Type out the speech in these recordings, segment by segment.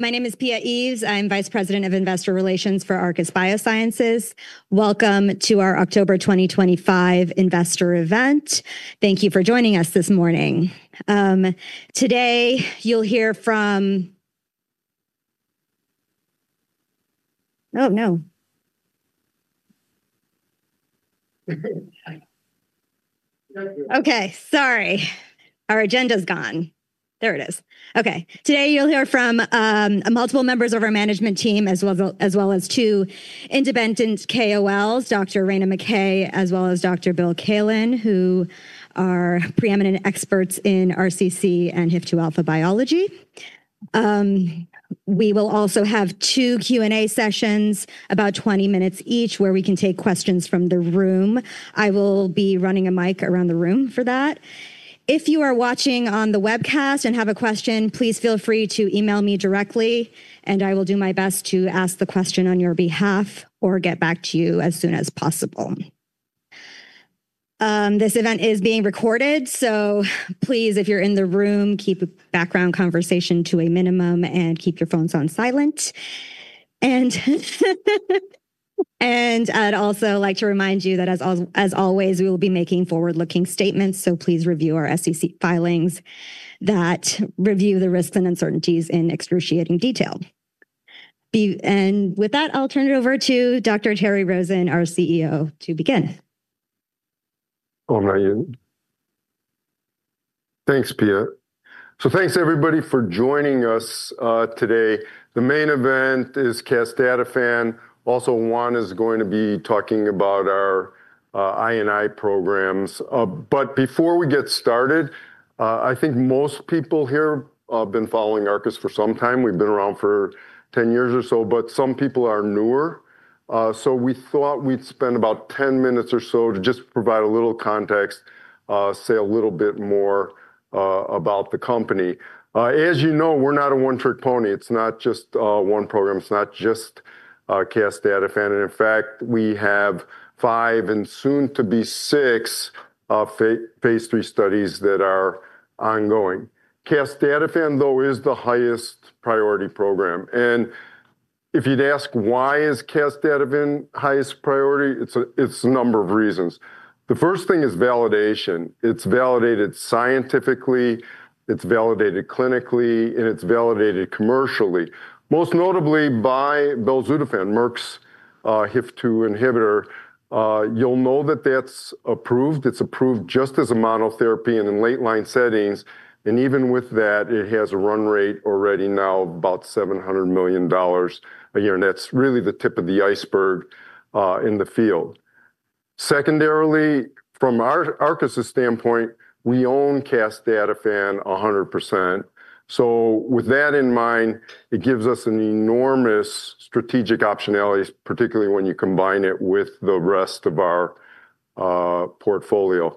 My name is Pia Eaves. I'm Vice President of Investor Relations for Arcus Biosciences. Welcome to our October 2025 Investor Event. Thank you for joining us this morning. Today you'll hear from multiple members of our management team, as well as two independent KOLs, Dr. Raina McKay and Dr. Bill Kaelin, who are preeminent experts in RCC and HIF-2α biology. We will also have two Q&A sessions, about 20 minutes each, where we can take questions from the room. I will be running a mic around the room for that. If you are watching on the webcast and have a question, please feel free to email me directly, and I will do my best to ask the question on your behalf or get back to you as soon as possible. This event is being recorded, so please, if you're in the room, keep background conversation to a minimum and keep your phones on silent. I'd also like to remind you that, as always, we will be making forward-looking statements, so please review our SEC filings that review the risks and uncertainties in excruciating detail. With that, I'll turn it over to Dr. Terry Rosen, our CEO, to begin. Thanks, Pia. Thanks everybody for joining us today. The main event is casdatifan. Also, Juan is going to be talking about our I&I programs. Before we get started, I think most people here have been following Arcus for some time. We've been around for 10 years or so, but some people are newer. We thought we'd spend about 10 minutes or so to just provide a little context, say a little bit more about the company. As you know, we're not a one-trick pony. It's not just one program. It's not just casdatifan. In fact, we have five and soon to be six phase III studies that are ongoing. casdatifan, though, is the highest priority program. If you'd ask why is casdatifan the highest priority, it's a number of reasons. The first thing is validation. It's validated scientifically, it's validated clinically, and it's validated commercially, most notably by belzutifan, Merck's HIF-2α Inhibitor. You'll know that that's approved. It's approved just as a monotherapy and in late line settings. Even with that, it has a run rate already now of about $700 million a year. That's really the tip of the iceberg in the field. Secondarily, from our Arcus' standpoint, we own casdatifan 100%. With that in mind, it gives us enormous strategic optionality, particularly when you combine it with the rest of our portfolio.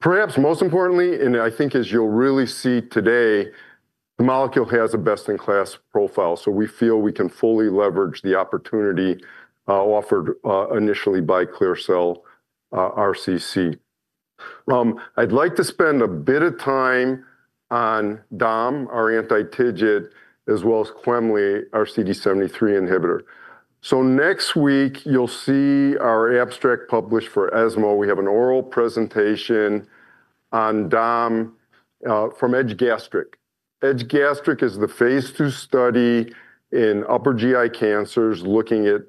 Perhaps most importantly, and I think as you'll really see today, the molecule has a best-in-class profile. We feel we can fully leverage the opportunity offered initially by clear cell RCC. I'd like to spend a bit of time on dom, our anti-TIGIT, as well as quemli, our CD73 inhibitor. Next week, you'll see our abstract published for ESMO. We have an oral presentation on dom from EDGE Gastric. EDGE Gastric is the phase II study in upper GI cancers looking at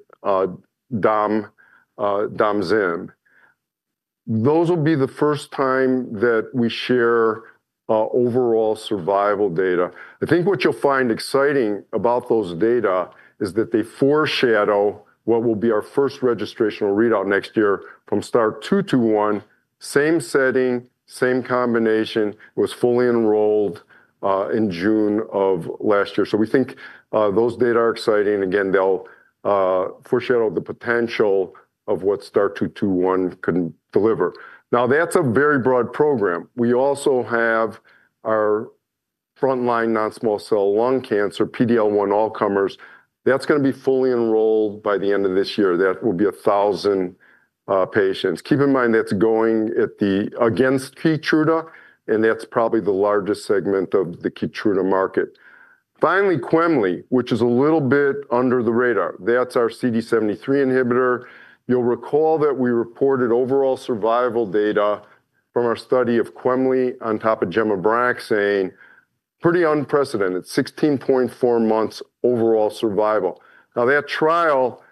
dom zim. Those will be the first time that we share overall survival data. I think what you'll find exciting about those data is that they foreshadow what will be our first registration readout next year from STAR-221. Same setting, same combination, was fully enrolled in June of last year. We think those data are exciting. Again, they'll foreshadow the potential of what STAR-221 can deliver. That's a very broad program. We also have our frontline non-small cell lung cancer, PD-L1 all-comers. That's going to be fully enrolled by the end of this year. That will be 1,000 patients. Keep in mind that's going against Keytruda, and that's probably the largest segment of the Keytruda market. Finally, quemli, which is a little bit under the radar. That's our CD73 inhibitor. You'll recall that we reported overall survival data from our study of quemli on top of gemcitabine/nab-paclitaxel, pretty unprecedented, 16.4 months overall survival. Now, that trial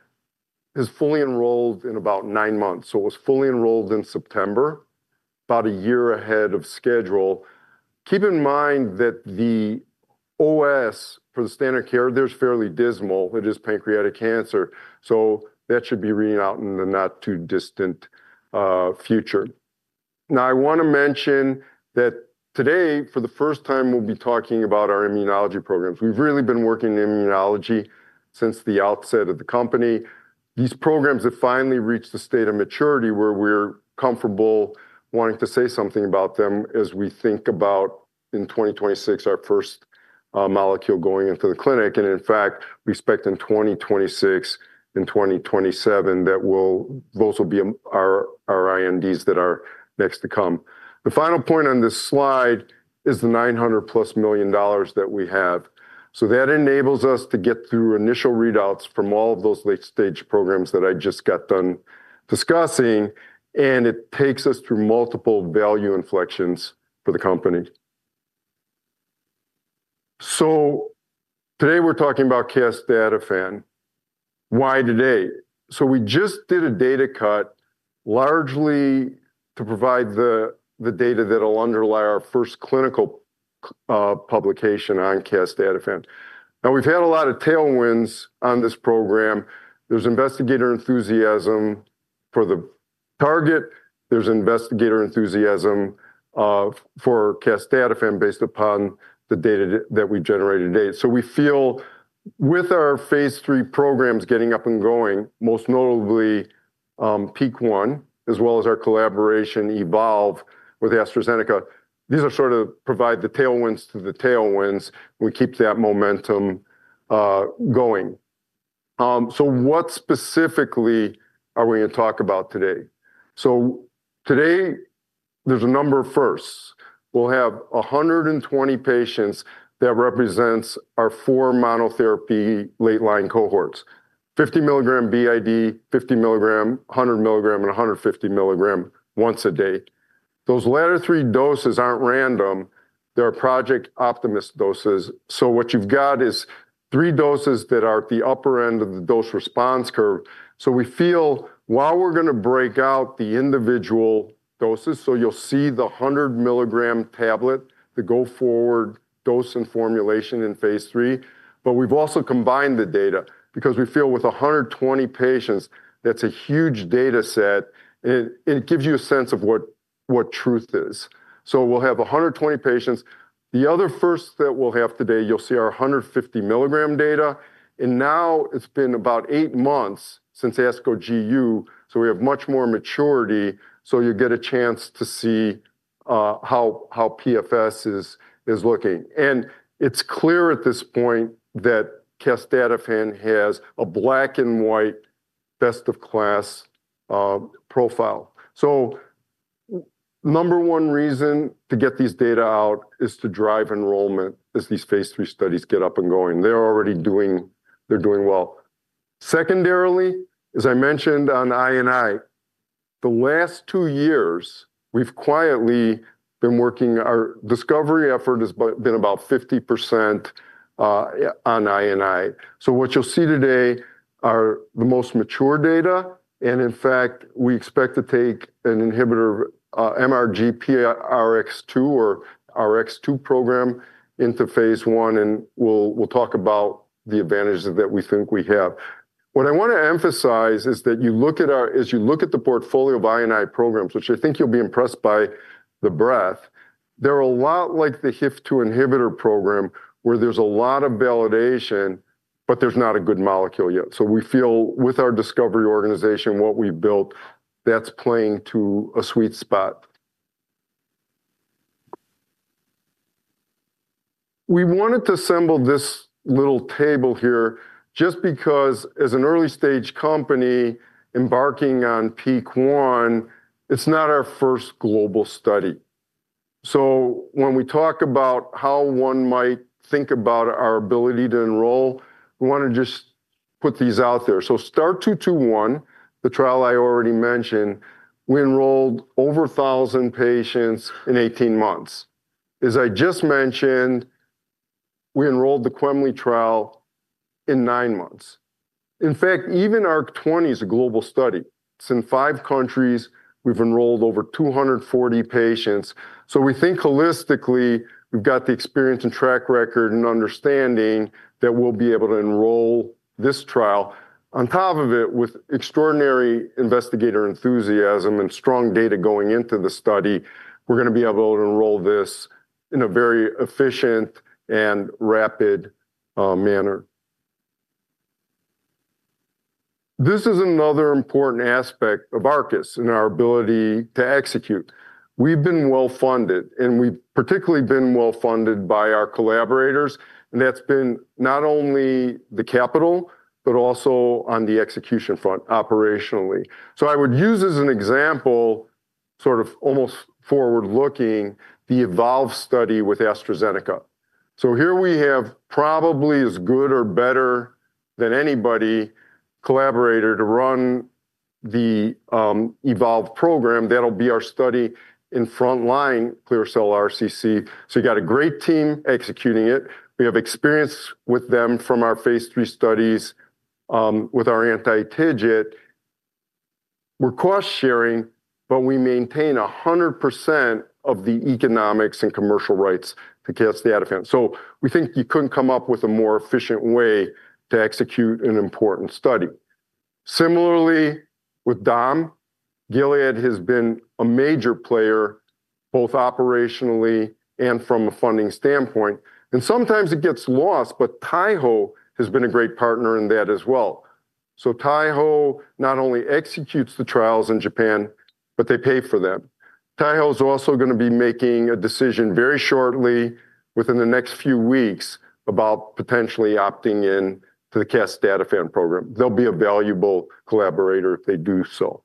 is fully enrolled in about nine months. It was fully enrolled in September, about a year ahead of schedule. Keep in mind that the OS for the standard care there is fairly dismal. It is pancreatic cancer. That should be reading out in the not too distant future. I want to mention that today, for the first time, we'll be talking about our immunology programs. We've really been working in immunology since the outset of the company. These programs have finally reached the state of maturity where we're comfortable wanting to say something about them as we think about, in 2026, our first molecule going into the clinic. In fact, we expect in 2026 and 2027 that those will be our INDs that are next to come. The final point on this slide is the $900 million+ that we have. That enables us to get through initial readouts from all of those late-stage programs that I just got done discussing, and it takes us through multiple value inflections for the company. Today we're talking about casdatifan. Why today? We just did a data cut, largely to provide the data that will underlie our first clinical publication on casdatifan. We've had a lot of tailwinds on this program. There's investigator enthusiasm for the target. There's investigator enthusiasm for casdatifan based upon the data that we generated today. We feel with our phase III programs getting up and going, most notably PEAK-1, as well as our collaboration eVOLVE with AstraZeneca, these sort of provide the tailwinds to the tailwinds. We keep that momentum going. What specifically are we going to talk about today? Today, there's a number of firsts. We'll have 120 patients that represent our four monotherapy late-line cohorts: 50 mg b.i.d., 50 mg, 100 mg, and 150 mg once a day. Those latter three doses aren't random. They're Project Optimus doses. What you've got is three doses that are at the upper end of the dose response curve. We feel while we're going to break out the individual doses, you'll see the 100 mg tablet, the go-forward dose and formulation in phase III. We've also combined the data because we feel with 120 patients, that's a huge data set, and it gives you a sense of what truth is. We'll have 120 patients. The other first that we'll have today, you'll see our 150 mg data. Now it's been about eight months since ASCO GU, so we have much more maturity. You get a chance to see how PFS is looking. It's clear at this point that casdatifan has a black and white best-of-class profile. The number one reason to get these data out is to drive enrollment as these phase III studies get up and going. They're already doing well. Secondarily, as I mentioned on I&I, the last two years, we've quietly been working. Our discovery effort has been about 50% on I&I. What you'll see today are the most mature data. In fact, we expect to take an inhibitor, MRGPRX2, or RX2 program into phase I, and we'll talk about the advantages that we think we have. What I want to emphasize is that as you look at the portfolio of I&I programs, which I think you'll be impressed by the breadth, they're a lot like the HIF-2α Inhibitor program where there's a lot of validation, but there's not a good molecule yet. We feel with our discovery organization, what we built, that's playing to a sweet spot. We wanted to assemble this little table here just because as an early-stage company embarking on PEAK-1, it's not our first global study. When we talk about how one might think about our ability to enroll, we want to just put these out there. STAR-221, the trial I already mentioned, we enrolled over 1,000 patients in 18 months. As I just mentioned, we enrolled the quemli trial in nine months. In fact, even ARC-20 is a global study. It's in five countries. We've enrolled over 240 patients. We think holistically, we've got the experience and track record and understanding that we'll be able to enroll this trial. On top of it, with extraordinary investigator enthusiasm and strong data going into the study, we're going to be able to enroll this in a very efficient and rapid manner. This is another important aspect of Arcus Biosciences and our ability to execute. We've been well-funded, and we've particularly been well-funded by our collaborators. That's been not only the capital, but also on the execution front operationally. I would use as an example, sort of almost forward-looking, the eVOLVE study with AstraZeneca. Here we have probably as good or better than anybody collaborator to run the eVOLVE program. That'll be our study in frontline clear cell RCC. You got a great team executing it. We have experience with them from our phase III studies with our anti-TIGIT. We're cost-sharing, but we maintain 100% of the economics and commercial rights to casdatifan. We think you couldn't come up with a more efficient way to execute an important study. Similarly, with dom, Gilead has been a major player, both operationally and from a funding standpoint. Sometimes it gets lost, but Taiho has been a great partner in that as well. Taiho not only executes the trials in Japan, but they pay for them. Taiho is also going to be making a decision very shortly, within the next few weeks, about potentially opting in to the casdatifan program. They'll be a valuable collaborator if they do so.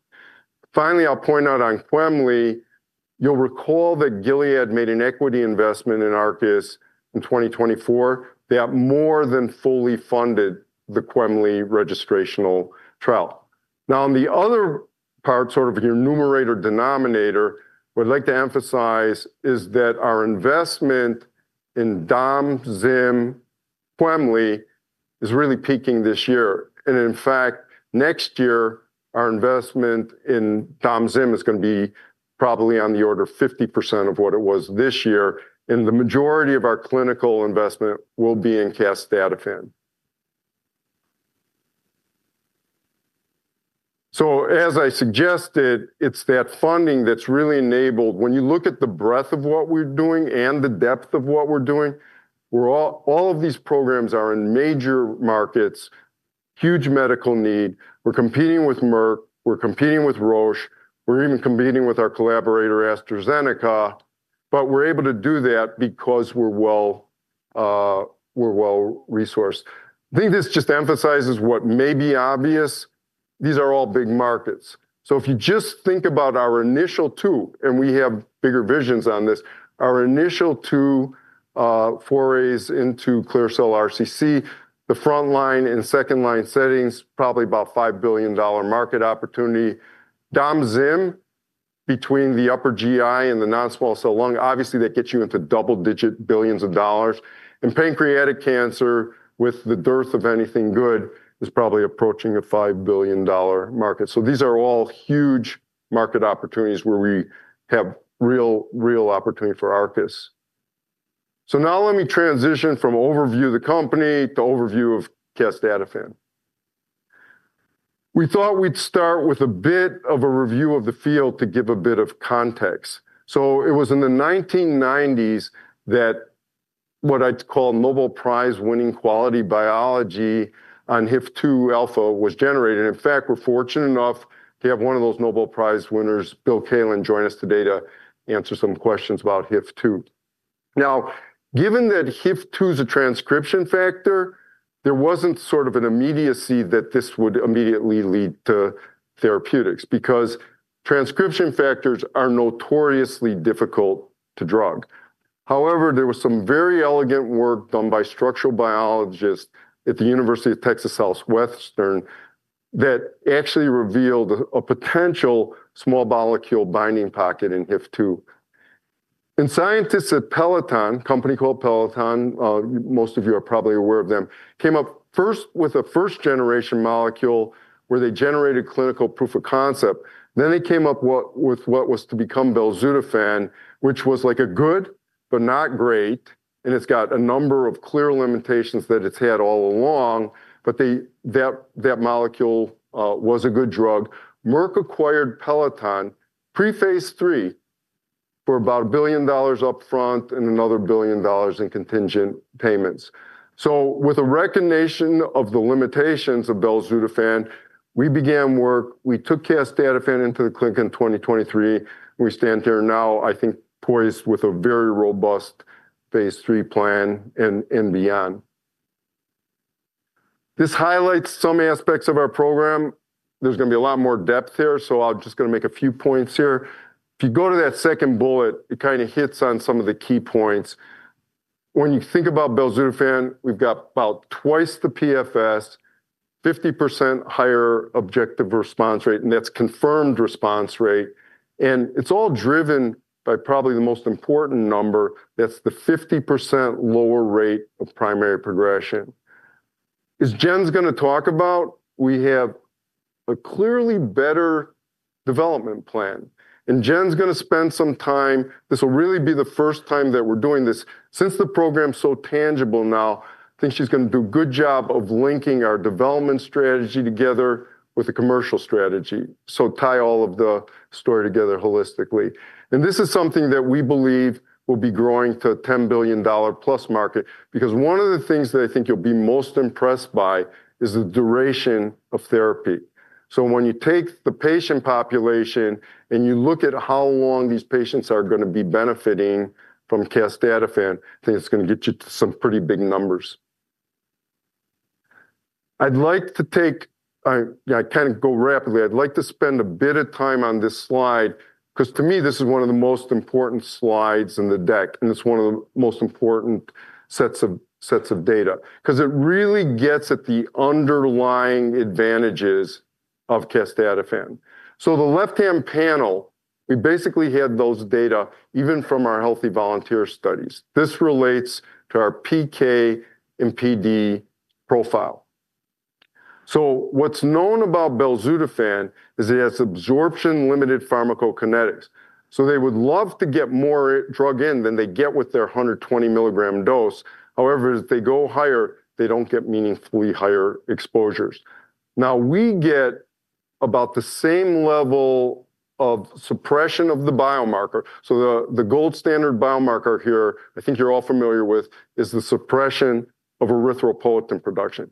Finally, I'll point out on quemli, you'll recall that Gilead made an equity investment in Arcus Biosciences in 2024 that more than fully funded the quemli registrational trial. Now, on the other part, sort of your numerator-denominator, what I'd like to emphasize is that our investment in dom, zim, quemli is really peaking this year. In fact, next year, our investment in dom, zim is going to be probably on the order of 50% of what it was this year. The majority of our clinical investment will be in casdatifan. As I suggested, it's that funding that's really enabled. When you look at the breadth of what we're doing and the depth of what we're doing, all of these programs are in major markets, huge medical need. We're competing with Merck. We're competing with Roche. We're even competing with our collaborator, AstraZeneca. We're able to do that because we're well-resourced. I think this just emphasizes what may be obvious. These are all big markets. If you just think about our initial two, and we have bigger visions on this, our initial two forays into clear cell RCC, the frontline and second line settings, probably about $5 billion market opportunity. Dom, zim, between the upper GI and the non-small cell lung, obviously that gets you into double-digit billions of dollars. Pancreatic cancer, with the dearth of anything good, is probably approaching a $5 billion market. These are all huge market opportunities where we have real, real opportunity for Arcus Biosciences. Now let me transition from overview of the company to overview of casdatifan. We thought we'd start with a bit of a review of the field to give a bit of context. It was in the 1990s that what I'd call Nobel Prize-winning quality biology on HIF-2α was generated. In fact, we're fortunate enough to have one of those Nobel Prize winners, Dr. Bill Kaelin, join us today to answer some questions about HIF-2. Now, given that HIF-2 is a transcription factor, there wasn't sort of an immediacy that this would immediately lead to therapeutics because transcription factors are notoriously difficult to drug. However, there was some very elegant work done by structural biologists at the University of Texas Southwestern that actually revealed a potential small molecule binding pocket in HIF-2. Scientists at Peloton, a company called Peloton, most of you are probably aware of them, came up first with a first-generation molecule where they generated clinical proof of concept. They then came up with what was to become belzutifan, which was good but not great. It's got a number of clear limitations that it's had all along. That molecule was a good drug. Merck acquired Peloton pre-phase III for about $1 billion upfront and another $1 billion in contingent payments. With a recognition of the limitations of belzutifan, we began work. We took casdatifan into the clinic in 2023. We stand here now, I think, poised with a very robust phase III plan and beyond. This highlights some aspects of our program. There's going to be a lot more depth here, so I'm just going to make a few points here. If you go to that second bullet, it kind of hits on some of the key points. When you think about belzutifan, we've got about twice the PFS, 50% higher objective response rate, and that's confirmed response rate. It's all driven by probably the most important number. That's the 50% lower rate of primary progression. As Jen's going to talk about, we have a clearly better development plan. Jen's going to spend some time. This will really be the first time that we're doing this. Since the program is so tangible now, I think she's going to do a good job of linking our development strategy together with the commercial strategy to tie all of the story together holistically. This is something that we believe will be growing to a $10 billion+ market because one of the things that I think you'll be most impressed by is the duration of therapy. When you take the patient population and you look at how long these patients are going to be benefiting from casdatifan, I think it's going to get you to some pretty big numbers. I'd like to spend a bit of time on this slide because to me, this is one of the most important slides in the deck. It's one of the most important sets of data because it really gets at the underlying advantages of casdatifan. The left-hand panel, we basically had those data even from our healthy volunteer studies. This relates to our PK and PD profile. What's known about belzutifan is it has absorption-limited pharmacokinetics. They would love to get more drug in than they get with their 120 mg dose. However, if they go higher, they don't get meaningfully higher exposures. We get about the same level of suppression of the biomarker. The gold standard biomarker here, I think you're all familiar with, is the suppression of erythropoietin production.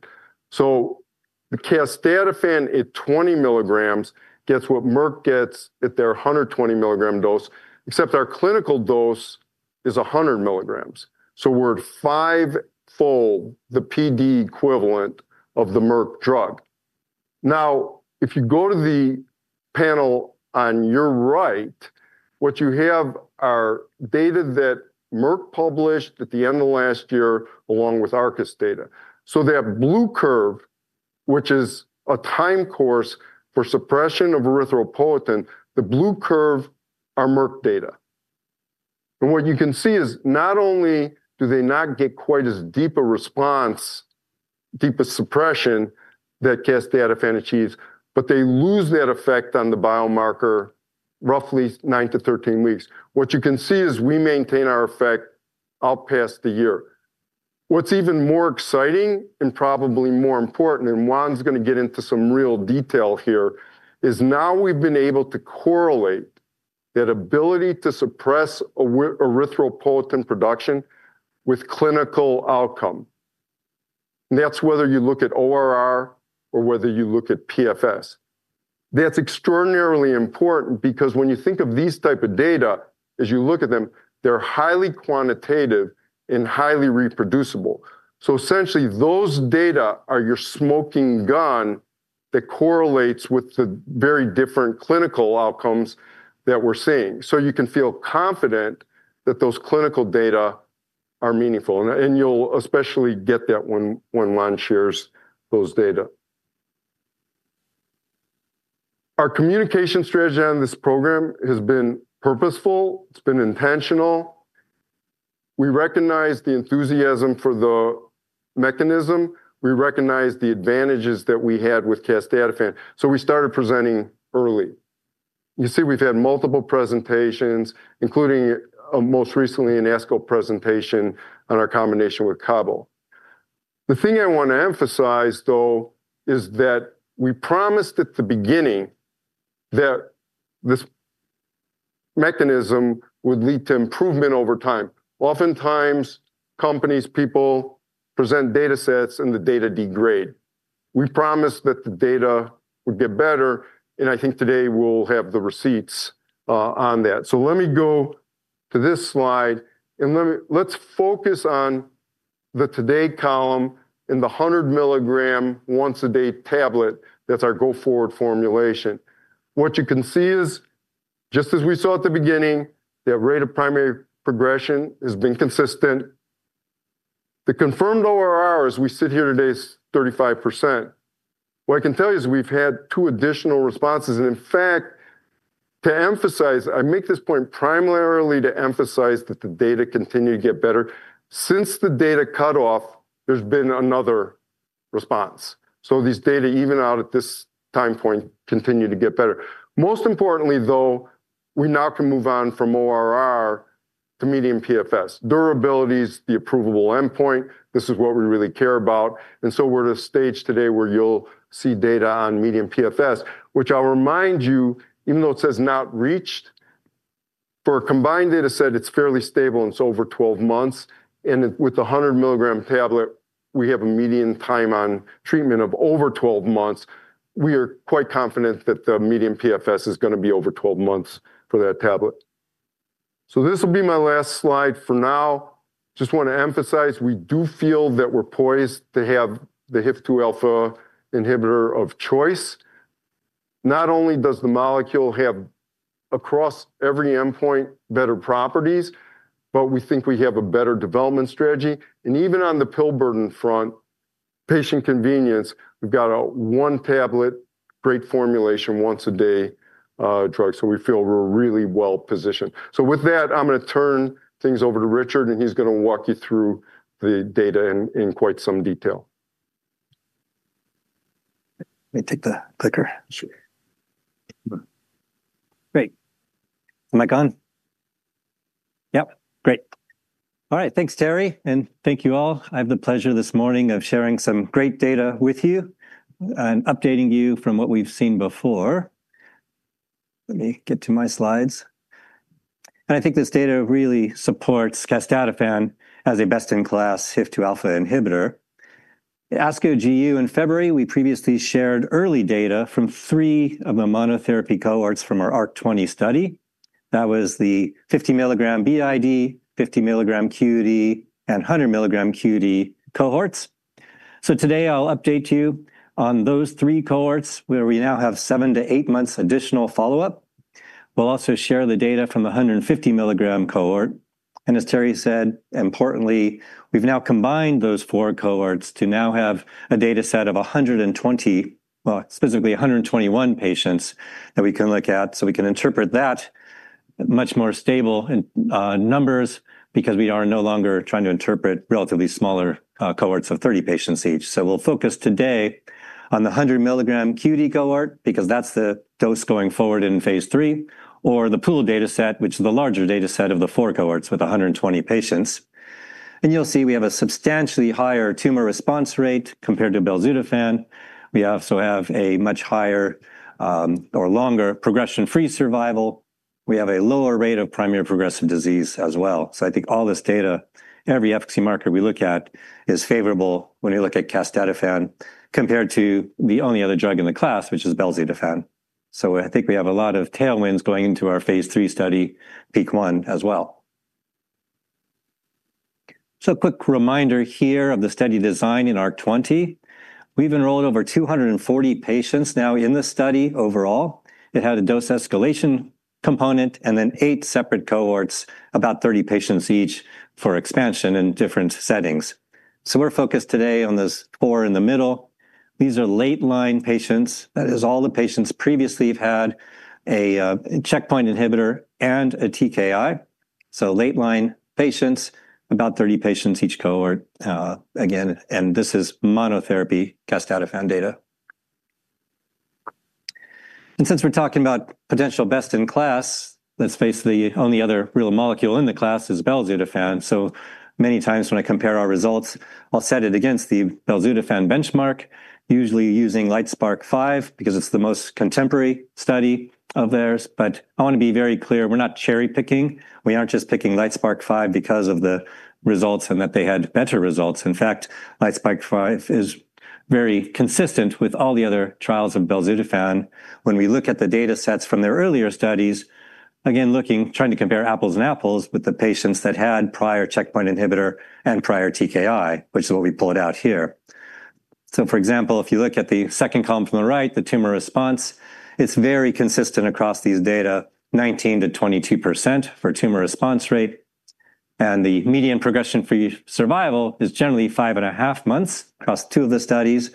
The casdatifan at 20 mg gets what Merck gets at their 120 mg dose, except our clinical dose is 100 mg. We're at five-fold the PD equivalent of the Merck drug. If you go to the panel on your right, what you have are data that Merck published at the end of last year, along with Arcus data. That blue curve, which is a time course for suppression of erythropoietin, the blue curve are Merck data. What you can see is not only do they not get quite as deep a response, deepest suppression that casdatifan achieves, but they lose that effect on the biomarker roughly 9-13 weeks. What you can see is we maintain our effect out past the year. What's even more exciting and probably more important, and Juan's going to get into some real detail here, is now we've been able to correlate that ability to suppress erythropoietin production with clinical outcome. That's whether you look at objective response rate or whether you look at PFS. That's extraordinarily important because when you think of these types of data, as you look at them, they're highly quantitative and highly reproducible. Essentially, those data are your smoking gun that correlates with the very different clinical outcomes that we're seeing. You can feel confident that those clinical data are meaningful. You'll especially get that when Juan shares those data. Our communication strategy on this program has been purposeful. It's been intentional. We recognize the enthusiasm for the mechanism. We recognize the advantages that we had with casdatifan. We started presenting early. You see, we've had multiple presentations, including most recently an ASCO presentation on our combination with cabo. The thing I want to emphasize, though, is that we promised at the beginning that this mechanism would lead to improvement over time. Oftentimes, companies, people present data sets, and the data degrade. We promised that the data would get better. I think today we'll have the receipts on that. Let me go to this slide. Let's focus on the today column and the 100 mg once-a-day tablet that's our go-forward formulation. What you can see is, just as we saw at the beginning, that rate of primary progression has been consistent. The confirmed ORR, as we sit here today, is 35%. What I can tell you is we've had two additional responses. In fact, to emphasize, I make this point primarily to emphasize that the data continue to get better. Since the data cutoff, there's been another response. These data, even out at this time point, continue to get better. Most importantly, though, we now can move on from ORR to median PFS. Durability is the approvable endpoint. This is what we really care about. We're at a stage today where you'll see data on median PFS, which I'll remind you, even though it says not reached, for a combined data set, it's fairly stable. It's over 12 months. With the 100 mg tablet, we have a median time on treatment of over 12 months. We are quite confident that the median PFS is going to be over 12 months for that tablet. This will be my last slide for now. I just want to emphasize, we do feel that we're poised to have the HIF-2α Inhibitor of choice. Not only does the molecule have across every endpoint better properties, but we think we have a better development strategy. Even on the pill burden front, patient convenience, we've got a one tablet, great formulation, once-a-day drug. We feel we're really well positioned. With that, I'm going to turn things over to Richard, and he's going to walk you through the data in quite some detail. Let me take the clicker. Sure. Great. Am I gone? Yep. Great. All right. Thanks, Terry. Thank you all. I have the pleasure this morning of sharing some great data with you and updating you from what we've seen before. Let me get to my slides. I think this data really supports casdatifan as a best-in-class HIF-2α Inhibitor. At ASCO GU in February, we previously shared early data from three of the monotherapy cohorts from our ARC-20 study. That was the 50 mg b.i.d., 50 mg q.d., and 100 mg q.d. cohorts. Today, I'll update you on those three cohorts where we now have seven to eight months additional follow-up. We'll also share the data from the 150 mg cohort. As Terry said, importantly, we've now combined those four cohorts to now have a data set of 120, well, specifically 121 patients that we can look at. We can interpret that much more stable in numbers because we are no longer trying to interpret relatively smaller cohorts of 30 patients each. We'll focus today on the 100 mg q.d. cohort because that's the dose going forward in phase III, or the pool data set, which is the larger data set of the four cohorts with 120 patients. You'll see we have a substantially higher tumor response rate compared to belzutifan. We also have a much higher or longer progression-free survival. We have a lower rate of primary progressive disease as well. I think all this data, every FT marker we look at is favorable when you look at casdatifan compared to the only other drug in the class, which is belzutifan. I think we have a lot of tailwinds going into our phase III study, PEAK-1 as well. A quick reminder here of the study design in ARC-20. We've enrolled over 240 patients now in the study overall. It had a dose escalation component and then eight separate cohorts, about 30 patients each for expansion in different settings. We're focused today on this four in the middle. These are late-line patients. That is all the patients previously have had a checkpoint inhibitor and a TKI. Late-line patients, about 30 patients each cohort, again, and this is monotherapy casdatifan data. Since we're talking about potential best-in-class, let's face the only other real molecule in the class is belzutifan. Many times when I compare our results, I'll set it against the belzutifan benchmark, usually using LITESPARK-5 because it's the most contemporary study of theirs. I want to be very clear, we're not cherry-picking. We aren't just picking LITESPARK-5 because of the results and that they had better results. In fact, LITESPARK-5 is very consistent with all the other trials of belzutifan. When we look at the data sets from their earlier studies, again, looking, trying to compare apples and apples with the patients that had prior checkpoint inhibitor and prior TKI, which is what we pulled out here. For example, if you look at the second column from the right, the tumor response, it's very consistent across these data, 19%-22% for tumor response rate. The median progression-free survival is generally 5.5 months across two of the studies.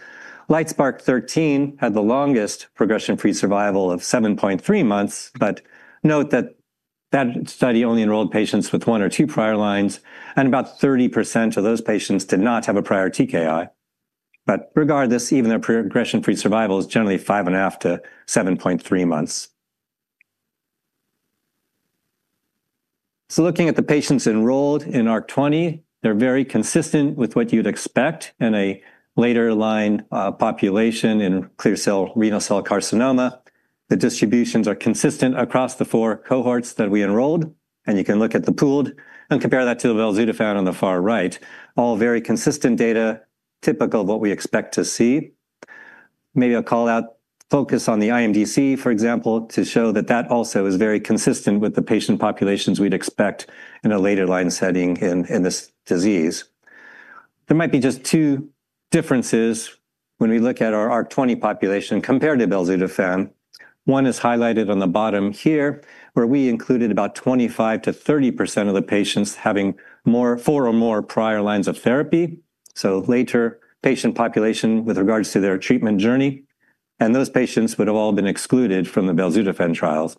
LITESPARK-13 had the longest progression-free survival of 7.3 months. Note that that study only enrolled patients with one or two prior lines, and about 30% of those patients did not have a prior TKI. Regardless, even their progression-free survival is generally 5.5-7.3 months. Looking at the patients enrolled in ARC-20, they're very consistent with what you'd expect in a later line population in clear cell renal cell carcinoma. The distributions are consistent across the four cohorts that we enrolled. You can look at the pooled and compare that to the belzutifan on the far right. All very consistent data, typical of what we expect to see. Maybe I'll call out, focus on the IMDC, for example, to show that that also is very consistent with the patient populations we'd expect in a later line setting in this disease. There might be just two differences when we look at our ARC-20 population compared to belzutifan. One is highlighted on the bottom here, where we included about 25%-30% of the patients having four or more prior lines of therapy. Later patient population with regards to their treatment journey. Those patients would have all been excluded from the belzutifan trials.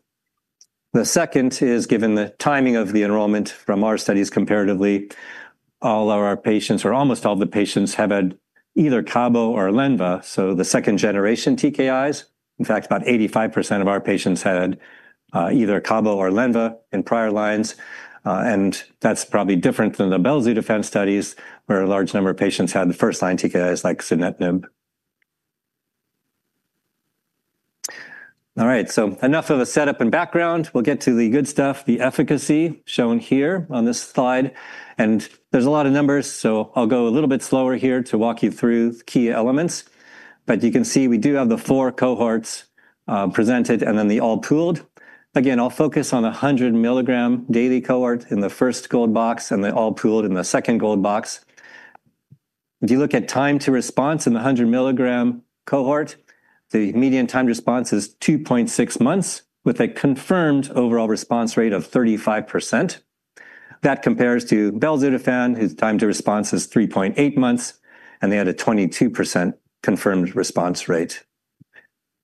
The second is given the timing of the enrollment from our studies comparatively, all of our patients or almost all of the patients have had either cabo or lenva. The second-generation TKIs, in fact, about 85% of our patients had either cabo or lenva in prior lines. That's probably different than the belzutifan studies, where a large number of patients had the first-line TKIs like sunitinib. All right, enough of the setup and background. We'll get to the good stuff, the efficacy shown here on this slide. There are a lot of numbers, so I'll go a little bit slower here to walk you through the key elements. You can see we do have the four cohorts presented and then the all pooled. Again, I'll focus on the 100 mg daily cohort in the first gold box and the all pooled in the second gold box. If you look at time to response in the 100 mg cohort, the median time to response is 2.6 months with a confirmed overall response rate of 35%. That compares to belzutifan, whose time to response is 3.8 months, and they had a 22% confirmed response rate.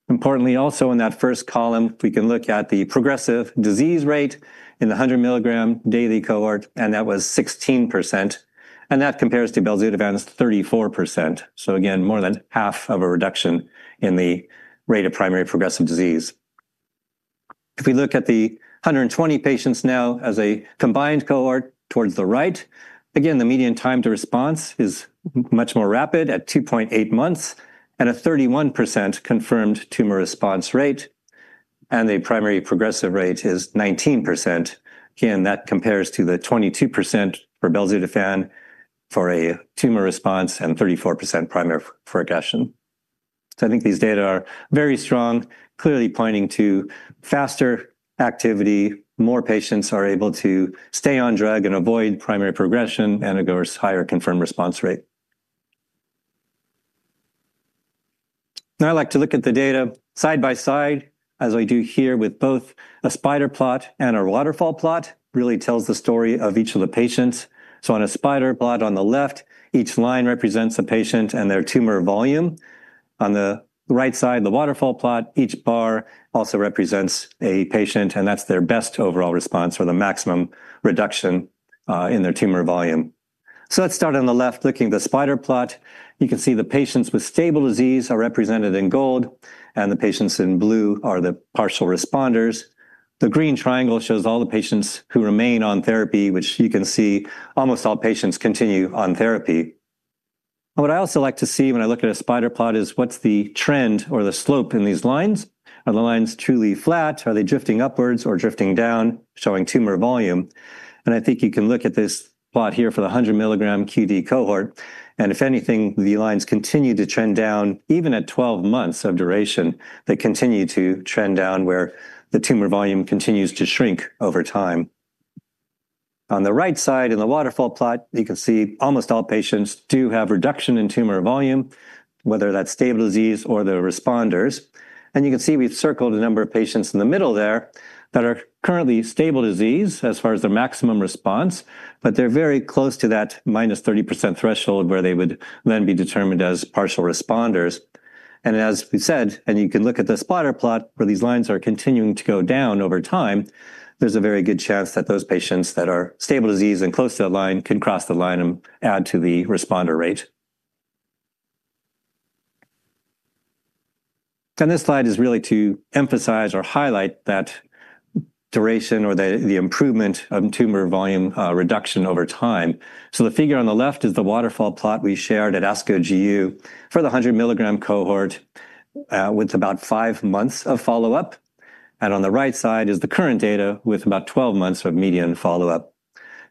Importantly, also in that first column, we can look at the progressive disease rate in the 100 mg daily cohort, and that was 16%. That compares to belzutifan's 34%. This is more than half of a reduction in the rate of primary progressive disease. If we look at the 120 patients now as a combined cohort towards the right, again, the median time to response is much more rapid at 2.8 months and a 31% confirmed tumor response rate. The primary progressive rate is 19%. That compares to the 22% for belzutifan for a tumor response and 34% primary progression. I think these data are very strong, clearly pointing to faster activity. More patients are able to stay on drug and avoid primary progression and, of course, higher confirmed response rate. I like to look at the data side by side, as I do here with both a spider plot and a waterfall plot. It really tells the story of each of the patients. On a spider plot on the left, each line represents a patient and their tumor volume. On the right side, the waterfall plot, each bar also represents a patient, and that's their best overall response or the maximum reduction in their tumor volume. Let's start on the left, looking at the spider plot. You can see the patients with stable disease are represented in gold, and the patients in blue are the partial responders. The green triangle shows all the patients who remain on therapy, which you can see almost all patients continue on therapy. What I also like to see when I look at a spider plot is what's the trend or the slope in these lines. Are the lines truly flat? Are they drifting upwards or drifting down, showing tumor volume? I think you can look at this plot here for the 100 mg q.d. cohort. If anything, the lines continue to trend down even at 12 months of duration. They continue to trend down where the tumor volume continues to shrink over time. On the right side in the waterfall plot, you can see almost all patients do have reduction in tumor volume, whether that's stable disease or the responders. You can see we've circled a number of patients in the middle there that are currently stable disease as far as their maximum response, but they're very close to that -30% threshold where they would then be determined as partial responders. As we said, and you can look at the spider plot where these lines are continuing to go down over time, there's a very good chance that those patients that are stable disease and close to that line can cross the line and add to the responder rate. This slide is really to emphasize or highlight that duration or the improvement of tumor volume reduction over time. The figure on the left is the waterfall plot we shared at ASCO GU for the 100 mg cohort with about five months of follow-up. On the right side is the current data with about 12 months of median follow-up.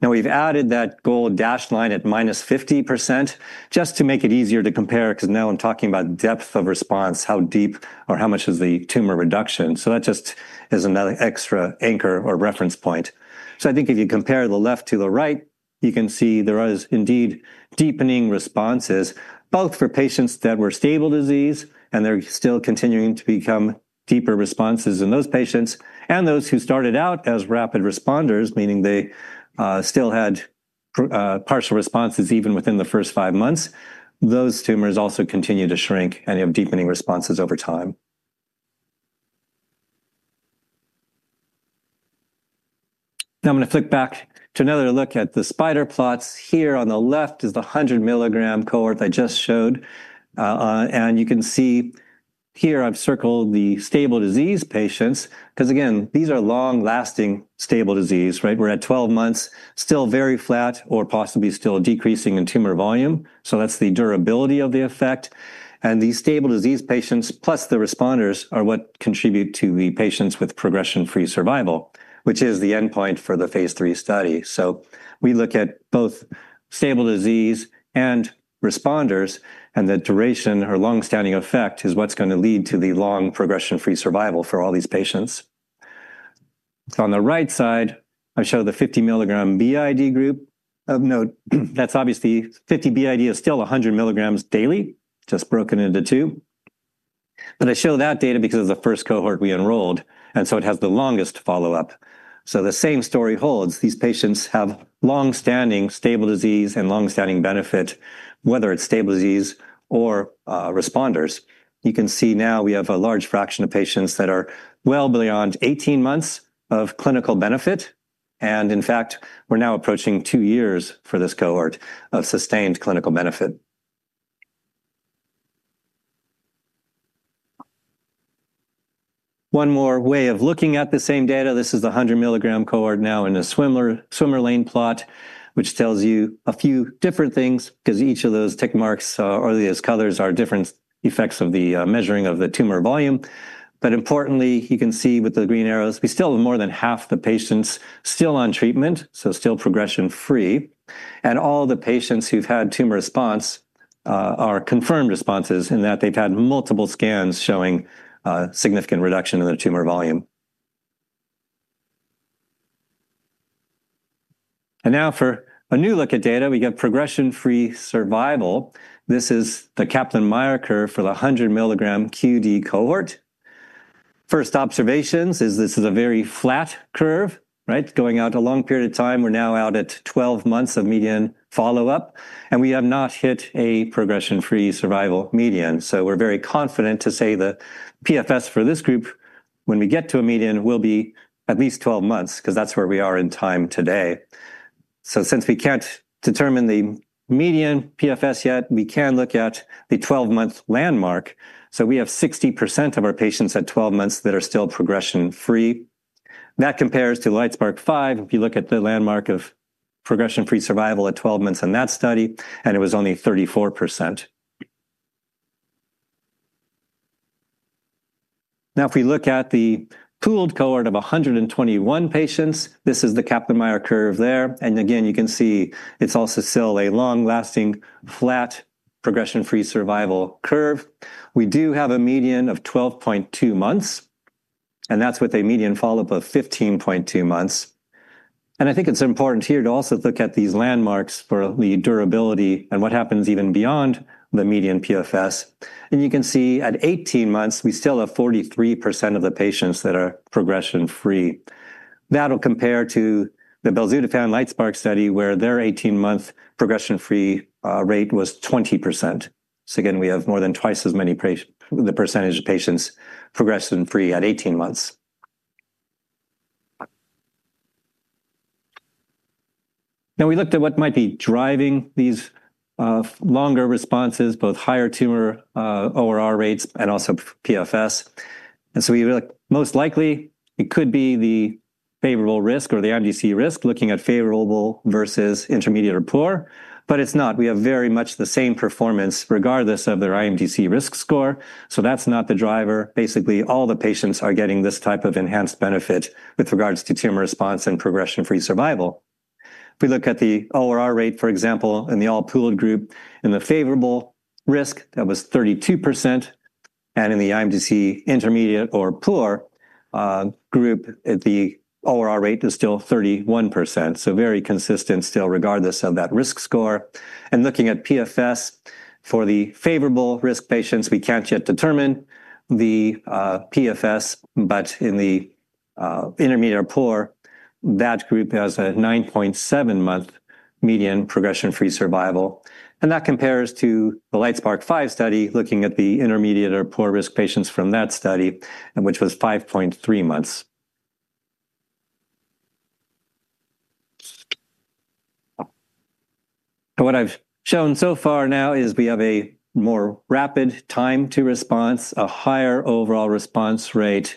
We've added that gold dashed line at -50% just to make it easier to compare because now I'm talking about depth of response, how deep or how much of the tumor reduction. That just is another extra anchor or reference point. I think if you compare the left to the right, you can see there are indeed deepening responses, both for patients that were stable disease, and they're still continuing to become deeper responses in those patients. Those who started out as rapid responders, meaning they still had partial responses even within the first five months, those tumors also continue to shrink and have deepening responses over time. Now, I'm going to flip back to another look at the spider plots. Here on the left is the 100 mg cohort I just showed. You can see here I've circled the stable disease patients because, again, these are long-lasting stable disease, right? We're at 12 months, still very flat or possibly still decreasing in tumor volume. That's the durability of the effect. These stable disease patients plus the responders are what contribute to the patients with progression-free survival, which is the endpoint for the phase III study. We look at both stable disease and responders, and the duration or longstanding effect is what's going to lead to the long progression-free survival for all these patients. On the right side, I show the 50 mg b.i.d. group. Of note, that's obviously 50 b.i.d. It is still 100 mg daily, just broken into two. I show that data because it's the first cohort we enrolled, and it has the longest follow-up. The same story holds. These patients have longstanding stable disease and longstanding benefit, whether it's stable disease or responders. You can see now we have a large fraction of patients that are well beyond 18 months of clinical benefit. In fact, we're now approaching two years for this cohort of sustained clinical benefit. One more way of looking at the same data: this is the 100 mg cohort now in a swimmer lane plot, which tells you a few different things because each of those tick marks or these colors are different effects of the measuring of the tumor volume. Importantly, you can see with the green arrows, we still have more than half the patients still on treatment, so still progression-free. All the patients who've had tumor response are confirmed responses in that they've had multiple scans showing significant reduction in their tumor volume. Now for a new look at data, we get progression-free survival. This is the Kaplan-Meier curve for the 100 mg q.d. cohort. First observations: this is a very flat curve, right? Going out a long period of time, we're now out at 12 months of median follow-up. We have not hit a progression-free survival median. We're very confident to say the PFS for this group, when we get to a median, will be at least 12 months because that's where we are in time today. Since we can't determine the median PFS yet, we can look at the 12-month landmark. We have 60% of our patients at 12 months that are still progression-free. That compares to LITESPARK-5 if you look at the landmark of progression-free survival at 12 months in that study, and it was only 34%. If we look at the pooled cohort of 121 patients, this is the Kaplan-Meier curve there. Again, you can see it's also still a long-lasting flat progression-free survival curve. We do have a median of 12.2 months, and that's with a median follow-up of 15.2 months. I think it's important here to also look at these landmarks for the durability and what happens even beyond the median PFS. You can see at 18 months, we still have 43% of the patients that are progression-free. That will compare to the belzutifan LITESPARK study where their 18-month progression-free rate was 20%. Again, we have more than twice as many the percentage of patients progression-free at 18 months. We looked at what might be driving these longer responses, both higher tumor ORR rates and also PFS. We look most likely, it could be the favorable risk or the IMDC risk, looking at favorable versus intermediate or poor. It's not. We have very much the same performance regardless of their IMDC risk score. That's not the driver. Basically, all the patients are getting this type of enhanced benefit with regards to tumor response and progression-free survival. If we look at the ORR rate, for example, in the all pooled group, in the favorable risk, that was 32%. In the IMDC intermediate or poor group, the ORR rate is still 31%. Very consistent still regardless of that risk score. Looking at PFS for the favorable risk patients, we can't yet determine the PFS, but in the intermediate or poor, that group has a 9.7-month median progression-free survival. That compares to the LITESPARK-5 study, looking at the intermediate or poor risk patients from that study, which was 5.3 months. What I've shown so far now is we have a more rapid time to response, a higher overall response rate,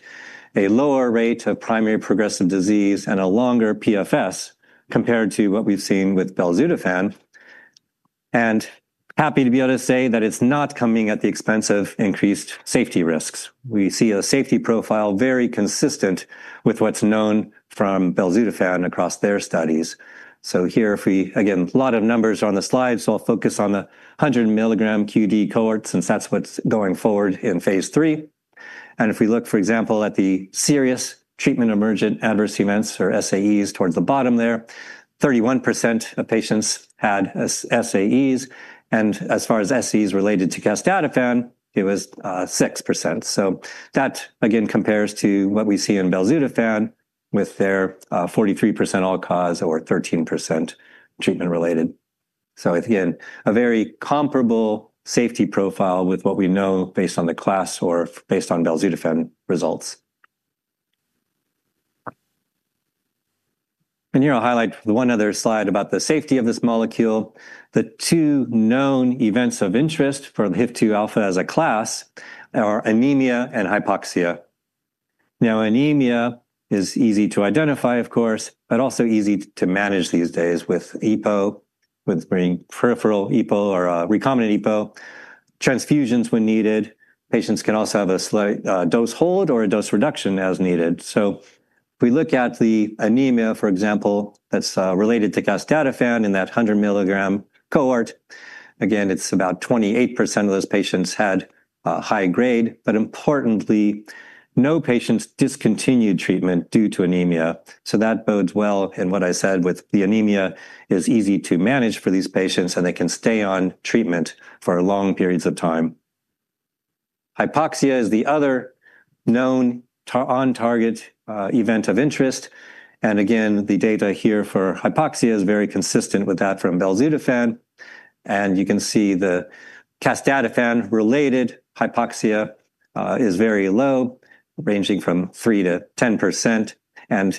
a lower rate of primary progressive disease, and a longer PFS compared to what we've seen with belzutifan. Happy to be able to say that it's not coming at the expense of increased safety risks. We see a safety profile very consistent with what's known from belzutifan across their studies. Here, a lot of numbers are on the slide, so I'll focus on the 100 mg q.d. cohort since that's what's going forward in phase III. If we look, for example, at the serious treatment emergent adverse events or SAEs towards the bottom there, 31% of patients had SAEs. As far as SAEs related to casdatifan, it was 6%. That, again, compares to what we see in belzutifan with their 43% all-cause or 13% treatment-related. A very comparable safety profile with what we know based on the class or based on belzutifan results. Here I'll highlight the one other slide about the safety of this molecule. The two known events of interest for the HIF-2α as a class are anemia and hypoxia. Anemia is easy to identify, of course, but also easy to manage these days with EPO, with green peripheral EPO or recombinant EPO, transfusions when needed. Patients can also have a dose hold or a dose reduction as needed. If we look at the anemia, for example, that's related to casdatifan in that 100 mg cohort, again, it's about 28% of those patients had high grade, but importantly, no patients discontinued treatment due to anemia. That bodes well in what I said with the anemia is easy to manage for these patients, and they can stay on treatment for long periods of time. Hypoxia is the other known on-target event of interest. The data here for hypoxia is very consistent with that from belzutifan. You can see the casdatifan-related hypoxia is very low, ranging from 3%-10%.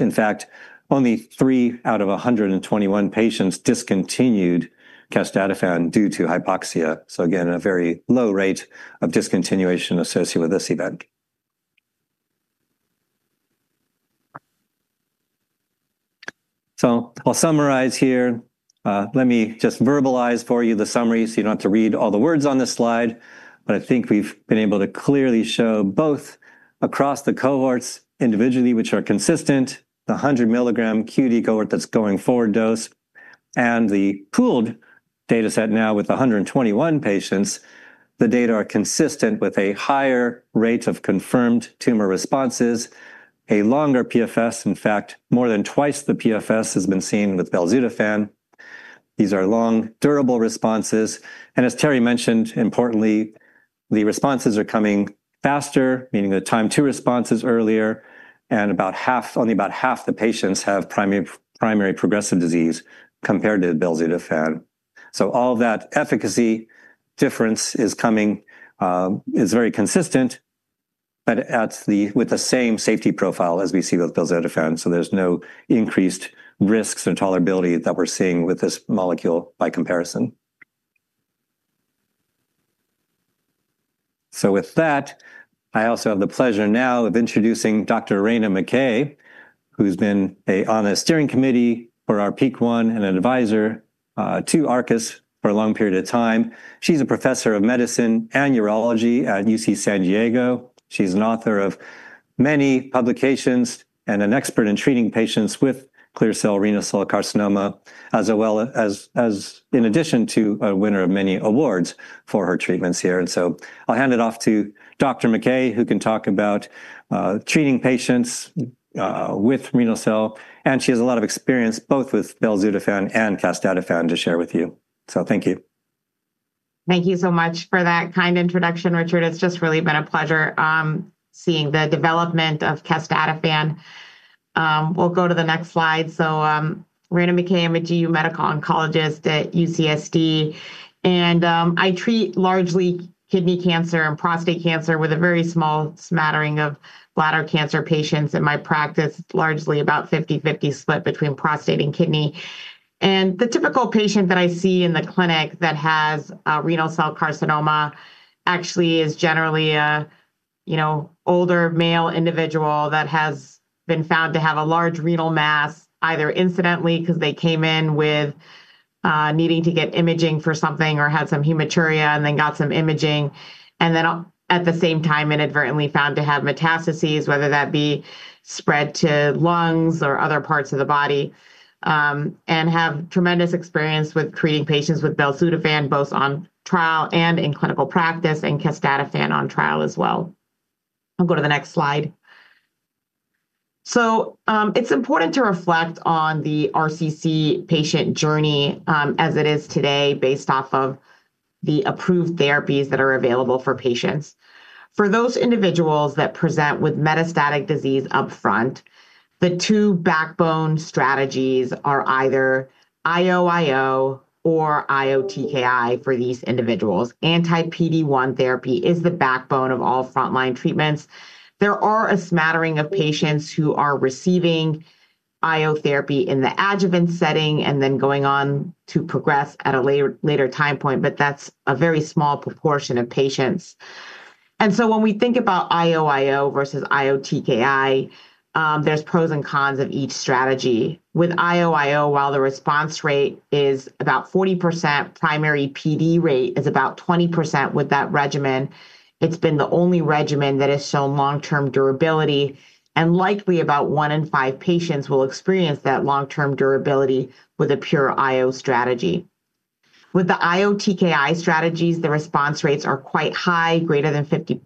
In fact, only 3 out of 121 patients discontinued casdatifan due to hypoxia. A very low rate of discontinuation is associated with this event. I'll summarize here. Let me just verbalize for you the summary so you don't have to read all the words on this slide. I think we've been able to clearly show both across the cohorts individually, which are consistent, the 100 mg q.d. cohort that's going forward dose, and the pooled data set now with 121 patients. The data are consistent with a higher rate of confirmed tumor responses, a longer PFS. In fact, more than twice the PFS has been seen with belzutifan. These are long, durable responses. As Dr. Terry mentioned, importantly, the responses are coming faster, meaning the time to response is earlier. Only about half the patients have primary progressive disease compared to belzutifan. All of that efficacy difference is very consistent, but at the same safety profile as we see with belzutifan. There's no increased risks or tolerability that we're seeing with this molecule by comparison. With that, I also have the pleasure now of introducing Dr. Raina McKay, who's been on a steering committee for our PEAK-1 and an advisor to Arcus for a long period of time. She's a Professor of Medicine and Urology at UC San Diego. She's an author of many publications and an expert in treating patients with clear cell renal cell carcinoma, in addition to a winner of many awards for her treatments here. I'll hand it off to Dr. McKay, who can talk about treating patients with renal cell. She has a lot of experience both with belzutifan and casdatifan to share with you. Thank you. Thank you so much for that kind introduction, Richard. It's just really been a pleasure seeing the development of casdatifan. We'll go to the next slide. Raina McKay, I'm a GU medical oncologist at UC S.D. I treat largely kidney cancer and prostate cancer with a very small smattering of bladder cancer patients in my practice, largely about 50/50 split between prostate and kidney. The typical patient that I see in the clinic that has renal cell carcinoma actually is generally an older male individual that has been found to have a large renal mass, either incidentally because they came in needing to get imaging for something or had some hematuria and then got some imaging. At the same time, inadvertently found to have metastases, whether that be spread to lungs or other parts of the body, and have tremendous experience with treating patients with belzutifan, both on trial and in clinical practice, and casdatifan on trial as well. I'll go to the next slide. It's important to reflect on the RCC patient journey as it is today based off of the approved therapies that are available for patients. For those individuals that present with metastatic disease up front, the two backbone strategies are either IOIO or IOTKI for these individuals. Anti-PD-1 therapy is the backbone of all frontline treatments. There are a smattering of patients who are receiving IO therapy in the adjuvant setting and then going on to progress at a later time point, but that's a very small proportion of patients. When we think about IOIO versus IOTKI, there's pros and cons of each strategy. With IOIO, while the response rate is about 40%, primary PD rate is about 20% with that regimen. It's been the only regimen that has shown long-term durability, and likely about one in five patients will experience that long-term durability with a pure IO strategy. With the IOTKI strategies, the response rates are quite high, greater than 50%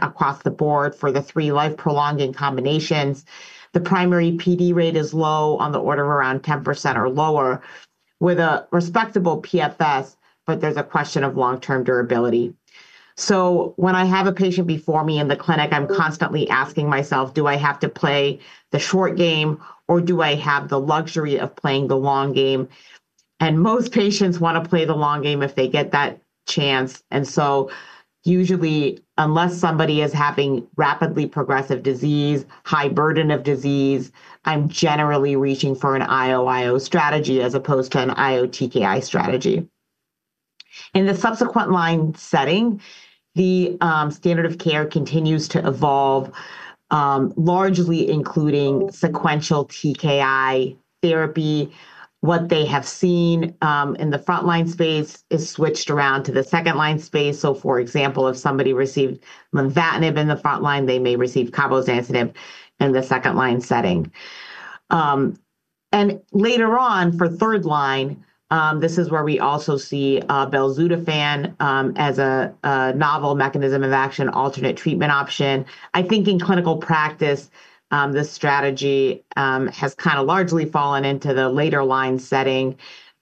across the board for the three life-prolonging combinations. The primary PD rate is low on the order of around 10% or lower with a respectable PFS, but there's a question of long-term durability. When I have a patient before me in the clinic, I'm constantly asking myself, do I have to play the short game or do I have the luxury of playing the long game? Most patients want to play the long game if they get that chance. Usually, unless somebody is having rapidly progressive disease, high burden of disease, I'm generally reaching for an IOIO strategy as opposed to an IOTKI strategy. In the subsequent line setting, the standard of care continues to evolve, largely including sequential TKI therapy. What they have seen in the frontline space is switched around to the second-line space. For example, if somebody received lenvatinib in the frontline, they may receive cabozantinib in the second-line setting. Later on for third line, this is where we also see belzutifan as a novel mechanism of action, alternate treatment option. I think in clinical practice, this strategy has kind of largely fallen into the later line setting,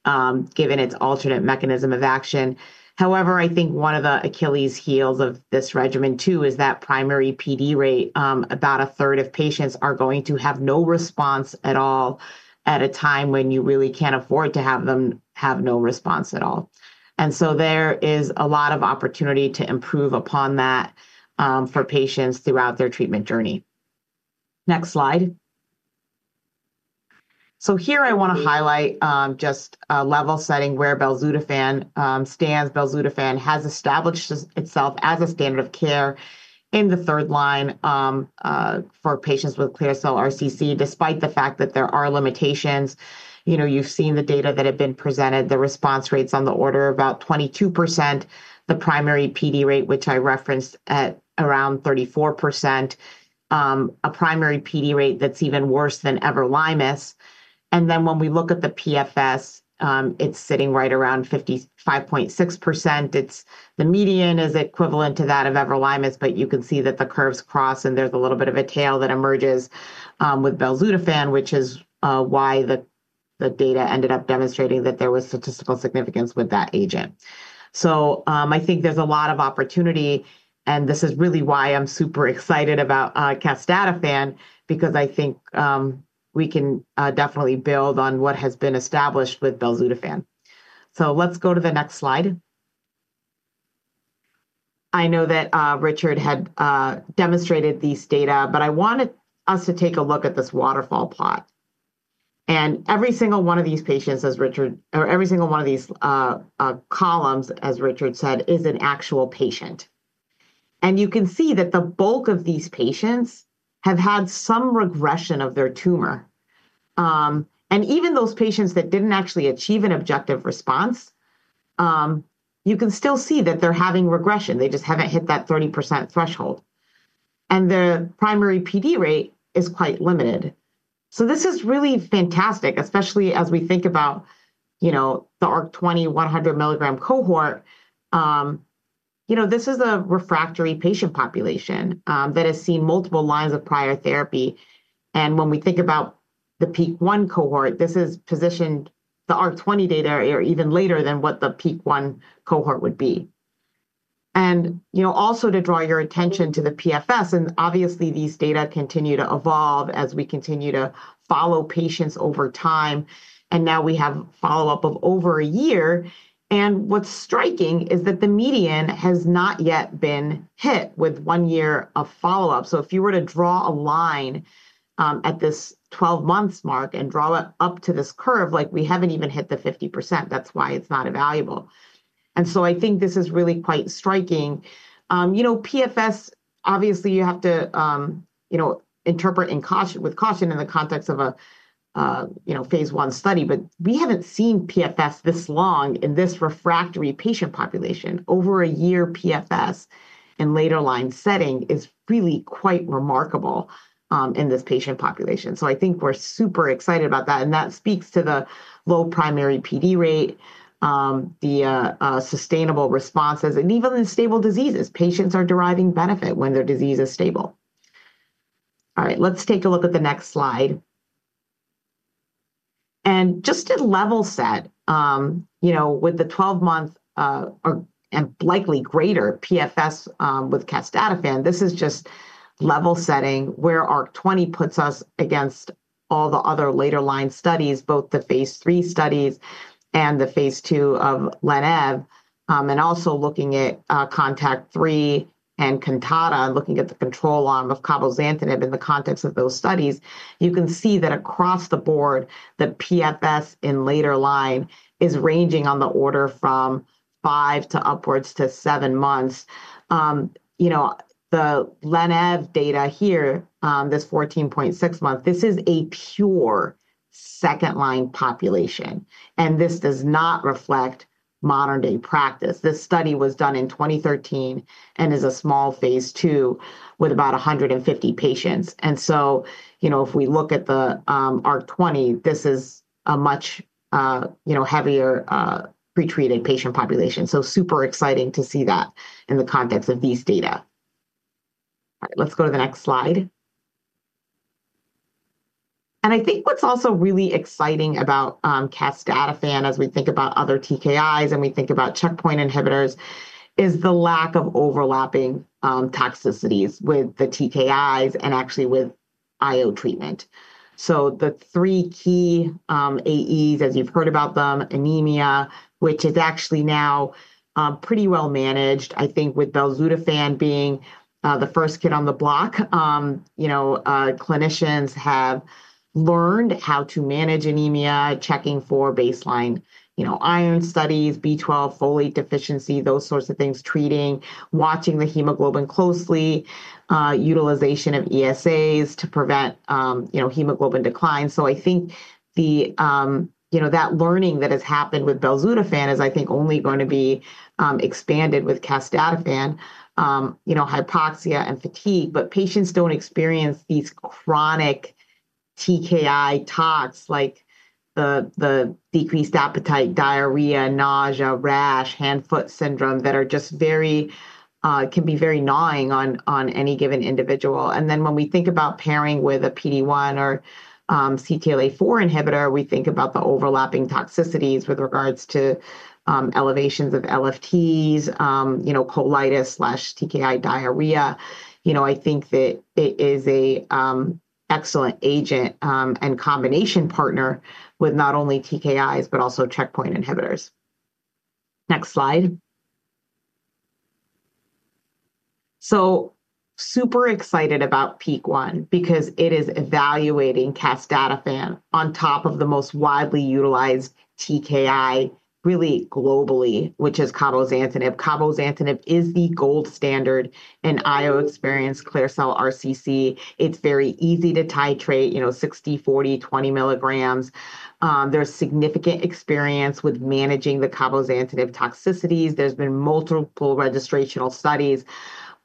given its alternate mechanism of action. However, I think one of the Achilles heels of this regimen too is that primary PD rate, about a third of patients are going to have no response at all at a time when you really can't afford to have them have no response at all. There is a lot of opportunity to improve upon that for patients throughout their treatment journey. Next slide. Here I want to highlight just a level setting where belzutifan stands. Belzutifan has established itself as a standard of care in the third line for patients with clear cell RCC, despite the fact that there are limitations. You've seen the data that have been presented, the response rates on the order of about 22%, the primary PD rate, which I referenced at around 34%, a primary PD rate that's even worse than everolimus. When we look at the PFS, it's sitting right around 55.6%. The median is equivalent to that of everolimus, but you can see that the curves cross and there's a little bit of a tail that emerges with belzutifan, which is why the data ended up demonstrating that there was statistical significance with that agent. I think there's a lot of opportunity, and this is really why I'm super excited about casdatifan because I think we can definitely build on what has been established with belzutifan. Let's go to the next slide. I know that Richard had demonstrated these data, but I want us to take a look at this waterfall plot. Every single one of these patients, as Richard, or every single one of these columns, as Richard said, is an actual patient. You can see that the bulk of these patients have had some regression of their tumor. Even those patients that didn't actually achieve an objective response, you can still see that they're having regression. They just haven't hit that 30% threshold, and their primary PD rate is quite limited. This is really fantastic, especially as we think about the ARC-20 100 mg cohort. This is a refractory patient population that has seen multiple lines of prior therapy. When we think about the PEAK-1 cohort, the ARC-20 data are even later than what the PEAK-1 cohort would be. Also, to draw your attention to the PFS, these data continue to evolve as we continue to follow patients over time. Now we have follow-up of over a year, and what's striking is that the median has not yet been hit with one year of follow-up. If you were to draw a line at this 12 months mark and draw it up to this curve, we haven't even hit the 50%, that's why it's not valuable. This is really quite striking. PFS, obviously you have to interpret with caution in the context of a phase I study, but we haven't seen PFS this long in this refractory patient population. Over a year PFS in a later line setting is really quite remarkable in this patient population. We're super excited about that, and that speaks to the low primary PD rate, the sustainable responses, and even in stable diseases. Patients are deriving benefit when their disease is stable. All right, let's take a look at the next slide. Just to level set, with the 12-month and likely greater PFS with casdatifan, this is just level setting where ARC-20 puts us against all the other later line studies, both the phase III studies and the phase II of LENVA-EVE. Also looking at CONTACT-3 and CANTATA, looking at the control arm of cabozantinib in the context of those studies, you can see that across the board, the PFS in later line is ranging on the order from five to upwards to seven months. The LENVA-EVE data here, this 14.6 month, this is a pure second-line population, and this does not reflect modern-day practice. This study was done in 2013 and is a small phase II with about 150 patients. If we look at the ARC-20, this is a much heavier pretreated patient population. Super exciting to see that in the context of these data. Let's go to the next slide. I think what's also really exciting about casdatifan, as we think about other TKIs and we think about checkpoint inhibitors, is the lack of overlapping toxicities with the TKIs and actually with IO treatment. The three key AEs, as you've heard about them, anemia, which is actually now pretty well managed, I think with belzutifan being the first kid on the block, clinicians have learned how to manage anemia, checking for baseline iron studies, B12, folate deficiency, those sorts of things, treating, watching the hemoglobin closely, utilization of ESAs to prevent hemoglobin decline. I think that learning that has happened with belzutifan is only going to be expanded with casdatifan, hypoxia and fatigue. Patients don't experience these chronic TKI toxicities like the decreased appetite, diarrhea, nausea, rash, hand-foot syndrome that are just very, can be very gnawing on any given individual. When we think about pairing with a PD-1 or CTLA-4 inhibitor, we think about the overlapping toxicities with regards to elevations of LFTs, colitis/TKI diarrhea. I think that it is an excellent agent and combination partner with not only TKIs, but also checkpoint inhibitors. Next slide. Super excited about PEAK-1 because it is evaluating casdatifan on top of the most widely utilized TKI, really globally, which is cabozantinib. Cabozantinib is the gold standard in IO experience, clear cell RCC. It's very easy to titrate, 60 mg, 40 mg, 20 mg. There's significant experience with managing the cabozantinib toxicities. There have been multiple registrational studies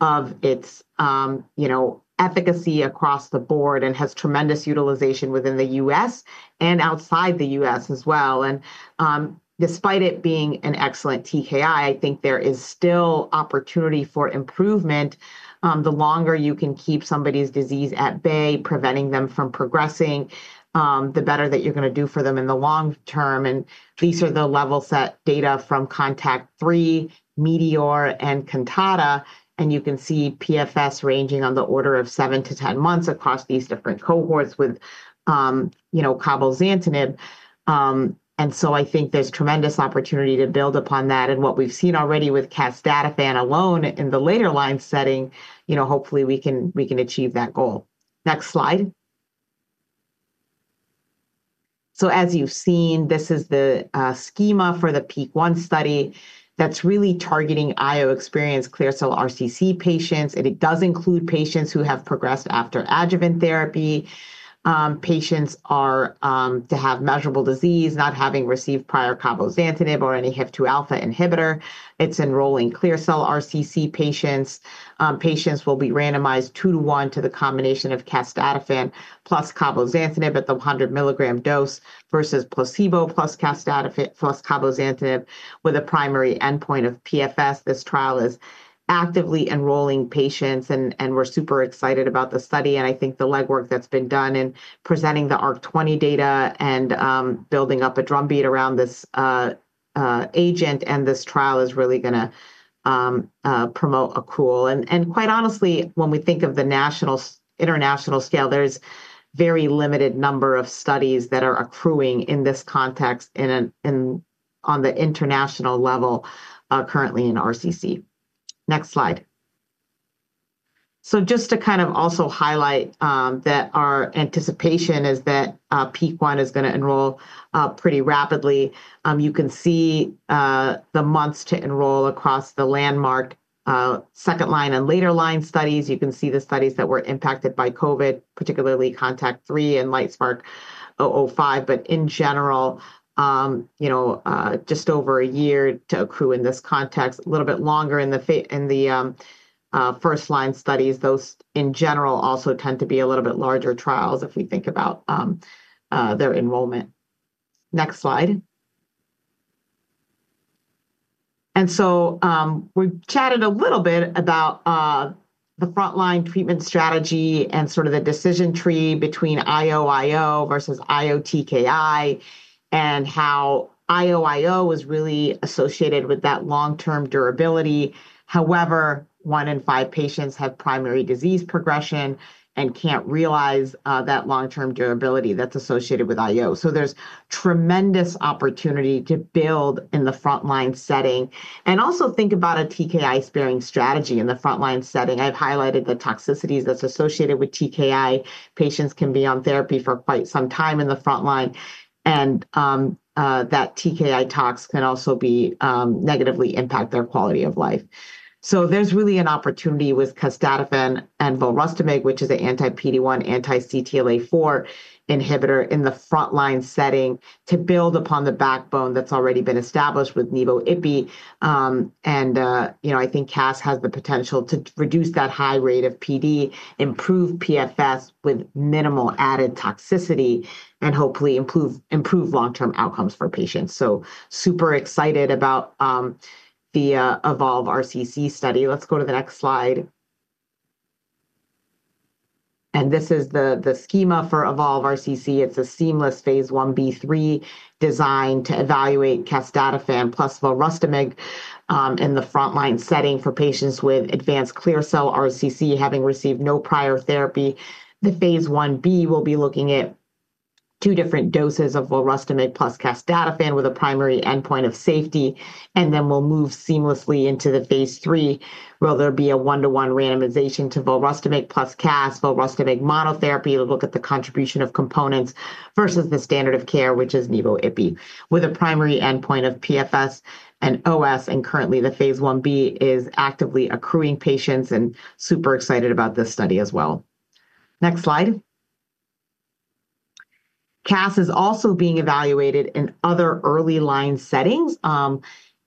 of its efficacy across the board and it has tremendous utilization within the U.S. and outside the U.S. as well. Despite it being an excellent TKI, I think there is still opportunity for improvement. The longer you can keep somebody's disease at bay, preventing them from progressing, the better that you're going to do for them in the long term. These are the level set data from CONTACT-3, METEOR, and CANTATA. You can see PFS ranging on the order of 7-10 months across these different cohorts with cabozantinib. I think there's tremendous opportunity to build upon that. What we've seen already with casdatifan alone in the later line setting, hopefully we can achieve that goal. Next slide. As you've seen, this is the schema for the PEAK-1 study that's really targeting IO-experienced, clear cell RCC patients. It does include patients who have progressed after adjuvant therapy. Patients have to have measurable disease, not having received prior cabozantinib or any HIF-2α Inhibitor. It's enrolling clear cell RCC patients. Patients will be randomized 2 to 1 to the combination of casdatifan plus cabozantinib at the 100 mg dose versus placebo plus casdatifan plus cabozantinib, with a primary endpoint of PFS. This trial is actively enrolling patients, and we're super excited about the study. I think the legwork that's been done in presenting the ARC-20 data and building up a drumbeat around this agent and this trial is really going to promote accrual. Quite honestly, when we think of the national and international scale, there's a very limited number of studies that are accruing in this context and on the international level currently in RCC. Next slide. Just to kind of also highlight that our anticipation is that PEAK-1 is going to enroll pretty rapidly. You can see the months to enroll across the landmark second-line and later-line studies. You can see the studies that were impacted by COVID, particularly CONTACT-3 and LITESPARK-005. In general, just over a year to accrue in this context, a little bit longer in the first-line studies. Those, in general, also tend to be a little bit larger trials if we think about their enrollment. Next slide. We chatted a little bit about the frontline treatment strategy and sort of the decision tree between IOIO versus IOTKI and how IOIO is really associated with that long-term durability. However, 1 in 5 patients have primary disease progression and can't realize that long-term durability that's associated with IO. There's tremendous opportunity to build in the frontline setting and also think about a TKI-sparing strategy in the frontline setting. I've highlighted the toxicities that are associated with TKI. Patients can be on therapy for quite some time in the frontline, and that TKI tox can also negatively impact their quality of life. There's really an opportunity with casdatifan and volrustomig, which is an anti-PD-1, anti-CTLA-4 inhibitor in the frontline setting, to build upon the backbone that's already been established with NEVO-IBBY. You know, I think casdatifan has the potential to reduce that high rate of PD, improve PFS with minimal added toxicity, and hopefully improve long-term outcomes for patients. I am super excited about the eVOLVE RCC study. Let's go to the next slide. This is the schema for eVOLVE RCC. It is a seamless phase I-B/III designed to evaluate casdatifan plus volrustomig in the frontline setting for patients with advanced clear cell RCC having received no prior therapy. The phase I-B will be looking at two different doses of volrustomig plus casdatifan with a primary endpoint of safety. We will move seamlessly into the phase III, where there will be a one-to-one randomization to volrustomig plus casdatifan, volrustomig monotherapy. We will look at the contribution of components versus the standard of care, which is nivo-ipi, with a primary endpoint of PFS and OS. Currently, phase I-B is actively accruing patients and I am super excited about this study as well. Next slide. casdatifan is also being evaluated in other early line settings,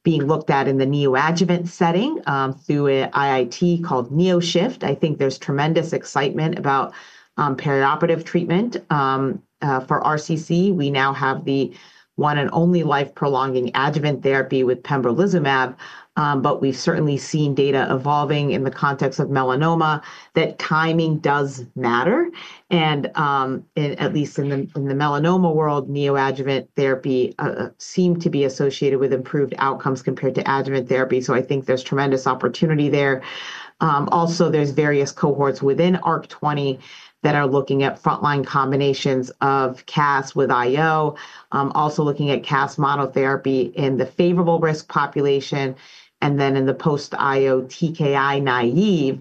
being looked at in the neoadjuvant setting through an IIT called NeoShift. I think there is tremendous excitement about perioperative treatment for RCC. We now have the one and only life-prolonging adjuvant therapy with pembrolizumab, but we have certainly seen data evolving in the context of melanoma that timing does matter. At least in the melanoma world, neoadjuvant therapy seemed to be associated with improved outcomes compared to adjuvant therapy. I think there is tremendous opportunity there. Also, there are various cohorts within ARC-20 that are looking at frontline combinations of casdatifan with IO, also looking at casdatifan monotherapy in the favorable risk population. In the post-IO TKI naive,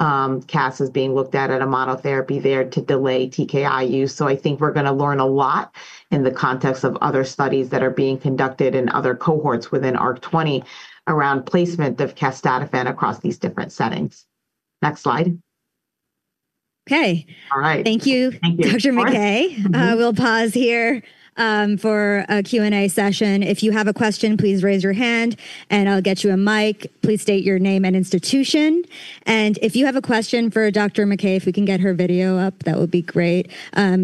casdatifan is being looked at in a monotherapy there to delay TKI use. I think we are going to learn a lot in the context of other studies that are being conducted in other cohorts within ARC-20 around placement of casdatifan across these different settings. Next slide. Okay. All right. Thank you, Dr. McKay. We'll pause here for a Q&A session. If you have a question, please raise your hand and I'll get you a mic. Please state your name and institution. If you have a question for Dr. McKay, if we can get her video up, that would be great.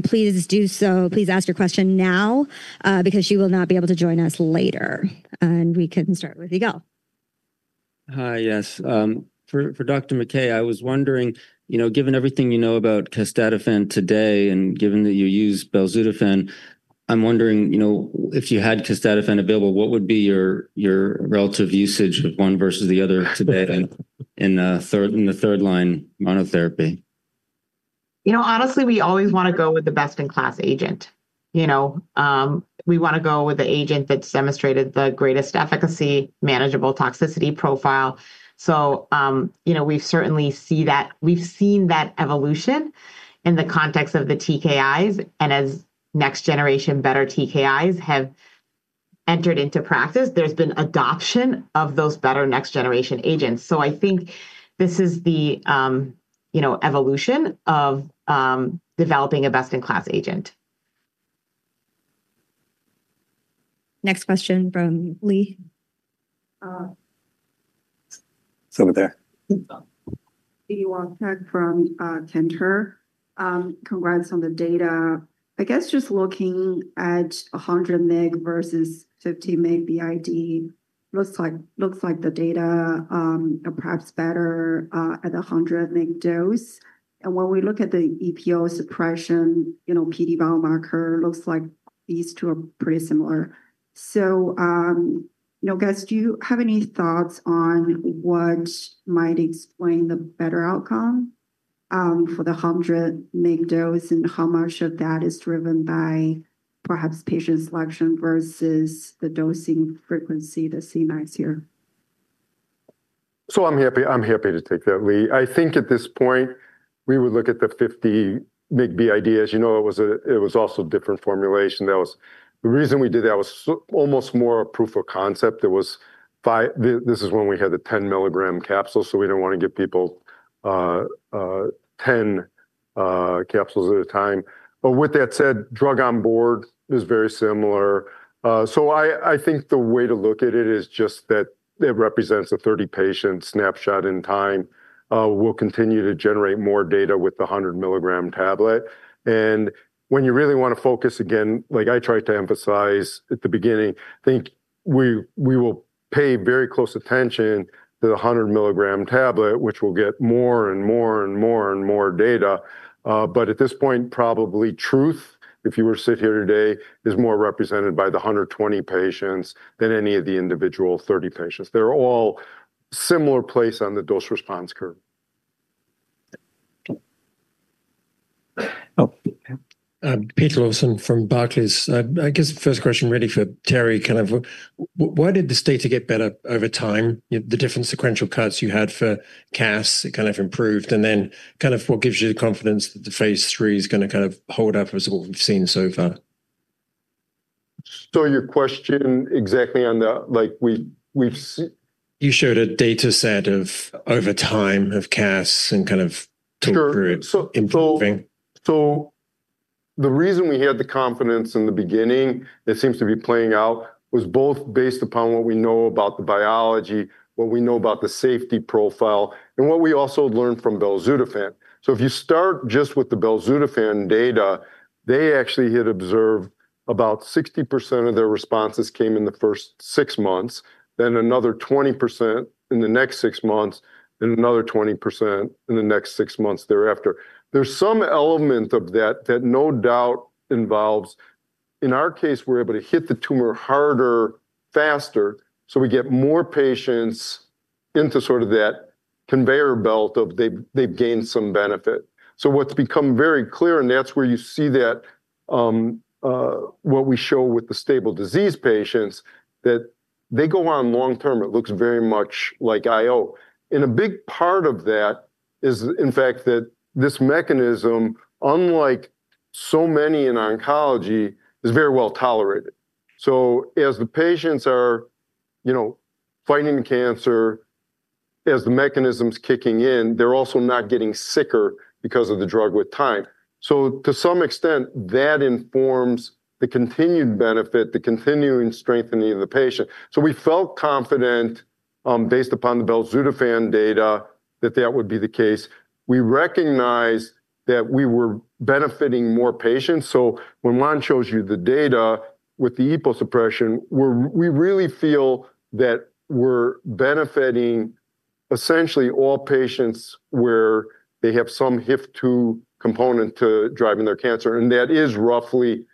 Please do so. Please ask your question now because she will not be able to join us later. We can start with you, Gal. Hi, yes. For Dr. McKay, I was wondering, you know, given everything you know about casdatifan today and given that you use belzutifan, I'm wondering, you know, if you had casdatifan available, what would be your relative usage of one versus the other today in the third line monotherapy? Honestly, we always want to go with the best-in-class agent. We want to go with the agent that's demonstrated the greatest efficacy, manageable toxicity profile. We certainly see that. We've seen that evolution in the context of the TKIs. As next-generation better TKIs have entered into practice, there's been adoption of those better next-generation agents. I think this is the evolution of developing a best-in-class agent. Next question from Lee. It's over there. Lee, you want to talk from Cantor? Congrats on the data. I guess just looking at 100 mg versus 50 mg BID, it looks like the data are perhaps better at the 100 mg dose. When we look at the EPO suppression, you know, PD biomarker looks like these two are pretty similar. Do you have any thoughts on what might explain the better outcome for the 100 mg dose and how much of that is driven by perhaps patient selection versus the dosing frequency, the Cmax here? I'm happy to take that, Lee. I think at this point, we would look at the 50 mg BID. As you know, it was also a different formulation. The reason we did that was almost more a proof of concept. There was five. This is when we had the 10 mg capsule, so we didn't want to give people 10 capsules at a time. With that said, drug on board is very similar. I think the way to look at it is just that it represents a 30-patient snapshot in time. We'll continue to generate more data with the 100 mg tablet. When you really want to focus again, like I tried to emphasize at the beginning, I think we will pay very close attention to the 100 mg tablet, which will get more and more and more data. At this point, probably truth, if you were to sit here today, is more represented by the 120 patients than any of the individual 30 patients. They're all a similar place on the dose response curve. Peter Lawson from Barclays. I guess the first question really for Terry, kind of why did this data get better over time? The different sequential cuts you had for casdatifan, it kind of improved. What gives you the confidence that the phase III is going to kind of hold up as what we've seen so far? Your question exactly on the, like we've seen. You showed a data set of over time of casdatifan and kind of improving. The reason we had the confidence in the beginning, it seems to be playing out, was both based upon what we know about the biology, what we know about the safety profile, and what we also learned from belzutifan. If you start just with the belzutifan data, they actually had observed about 60% of their responses came in the first six months, then another 20% in the next six months, and another 20% in the next six months thereafter. There's some element of that that no doubt involves, in our case, we're able to hit the tumor harder, faster, so we get more patients into sort of that conveyor belt of they've gained some benefit. What's become very clear, and that's where you see that, what we show with the stable disease patients, that they go on long term. It looks very much like IO. A big part of that is, in fact, that this mechanism, unlike so many in oncology, is very well tolerated. As the patients are, you know, fighting cancer, as the mechanism's kicking in, they're also not getting sicker. Because of the drug with time, to some extent, that informs the continued benefit, the continuing strengthening of the patient. We felt confident, based upon the casdatifan data, that that would be the case. We recognize that we were benefiting more patients. When Juan shows you the data with the EPO suppression, we really feel that we're benefiting essentially all patients where they have some HIF-2 component to driving their cancer, and that is roughly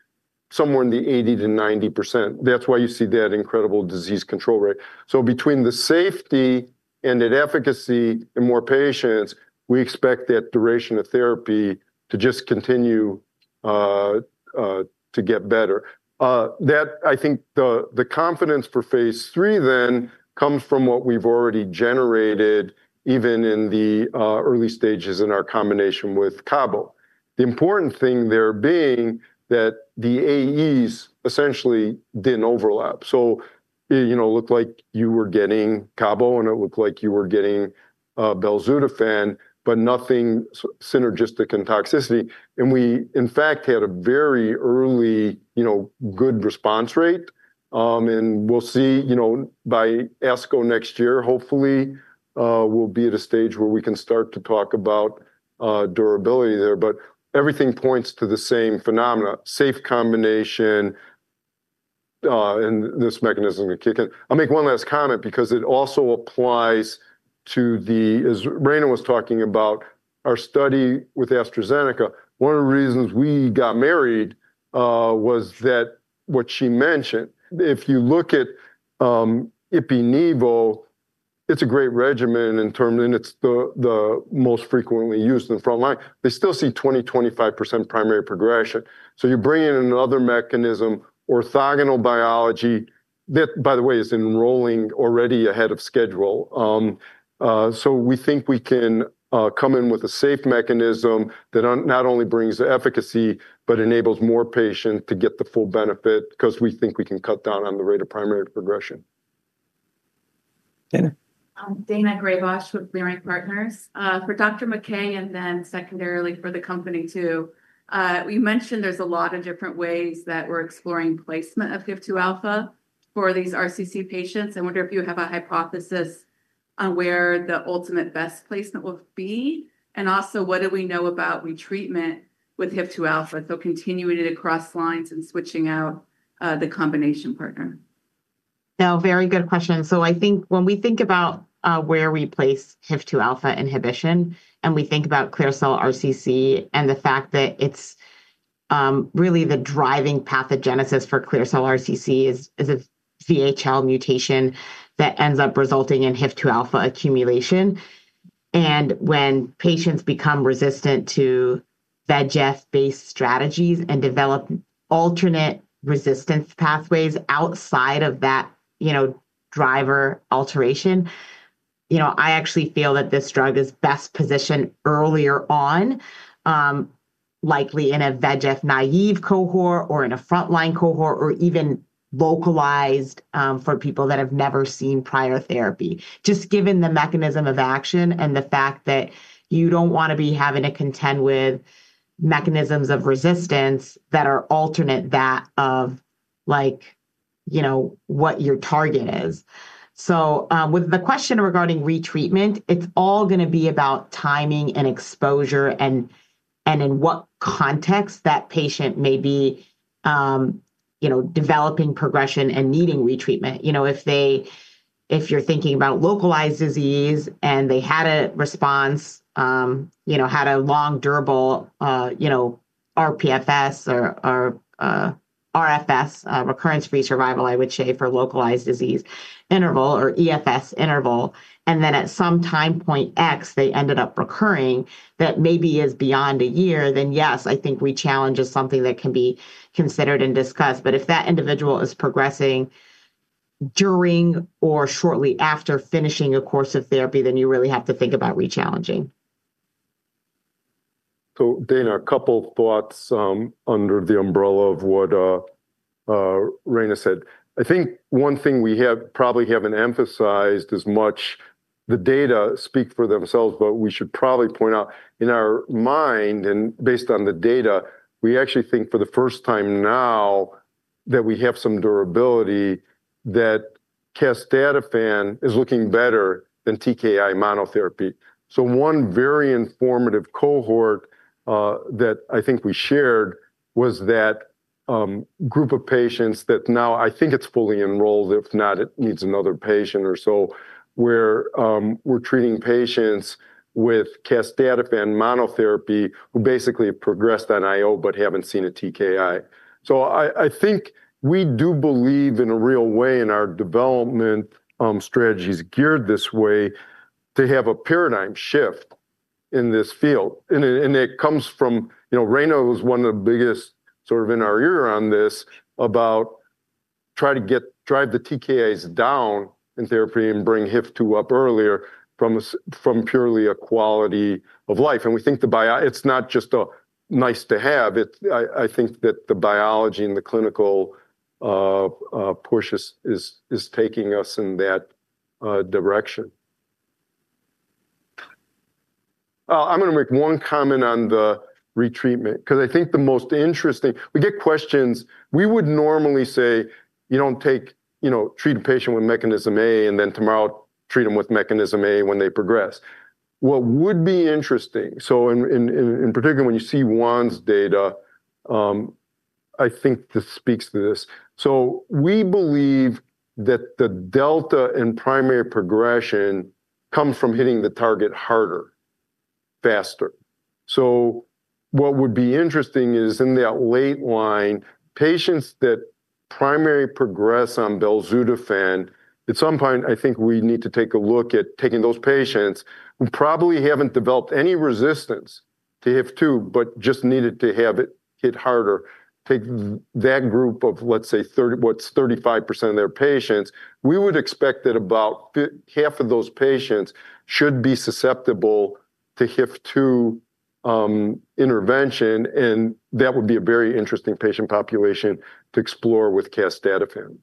somewhere in the 80%-90%. That's why you see that incredible disease control rate. Between the safety and the efficacy in more patients, we expect that duration of therapy to just continue, to get better. I think the confidence for phase III then comes from what we've already generated, even in the early stages in our combination with cabozantinib. The important thing there being that the AEs essentially didn't overlap. It looked like you were getting cabozantinib, and it looked like you were getting casdatifan, but nothing synergistic in toxicity. We, in fact, had a very early good response rate. We'll see, by ASCO next year, hopefully, we'll be at a stage where we can start to talk about durability there. Everything points to the same phenomenon: safe combination, and this mechanism to kick in. I'll make one last comment because it also applies to the, as Raina was talking about, our study with AstraZeneca. One of the reasons we got married was what she mentioned. If you look at ipilimumab/nivolumab, it's a great regimen in terms, and it's the most frequently used in the frontline. They still see 20%-25% primary progression. You bring in another mechanism, orthogonal biology, that, by the way, is enrolling already ahead of schedule. We think we can come in with a safe mechanism that not only brings the efficacy, but enables more patients to get the full benefit because we think we can cut down on the rate of primary progression. Daina Graybosch with Leerink Partners. For Dr. McKay, and then secondarily for the company too. You mentioned there's a lot of different ways that we're exploring placement of HIF-2α for these RCC patients. I wonder if you have a hypothesis on where the ultimate best placement will be, and also what do we know about retreatment with HIF-2α, so continuing it across lines and switching out the combination partner? No, very good question. I think when we think about where we place HIF-2α inhibition, and we think about clear cell RCC, and the fact that it's really the driving pathogenesis for clear cell RCC is a VHL mutation that ends up resulting in HIF-2α accumulation. When patients become resistant to VEGF-based strategies and develop alternate resistance pathways outside of that driver alteration, I actually feel that this drug is best positioned earlier on, likely in a VEGF-naive cohort or in a frontline cohort, or even localized for people that have never seen prior therapy. Just given the mechanism of action and the fact that you don't want to be having to contend with mechanisms of resistance that are alternate to what your target is. With the question regarding retreatment, it's all going to be about timing and exposure and in what context that patient may be developing progression and needing retreatment. If you're thinking about localized disease and they had a response, had a long durable RPFS or RFS, recurrence-free survival, I would say, for localized disease interval or EFS interval, and then at some time point X, they ended up recurring, that maybe is beyond a year, then yes, I think rechallenge is something that can be considered and discussed. If that individual is progressing during or shortly after finishing a course of therapy, you really have to think about rechallenging. Daina, a couple thoughts under the umbrella of what Raina said. I think one thing we probably haven't emphasized as much, the data speak for themselves, but we should probably point out in our mind and based on the data, we actually think for the first time now that we have some durability that casdatifan is looking better than TKI monotherapy. One very informative cohort that I think we shared was that group of patients that now I think is fully enrolled, if not it needs another patient or so, where we're treating patients with casdatifan monotherapy who basically have progressed on IO but haven't seen a TKI. I think we do believe in a real way in our development strategies geared this way to have a paradigm shift in this field. It comes from, you know, Raina was one of the biggest sort of in our ear on this about trying to drive the TKIs down in therapy and bring HIF-2 up earlier from purely a quality of life. We think the biology, it's not just a nice to have. I think that the biology and the clinical push is taking us in that direction. I'm going to make one comment on the retreatment because I think the most interesting, we get questions, we would normally say, you don't treat a patient with mechanism A and then tomorrow treat them with mechanism A when they progress. What would be interesting, in particular when you see Juan's data, I think this speaks to this. We believe that the delta in primary progression comes from hitting the target harder, faster. What would be interesting is in that late line, patients that primary progress on belzutifan, at some point I think we need to take a look at taking those patients who probably haven't developed any resistance to HIF-2, but just needed to have it harder. Take that group of, let's say, what's 35% of their patients, we would expect that about half of those patients should be susceptible to HIF-2 intervention, and that would be a very interesting patient population to explore with casdatifan.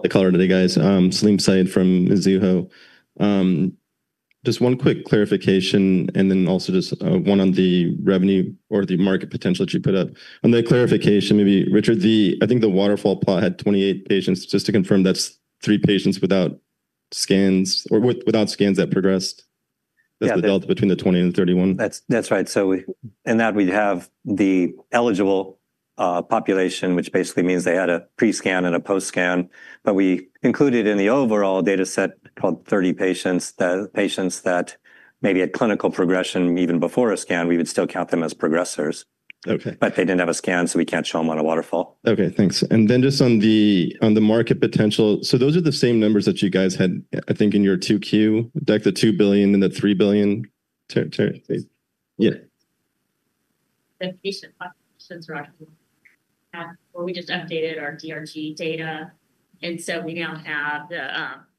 Hey, Claudia, guys, Salim Syed from Mizuho. Just one quick clarification and then also just one on the revenue or the market potential that you put up. On the clarification, maybe Richard, I think the waterfall plot had 28 patients. Just to confirm that's three patients without scans or without scans that progressed. That's the delta between the 28 and the 31. That's right. In that, we have the eligible population, which basically means they had a pre-scan and a post-scan. We included in the overall data set, called 30 patients, the patients that maybe had clinical progression even before a scan. We would still count them as progressors, but they didn't have a scan, so we can't show them on a waterfall. Okay, thanks. Just on the market potential, those are the same numbers that you guys had, I think in your 2Q, like the $2 billion and the $3 billion. Yeah. The patient population, we just annotated our DRG data, and so we now have the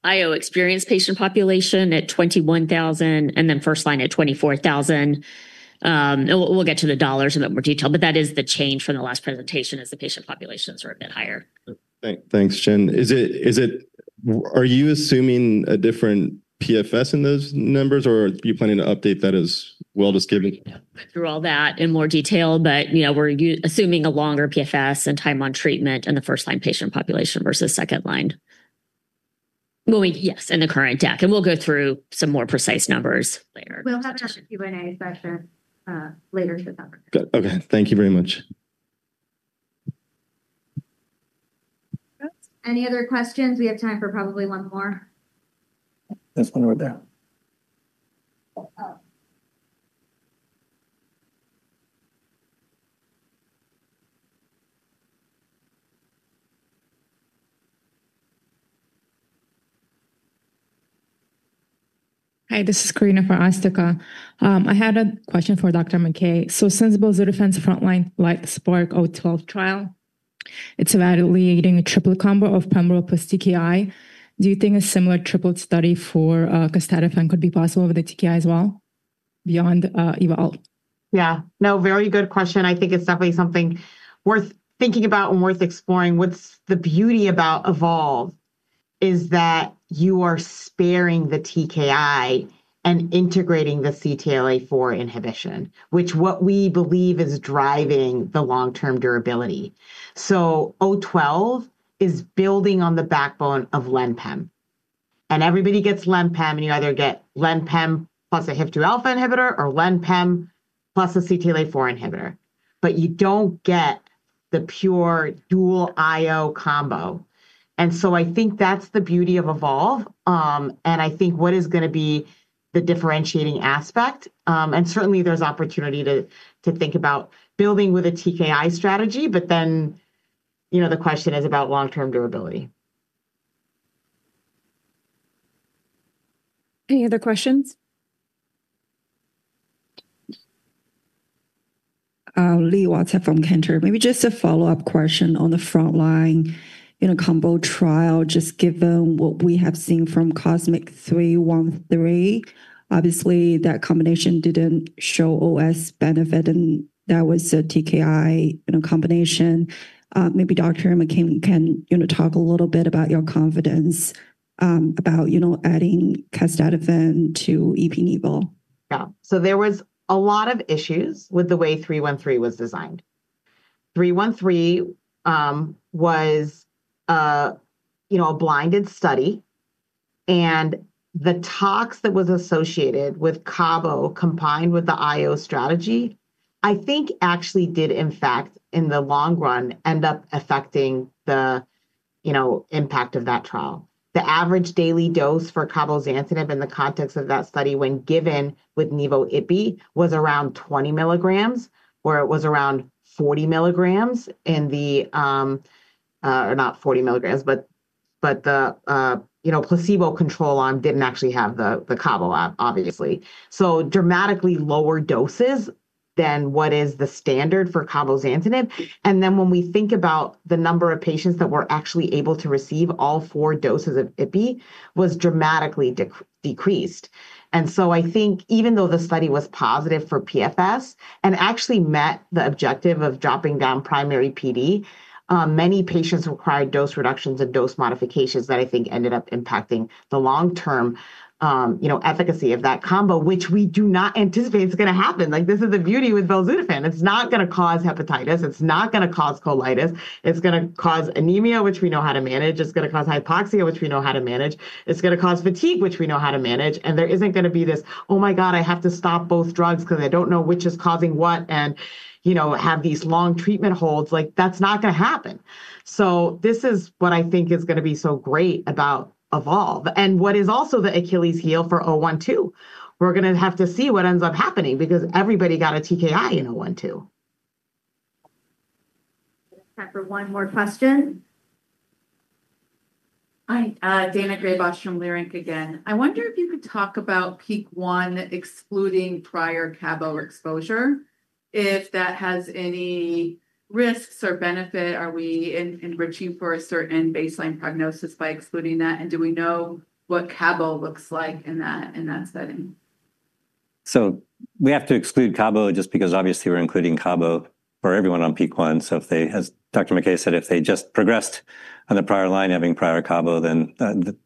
IO experienced patient population at 21,000 and then first line at 24,000. We'll get to the dollars in a bit more detail, but that is the change from the last presentation as the patient populations are a bit higher. Thanks, Jen. Are you assuming a different PFS in those numbers, or are you planning to update that as well just given...? through all that in more detail, but you know we're assuming a longer PFS and time on treatment in the first-line patient population versus second-line. Yes, in the current deck, and we'll go through some more precise numbers later. We'll have another Q&A session later this afternoon. Okay, thank you very much. Any other questions? We have time for probably one more. Yes, one right there. Hi, this is Karina for AstraZeneca. I had a question for Dr. McKay. Since belzutifan is a frontline, LITESPARK-012 trial, it's about alleviating a triple combo of pembrolizumab plus TKI, do you think a similar triple study for casdatifan could be possible with the TKI as well beyond eVOLVE? Yeah, no, very good question. I think it's definitely something worth thinking about and worth exploring. What's the beauty about eVOLVE is that you are sparing the TKI and integrating the CTLA-4 inhibition, which we believe is driving the long-term durability. O12 is building on the backbone of Lenpem, and everybody gets Lenpem, and you either get Lenpem plus a HIF-2α Inhibitor or Lenpem plus a CTLA-4 inhibitor, but you don't get the pure dual IO combo. I think that's the beauty of eVOLVE, and I think what is going to be the differentiating aspect. Certainly, there's opportunity to think about building with a TKI strategy, but then, you know, the question is about long-term durability. Any other questions? Lee Watson from Canter. Maybe just a follow-up question on the frontline, in a combo trial, just given what we have seen from COSMIC-313, obviously that combination didn't show OS benefit, and that was a TKI in a combination. Maybe Dr. McKay can talk a little bit about your confidence about adding casdatifan to IPNEVO. Yeah, there was a lot of issues with the way 313 was designed. 313 was a blinded study, and the tox that was associated with cabo combined with the IO strategy, I think actually did, in fact, in the long run, end up affecting the impact of that trial. The average daily dose for cabozantinib in the context of that study when given with Nevo IPI was around 20 mg, or it was around 40 mg in the, or not 40 mg, but the placebo control arm didn't actually have the cabo lab, obviously. Dramatically lower doses than what is the standard for cabozantinib, and then when we think about the number of patients that were actually able to receive all four doses of IPI was dramatically decreased. I think even though the study was positive for PFS and actually met the objective of dropping down primary PD, many patients required dose reductions and dose modifications that I think ended up impacting the long-term efficacy of that combo, which we do not anticipate is going to happen. This is the beauty with belzutifan. It's not going to cause hepatitis. It's not going to cause colitis. It's going to cause anemia, which we know how to manage. It's going to cause hypoxia, which we know how to manage. It's going to cause fatigue, which we know how to manage. There isn't going to be this, oh my God, I have to stop both drugs because I don't know which is causing what, and have these long treatment holds. That's not going to happen. This is what I think is going to be so great about eVOLVE, and what is also the Achilles heel for 012. We're going to have to see what ends up happening because everybody got a TKI in 012. Time for one more question. Hi, Daina Graybosch from Leerink again. I wonder if you could talk about PEAK-1 excluding prior cabozantinib exposure. If that has any risks or benefit, are we in virtue for a certain baseline prognosis by excluding that, and do we know what cabozantinib looks like in that setting? We have to exclude cabozantinib just because obviously we're including cabozantinib for everyone on PEAK-1. If they, as Dr. Raina McKay said, if they just progressed on the prior line having prior cabozantinib, then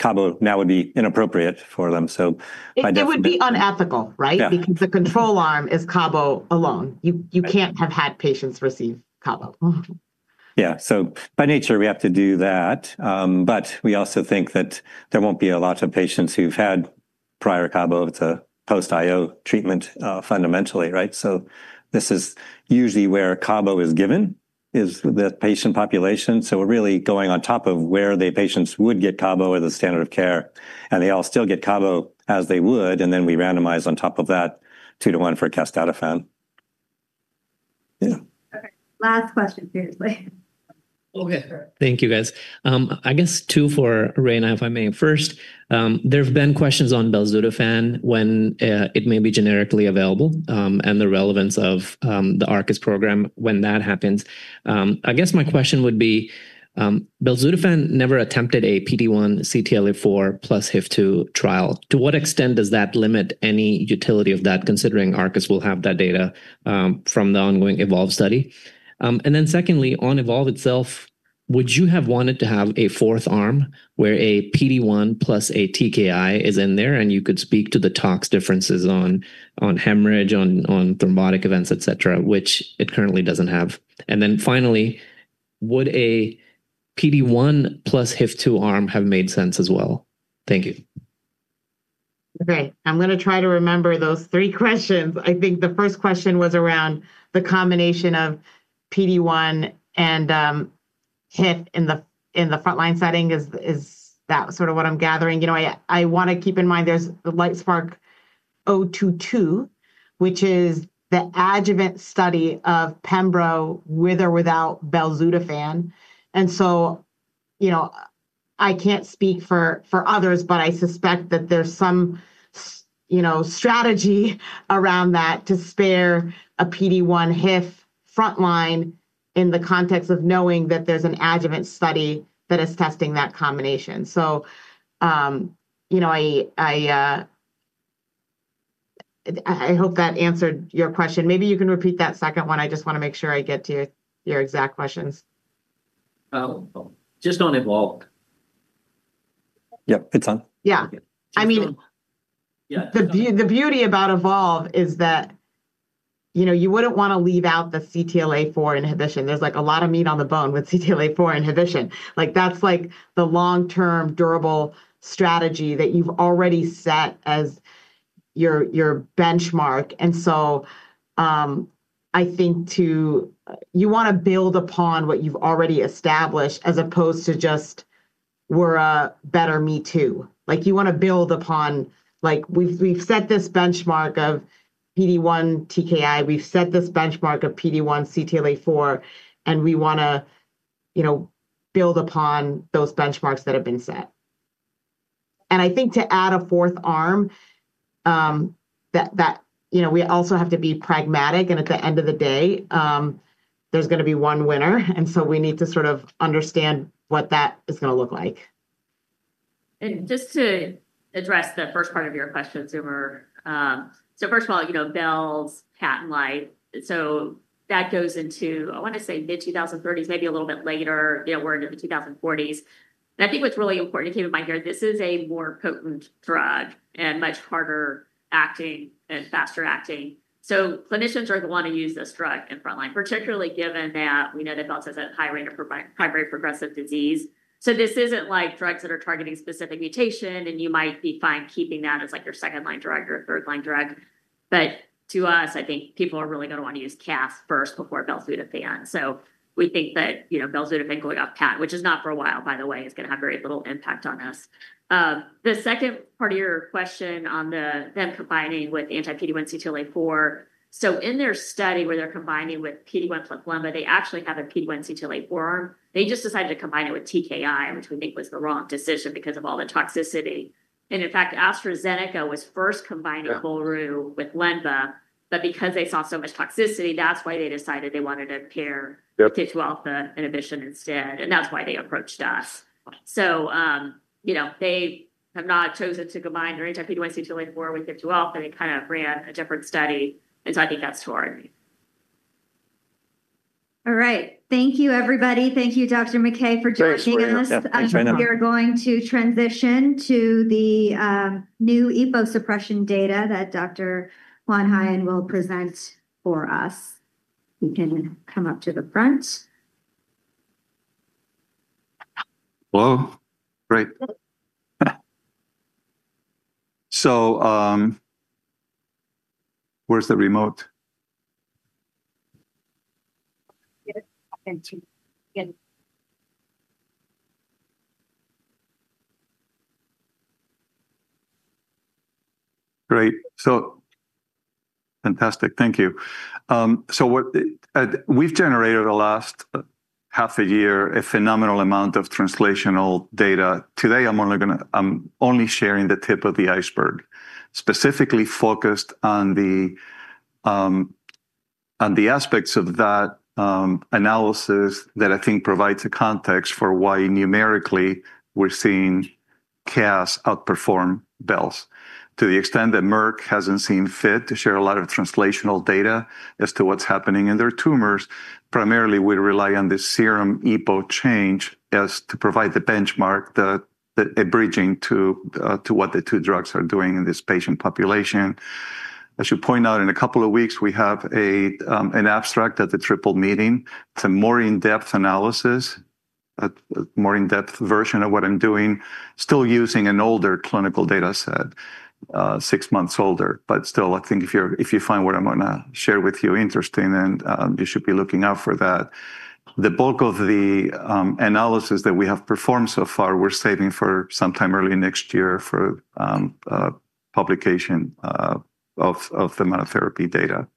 cabozantinib now would be inappropriate for them by definition. It would be unethical, right? Because the control arm is cabozantinib alone. You can't have had patients receive cabozantinib. Yeah, by nature we have to do that, but we also think that there won't be a lot of patients who've had prior cabozantinib. It's a post-IO treatment fundamentally, right? This is usually where cabozantinib is given, is the patient population. We're really going on top of where the patients would get cabozantinib as a standard of care, and they all still get cabozantinib as they would, and then we randomize on top of that two to one for casdatifan? Yeah. Last question, seriously. Okay, thank you guys. I guess two for Raina, if I may. First, there have been questions on belzutifan when it may be generically available and the relevance of the Arcus program when that happens. I guess my question would be, belzutifan never attempted a PD-1 CTLA-4 plus HIF-2 trial. To what extent does that limit any utility of that considering Arcus will have that data from the ongoing eVOLVE study? Secondly, on eVOLVE itself, would you have wanted to have a fourth arm where a PD-1 plus a TKI is in there and you could speak to the tox differences on hemorrhage, on thrombotic events, etc., which it currently doesn't have? Finally, would a PD-1 plus HIF-2 arm have made sense as well? Thank you. Okay, I'm going to try to remember those three questions. I think the first question was around the combination of PD-1 and HIF in the frontline setting. Is that sort of what I'm gathering? I want to keep in mind there's the LITESPARK-022, which is the adjuvant study of pembro with or without belzutifan. I can't speak for others, but I suspect that there's some strategy around that to spare a PD-1 HIF frontline in the context of knowing that there's an adjuvant study that is testing that combination. I hope that answered your question. Maybe you can repeat that second one. I just want to make sure I get to your exact questions. Just on eVOLVE. Yeah, it's on. Yeah, I mean, the beauty about eVOLVE is that, you know, you wouldn't want to leave out the CTLA-4 inhibition. There's a lot of meat on the bone with CTLA-4 inhibition. That's the long-term durable strategy that you've already set as your benchmark. I think you want to build upon what you've already established as opposed to just, we're a better me too. You want to build upon, like, we've set this benchmark of PD-1 TKI, we've set this benchmark of PD-1 CTLA-4, and we want to build upon those benchmarks that have been set. I think to add a fourth arm, we also have to be pragmatic, and at the end of the day, there's going to be one winner, and we need to sort of understand what that is going to look like. To address the first part of your question, Zumer, first of all, you know, belzutifan's patent life goes into, I want to say, mid-2030s, maybe a little bit later, now we're into the 2040s. I think what's really important to keep in mind here is this is a more potent drug and much harder acting and faster acting. Clinicians are going to want to use this drug in frontline, particularly given that we know that belzutifan has a high rate of primary progressive disease. This isn't like drugs that are targeting a specific mutation, and you might be fine keeping that as your second-line drug or third-line drug. To us, I think people are really going to want to use casdatifan first before belzutifan. We think that, you know, belzutifan going off patent, which is not for a while, by the way, is going to have very little impact on us. The second part of your question on them combining with anti-PD-1/CTLA-4, in their study where they're combining with PD-1, for example, they actually have a PD-1/CTLA-4 arm. They just decided to combine it with TKI, which we think was the wrong decision because of all the toxicity. In fact, AstraZeneca was first combining volrustomig with lenvatinib, but because they saw so much toxicity, that's why they decided they wanted to pair HIF-2α inhibition instead, and that's why they approached us. They have not chosen to combine their anti-PD-1/CTLA-4 with HIF-2α, but they kind of ran a different study, and I think that's to our needs. Thank you, everybody. Thank you, Dr. McKay, for joining us. We are going to transition to the new EPO suppression data that Dr. Juan Jaen will present for us. You can come up to the front. Great, thank you. We've generated the last half a year a phenomenal amount of translational data. Today, I'm only sharing the tip of the iceberg, specifically focused on the aspects of that analysis that I think provides a context for why numerically we're seeing casdatifan outperform belzutifan. To the extent that Merck hasn't seen fit to share a lot of translational data as to what's happening in their tumors, primarily we rely on this serum EPO change to provide the benchmark that is bridging to what the two drugs are doing in this patient population. I should point out in a couple of weeks we have an abstract at the triple meeting. It's a more in-depth analysis, a more in-depth version of what I'm doing, still using an older clinical data set, six months older, but still I think if you find what I'm going to share with you interesting, then you should be looking out for that. The bulk of the analysis that we have performed so far we're saving for sometime early next year for publication of the monotherapy data.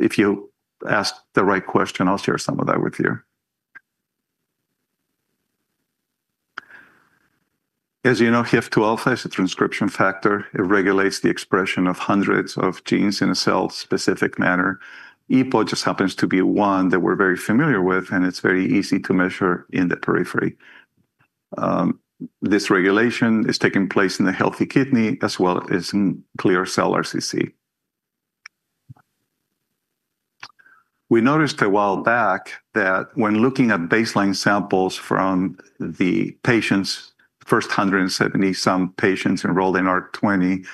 If you ask the right question, I'll share some of that with you. As you know, HIF-2α is a transcription factor. It regulates the expression of hundreds of genes in a cell-specific manner. EPO just happens to be one that we're very familiar with, and it's very easy to measure in the periphery. This regulation is taking place in the healthy kidney as well as in clear cell RCC. We noticed a while back that when looking at baseline samples from the patients, the first 170 some patients enrolled in ARC-20,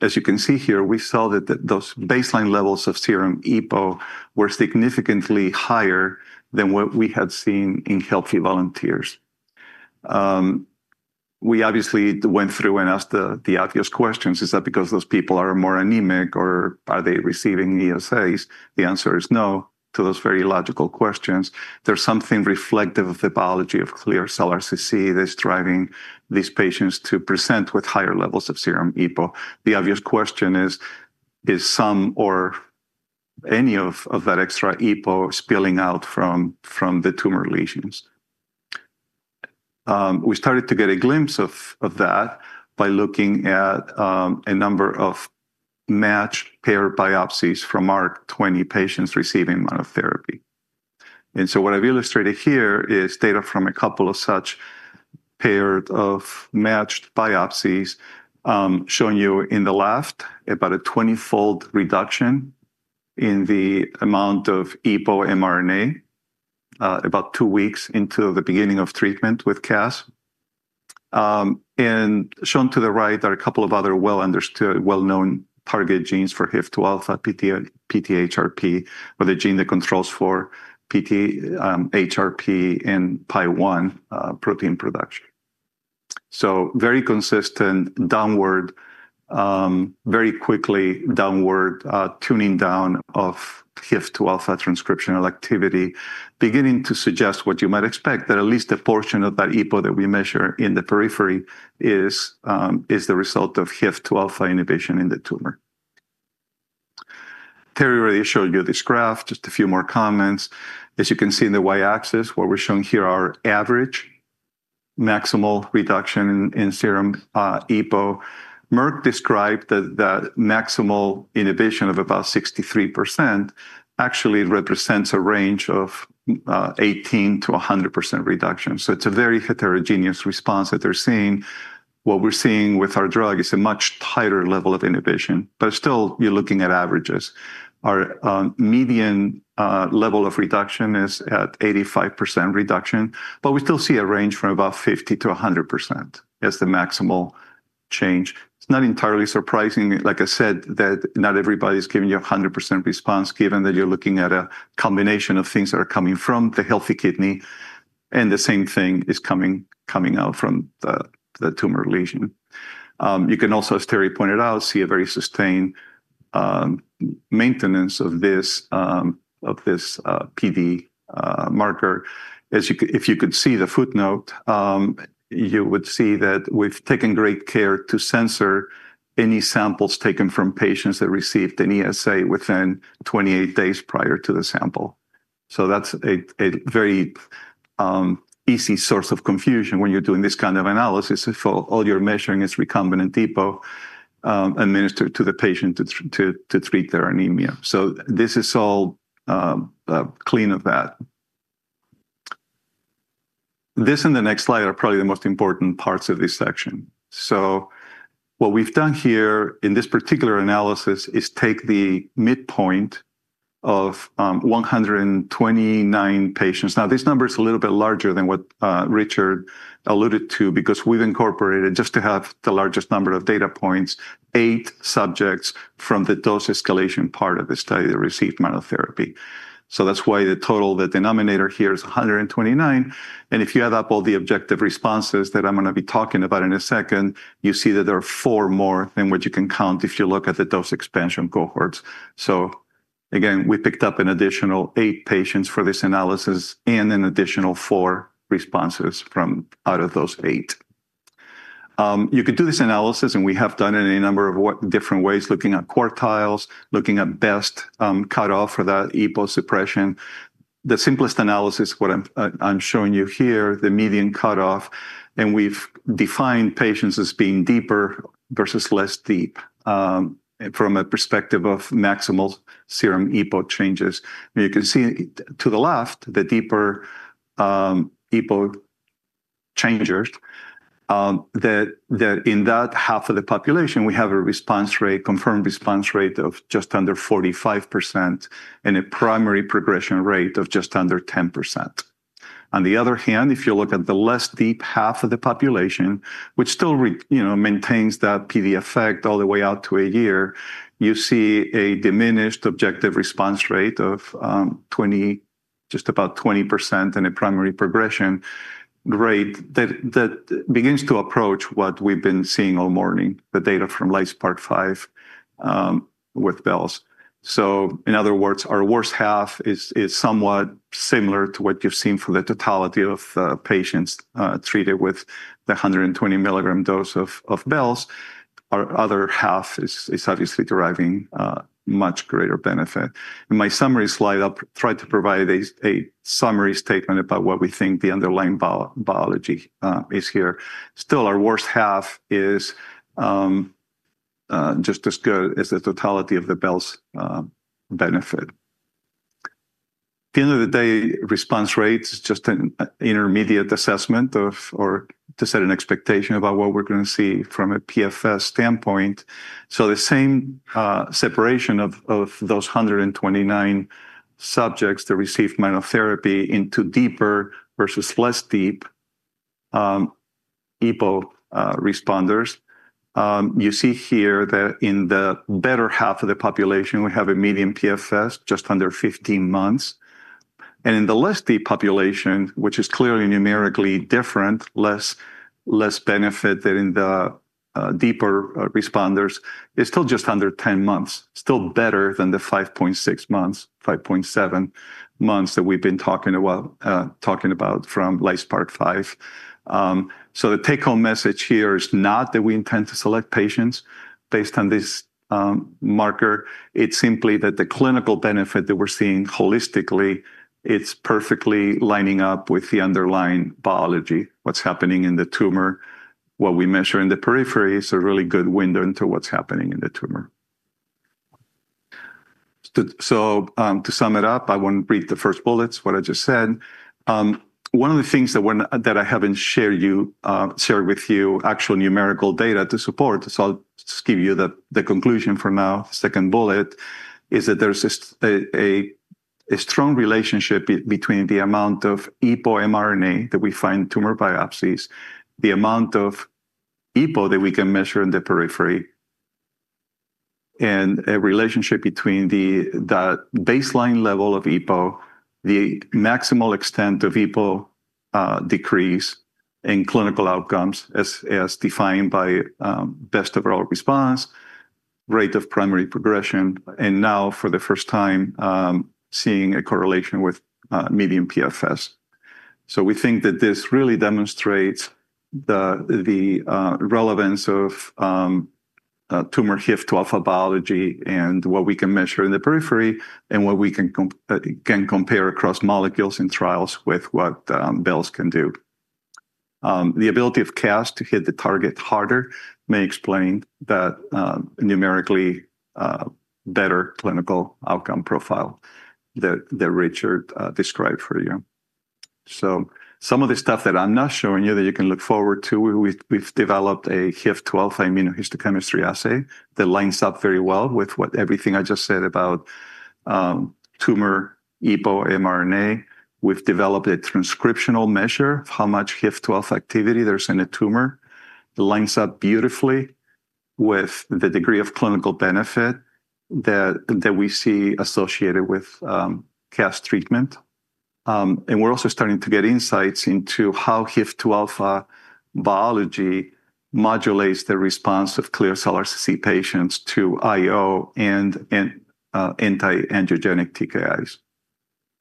as you can see here, we saw that those baseline levels of serum EPO were significantly higher than what we had seen in healthy volunteers. We obviously went through and asked the obvious questions. Is that because those people are more anemic or are they receiving ESAs? The answer is no to those very logical questions. There's something reflective of the biology of clear cell RCC that's driving these patients to present with higher levels of serum EPO. The obvious question is, is some or any of that extra EPO spilling out from the tumor lesions? We started to get a glimpse of that by looking at a number of matched paired biopsies from ARC-20 patients receiving monotherapy. What I've illustrated here is data from a couple of such paired or matched biopsies, showing you on the left about a 20-fold reduction in the amount of EPO mRNA about two weeks into the beginning of treatment with casdatifan. Shown to the right are a couple of other well-understood, well-known target genes for HIF-2α, PTHRP, or the gene that controls for PTHRP and PI1 protein production. Very consistent, very quickly downward tuning down of HIF-2α transcriptional activity, beginning to suggest what you might expect, that at least a portion of that EPO that we measure in the periphery is the result of HIF-2α inhibition in the tumor. Terry already showed you this graph, just a few more comments. As you can see in the Y-axis, what we're showing here are average maximal reduction in serum EPO. Merck described that the maximal inhibition of about 63% actually represents a range of 18%-100% reduction. It's a very heterogeneous response that they're seeing. What we're seeing with our drug is a much tighter level of inhibition, but still you're looking at averages. Our median level of reduction is at 85% reduction, but we still see a range from about 50%-100% as the maximal change. It's not entirely surprising, like I said, that not everybody's giving you a 100% response, given that you're looking at a combination of things that are coming from the healthy kidney, and the same thing is coming out from the tumor lesion. You can also, as Terry pointed out, see a very sustained maintenance of this PD marker. If you could see the footnote, you would see that we've taken great care to censor any samples taken from patients that received an ESA within 28 days prior to the sample. That's a very easy source of confusion when you're doing this kind of analysis if all you're measuring is recombinant EPO administered to the patient to treat their anemia. This is all clean of that. This and the next slide are probably the most important parts of this section. What we've done here in this particular analysis is take the midpoint of 129 patients. This number is a little bit larger than what Richard alluded to because we've incorporated, just to have the largest number of data points, eight subjects from the dose escalation part of the study that received monotherapy. That's why the total, the denominator here is 129. If you add up all the objective responses that I'm going to be talking about in a second, you see that there are four more than what you can count if you look at the dose expansion cohorts. Again, we picked up an additional eight patients for this analysis and an additional four responses from out of those eight. You can do this analysis, and we have done it in a number of different ways, looking at quartiles, looking at best cutoff for that EPO suppression. The simplest analysis, what I'm showing you here, the median cutoff, and we've defined patients as being deeper versus less deep from a perspective of maximal serum EPO changes. You can see to the left the deeper EPO changers that in that half of the population, we have a response rate, confirmed response rate of just under 45% and a primary progression rate of just under 10%. On the other hand, if you look at the less deep half of the population, which still maintains that PD effect all the way out to a year, you see a diminished objective response rate of 20%, just about 20%, and a primary progression rate that begins to approach what we've been seeing all morning, the data from LITESPARK-5 with belzutifan. In other words, our worst half is somewhat similar to what you've seen for the totality of patients treated with the 120 mg dose of belzutifan. Our other half is obviously deriving much greater benefit. In my summary slide, I'll try to provide a summary statement about what we think the underlying biology is here. Still, our worst half is just as good as the totality of the belzutifan benefit. At the end of the day, response rate is just an intermediate assessment or to set an expectation about what we're going to see from a PFS standpoint. The same separation of those 129 subjects that received monotherapy into deeper versus less deep EPO responders, you see here that in the better half of the population, we have a median PFS just under 15 months. In the less deep population, which is clearly numerically different, less benefit than in the deeper responders, it's still just under 10 months, still better than the 5.6 months, 5.7 months that we've been talking about from LITESPARK-5. The take-home message here is not that we intend to select patients based on this marker. It's simply that the clinical benefit that we're seeing holistically, it's perfectly lining up with the underlying biology, what's happening in the tumor, what we measure in the periphery is a really good window into what's happening in the tumor. To sum it up, I want to read the first bullets, what I just said. One of the things that I haven't shared with you, actual numerical data to support, I'll just give you the conclusion for now, second bullet, is that there's a strong relationship between the amount of EPO mRNA that we find in tumor biopsies, the amount of EPO that we can measure in the periphery, and a relationship between the baseline level of EPO, the maximal extent of EPO decrease, and clinical outcomes as defined by best overall response, rate of primary progression, and now for the first time seeing a correlation with median PFS. We think that this really demonstrates the relevance of tumor HIF-2α biology and what we can measure in the periphery and what we can compare across molecules in trials with what belzutifan can do. The ability of casdatifan to hit the target harder may explain the numerically better clinical outcome profile that Richard described for you. Some of the stuff that I'm not showing you that you can look forward to, we've developed a HIF-2α immunohistochemistry assay that lines up very well with what everything I just said about tumor EPO mRNA, we've developed a transcriptional measure of how much HIF-2α activity there is in a tumor. It lines up beautifully with the degree of clinical benefit that we see associated with casdatifan treatment. We're also starting to get insights into how HIF-2α biology modulates the response of clear cell RCC patients to IO and anti-angiogenic TKIs.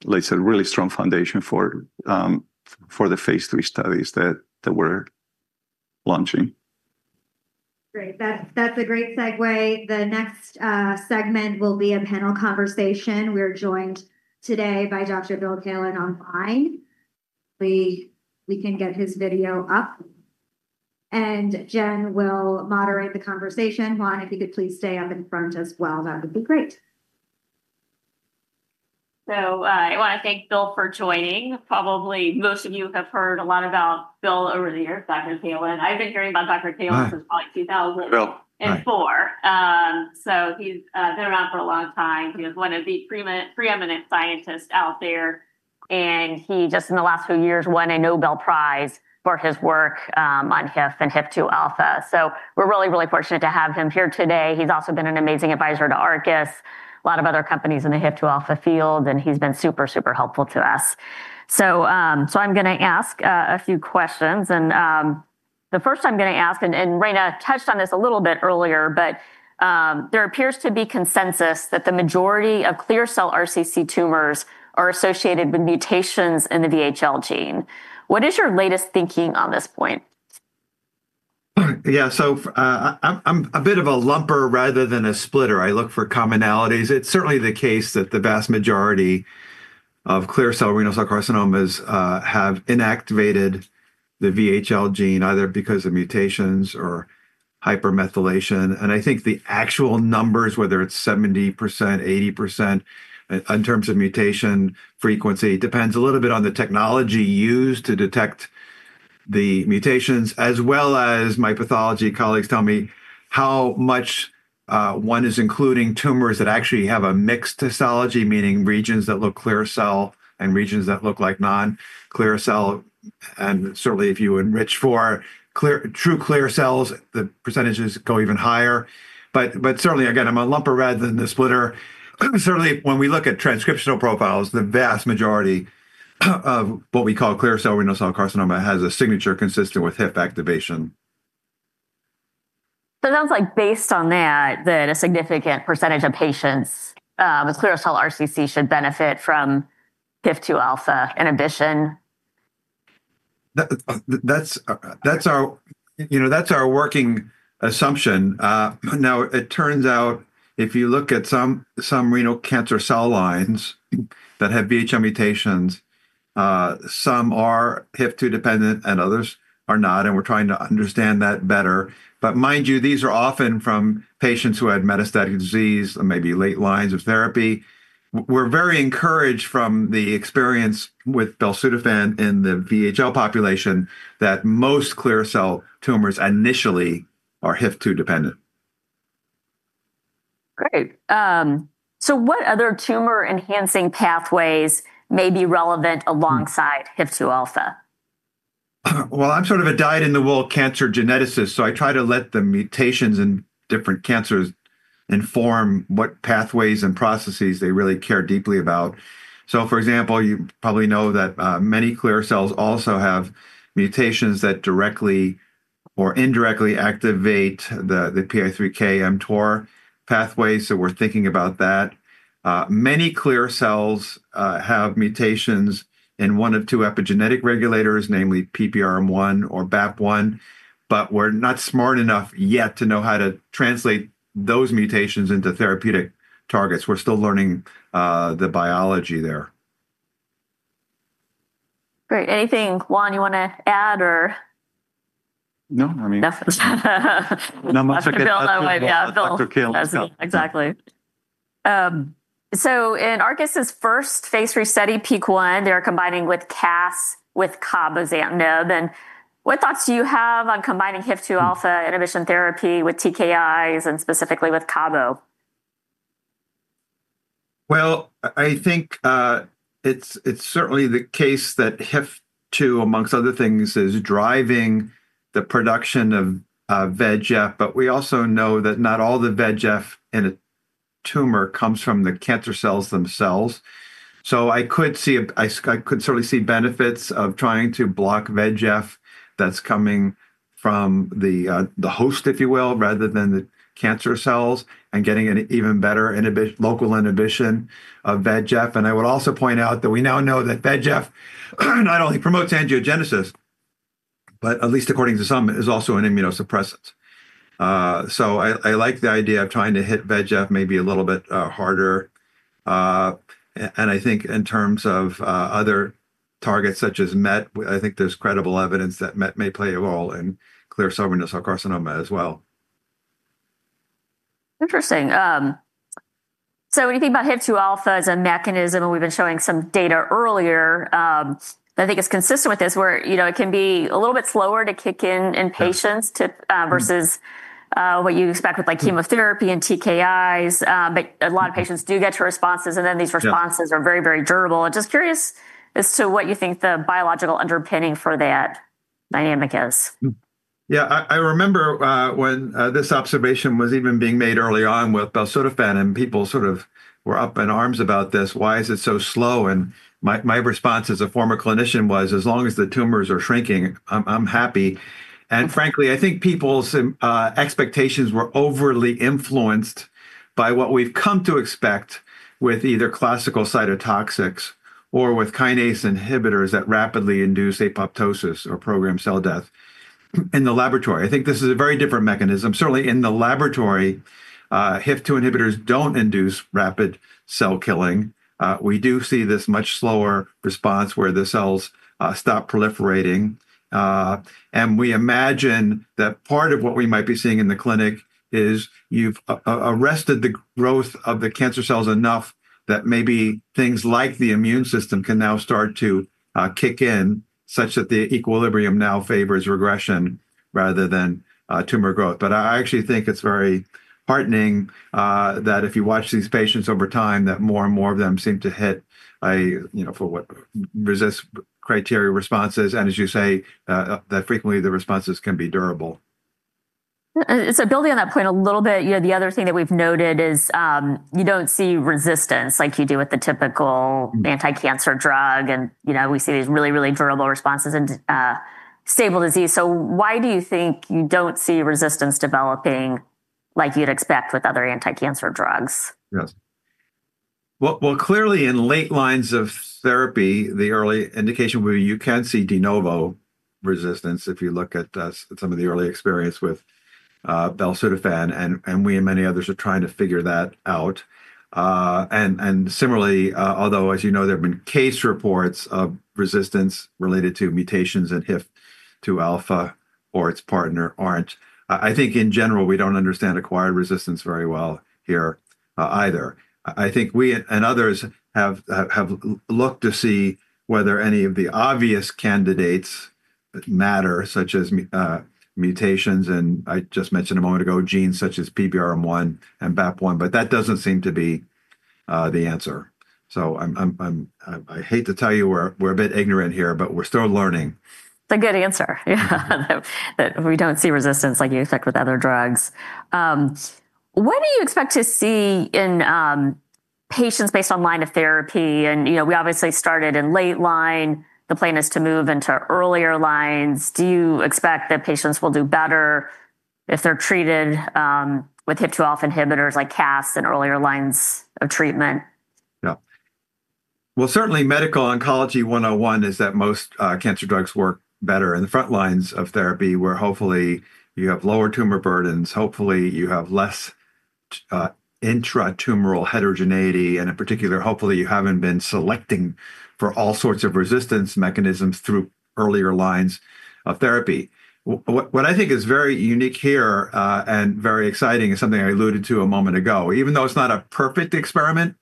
Like I said, a really strong foundation for the phase III studies that we're launching. Great, that's a great segue. The next segment will be a panel conversation. We're joined today by Dr. Bill Kaelin online. We can get his video up. And Jen will moderate the conversation. Juan, if you could please stay on the front as well, that would be great. I want to thank Bill for joining. Probably most of you have heard a lot about Bill over the years, Dr. Kaelin. I've been hearing about Dr. Kaelin since probably 2004. He's been around for a long time. He was one of the preeminent scientists out there. He just in the last few years won a Nobel Prize for his work on HIF and HIF-2α. We're really, really fortunate to have him here today. He's also been an amazing advisor to Arcus Biosciences, a lot of other companies in the HIF-2α field, and he's been super, super helpful to us. I'm going to ask a few questions. The first I'm going to ask, and Raina touched on this a little bit earlier, but there appears to be consensus that the majority of clear cell RCC tumors are associated with mutations in the VHL gene. What is your latest thinking on this point? Yeah, so I'm a bit of a lumper rather than a splitter. I look for commonalities. It's certainly the case that the vast majority of clear cell renal cell carcinomas have inactivated the VHL gene either because of mutations or hypermethylation. I think the actual numbers, whether it's 70% or 80% in terms of mutation frequency, depend a little bit on the technology used to detect the mutations, as well as my pathology colleagues tell me how much one is including tumors that actually have a mixed histology, meaning regions that look clear cell and regions that look like non-clear cell. Certainly, if you enrich for true clear cells, the percentages go even higher. Certainly, again, I'm a lumper rather than a splitter. When we look at transcriptional profiles, the vast majority of what we call clear cell renal cell carcinoma has a signature consistent with HIF activation. It sounds like based on that, that a significant percentage of patients with clear cell RCC should benefit from HIF-2α inhibition. That's our working assumption. Now, it turns out if you look at some renal cancer cell lines that have VHL mutations, some are HIF-2 dependent and others are not, and we're trying to understand that better. Mind you, these are often from patients who had metastatic disease, maybe late lines of therapy. We're very encouraged from the experience with belzutifan in the VHL population that most clear cell tumors initially are HIF-2 dependent. Great. What other tumor enhancing pathways may be relevant alongside HIF-2α? I'm sort of a dyed-in-the-wool cancer geneticist, so I try to let the mutations in different cancers inform what pathways and processes they really care deeply about. For example, you probably know that many clear cell renal cell carcinomas also have mutations that directly or indirectly activate the PI3K mTOR pathway, so we're thinking about that. Many clear cell renal cell carcinomas have mutations in one of two epigenetic regulators, namely PBRM1 or BAP1, but we're not smart enough yet to know how to translate those mutations into therapeutic targets. We're still learning the biology there. Great. Anything, Juan, you want to add or? I don't know. Exactly. In Arcus's first phase III study, PEAK-1, they're combining casdatifan with cabozantinib. What thoughts do you have on combining HIF-2α inhibition therapy with TKIs and specifically with cabozantinib? I think it's certainly the case that HIF-2, amongst other things, is driving the production of VEGF, but we also know that not all the VEGF in a tumor comes from the cancer cells themselves. I could certainly see benefits of trying to block VEGF that's coming from the host, if you will, rather than the cancer cells and getting an even better local inhibition of VEGF. I would also point out that we now know that VEGF not only promotes angiogenesis, but at least according to some, is also an immunosuppressant. I like the idea of trying to hit VEGF maybe a little bit harder. I think in terms of other targets such as MET, there's credible evidence that MET may play a role in clear cell renal cell carcinoma as well. Interesting. When you think about HIF-2α as a mechanism, and we've been showing some data earlier, I think it's consistent with this where it can be a little bit slower to kick in in patients versus what you expect with chemotherapy and TKIs. A lot of patients do get your responses, and then these responses are very, very durable. I'm just curious as to what you think the biological underpinning for that dynamic is. Yeah, I remember when this observation was even being made early on with casdatifan, and people sort of were up in arms about this. Why is it so slow? My response as a former clinician was, as long as the tumors are shrinking, I'm happy. Frankly, I think people's expectations were overly influenced by what we've come to expect with either classical cytotoxics or with kinase inhibitors that rapidly induce apoptosis or programmed cell death in the laboratory. I think this is a very different mechanism. Certainly, in the laboratory, HIF-2α Inhibitors don't induce rapid cell killing. We do see this much slower response where the cells stop proliferating. We imagine that part of what we might be seeing in the clinic is you've arrested the growth of the cancer cells enough that maybe things like the immune system can now start to kick in such that the equilibrium now favors regression rather than tumor growth. I actually think it's very heartening that if you watch these patients over time, more and more of them seem to hit a, you know, for what RECIST criteria responses. As you say, frequently the responses can be durable. Building on that point a little bit, you know, the other thing that we've noted is you don't see resistance like you do with the typical anti-cancer drug. You know, we see these really, really durable responses in stable disease. Why do you think you don't see resistance developing like you'd expect with other anti-cancer drugs? Clearly in late lines of therapy, the early indication where you can see de novo resistance if you look at some of the early experience with casdatifan, and we and many others are trying to figure that out. Similarly, although as you know, there have been case reports of resistance related to mutations in HIF-2α or its partner, I think in general we don't understand acquired resistance very well here either. I think we and others have looked to see whether any of the obvious candidates matter, such as mutations, and I just mentioned a moment ago genes such as PBRM1 and BAP1, but that doesn't seem to be the answer. I hate to tell you we're a bit ignorant here, but we're still learning. It's a good answer. Yeah, that we don't see resistance like you expect with other drugs. What do you expect to see in patients based on line of therapy? You know, we obviously started in late line. The plan is to move into earlier lines. Do you expect that patients will do better if they're treated with HIF-2α Inhibitors like casdatifan in earlier lines of treatment? Medical oncology 101 is that most cancer drugs work better in the front lines of therapy, where hopefully you have lower tumor burdens, hopefully you have less intratumoral heterogeneity, and in particular, hopefully you haven't been selecting for all sorts of resistance mechanisms through earlier lines of therapy. What I think is very unique here and very exciting is something I alluded to a moment ago. Even though it's not a perfect experiment,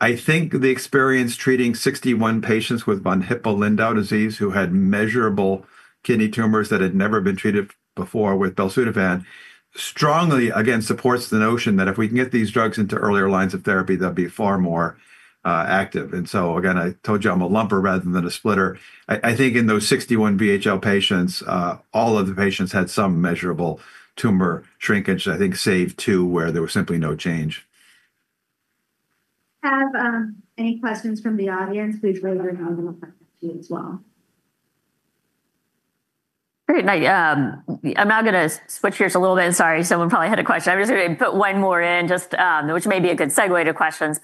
I think the experience treating 61 patients with von Hippel-Lindau disease, who had measurable kidney tumors that had never been treated before with casdatifan, strongly again supports the notion that if we can get these drugs into earlier lines of therapy, they'll be far more active. Again, I told you I'm a lumper rather than a splitter. I think in those 61 VHL patients, all of the patients had some measurable tumor shrinkage, I think save two where there was simply no change. Have any questions from the audience? Please raise your hand and I'll come back to you as well. Great. I'm now going to switch gears a little bit. Sorry, someone probably had a question. I'm just going to put one more in, which may be a good segue to questions.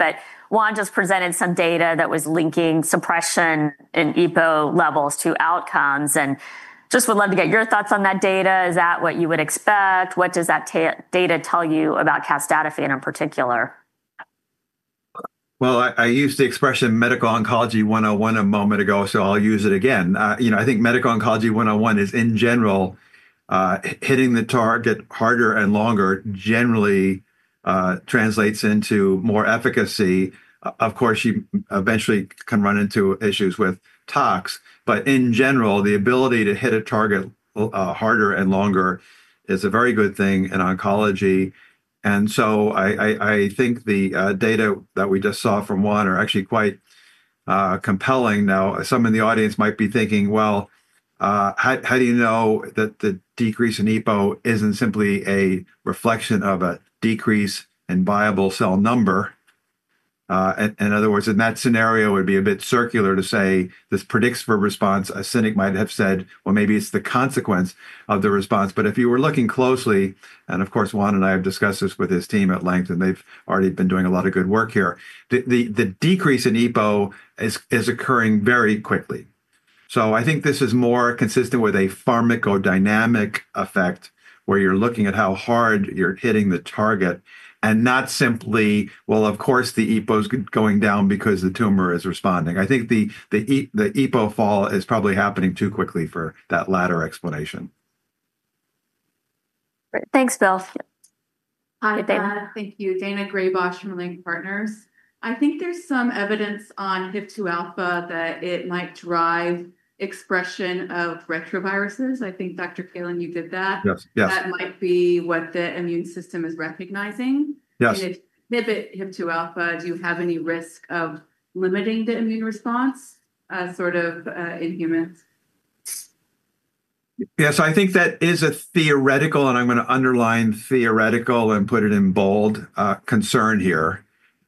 Juan just presented some data that was linking suppression in EPO levels to outcomes, and just would love to get your thoughts on that data. Is that what you would expect? What does that data tell you about casdatifan in particular? I used the expression medical oncology 101 a moment ago, so I'll use it again. I think medical oncology 101 is in general hitting the target harder and longer generally translates into more efficacy. Of course, you eventually can run into issues with tox, but in general, the ability to hit a target harder and longer is a very good thing in oncology. I think the data that we just saw from Juan are actually quite compelling. Now, some in the audience might be thinking, how do you know that the decrease in EPO isn't simply a reflection of a decrease in viable cell number? In other words, in that scenario, it would be a bit circular to say this predicts for response. A cynic might have said, maybe it's the consequence of the response. If you were looking closely, and of course, Juan and I have discussed this with his team at length, and they've already been doing a lot of good work here, the decrease in EPO is occurring very quickly. I think this is more consistent with a pharmacodynamic effect where you're looking at how hard you're hitting the target and not simply, of course, the EPO is going down because the tumor is responding. I think the EPO fall is probably happening too quickly for that latter explanation. Thanks, Bill. Hi. Thank you, Daina Graybosch from Leerink Partners. I think there's some evidence on HIF-2α that it might drive expression of retroviruses. I think, Dr. Bill, you did that. Yes. That might be what the immune system is recognizing. Yes. If it's HIF-2α, do you have any risk of limiting the immune response in humans? Yes, I think that is a theoretical, and I'm going to underline theoretical and put it in bold concern here,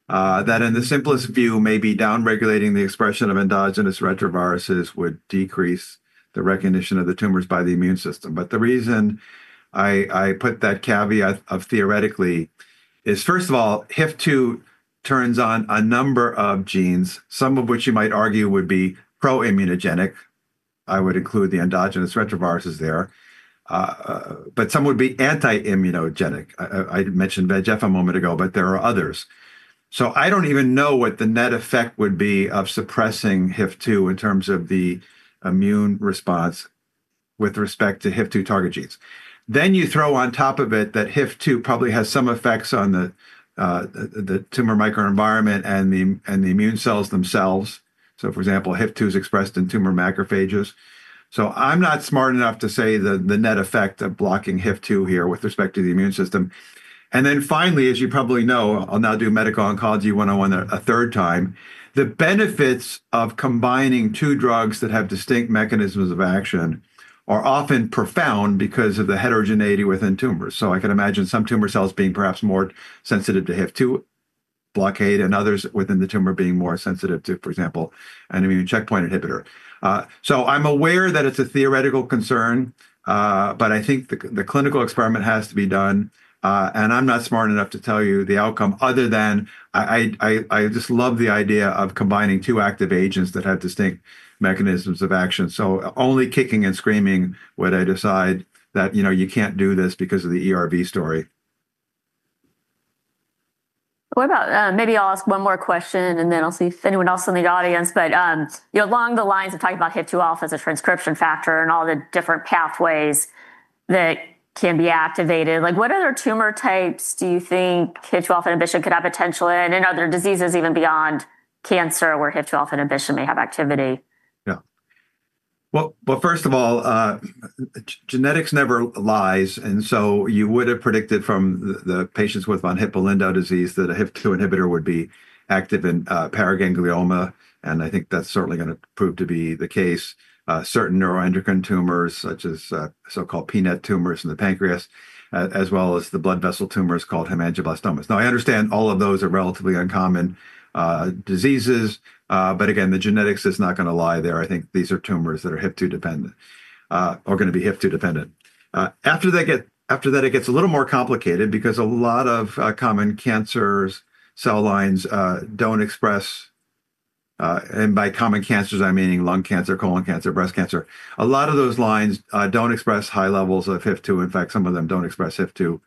that in the simplest view, maybe downregulating the expression of endogenous retroviruses would decrease the recognition of the tumors by the immune system. The reason I put that caveat of theoretically is, first of all, HIF-2 turns on a number of genes, some of which you might argue would be pro-immunogenic. I would include the endogenous retroviruses there, but some would be anti-immunogenic. I mentioned VEGF a moment ago, but there are others. I don't even know what the net effect would be of suppressing HIF-2 in terms of the immune response with respect to HIF-2 target genes. You throw on top of it that HIF-2 probably has some effects on the tumor microenvironment and the immune cells themselves. For example, HIF-2 is expressed in tumor macrophages. I'm not smart enough to say the net effect of blocking HIF-2 here with respect to the immune system. Finally, as you probably know, I'll now do medical oncology 101 a third time, the benefits of combining two drugs that have distinct mechanisms of action are often profound because of the heterogeneity within tumors. I can imagine some tumor cells being perhaps more sensitive to HIF-2 blockade and others within the tumor being more sensitive to, for example, an immune checkpoint inhibitor. I'm aware that it's a theoretical concern, but I think the clinical experiment has to be done, and I'm not smart enough to tell you the outcome other than I just love the idea of combining two active agents that have distinct mechanisms of action. Only kicking and screaming when I decide that you can't do this because of the ERV story. What about, maybe I'll ask one more question and then I'll see if anyone else in the audience, but you know, along the lines of talking about HIF-2α as a transcription factor and all the different pathways that can be activated, like what other tumor types do you think HIF-2α inhibition could have potential in, and are there diseases even beyond cancer where HIF-2α inhibition may have activity? Yeah. First of all, genetics never lies, and you would have predicted from the patients with von Hippel-Lindau disease that a HIF-2α Inhibitor would be active in paraganglioma, and I think that's certainly going to prove to be the case. Certain neuroendocrine tumors such as so-called PNET tumors in the pancreas, as well as the blood vessel tumors called hemangioblastomas. I understand all of those are relatively uncommon diseases, but again, the genetics is not going to lie there. I think these are tumors that are HIF-2 dependent, or going to be HIF-2 dependent. After that, it gets a little more complicated because a lot of common cancers, cell lines don't express, and by common cancers, I'm meaning lung cancer, colon cancer, breast cancer. A lot of those lines don't express high levels of HIF-2. In fact, some of them don't express HIF-2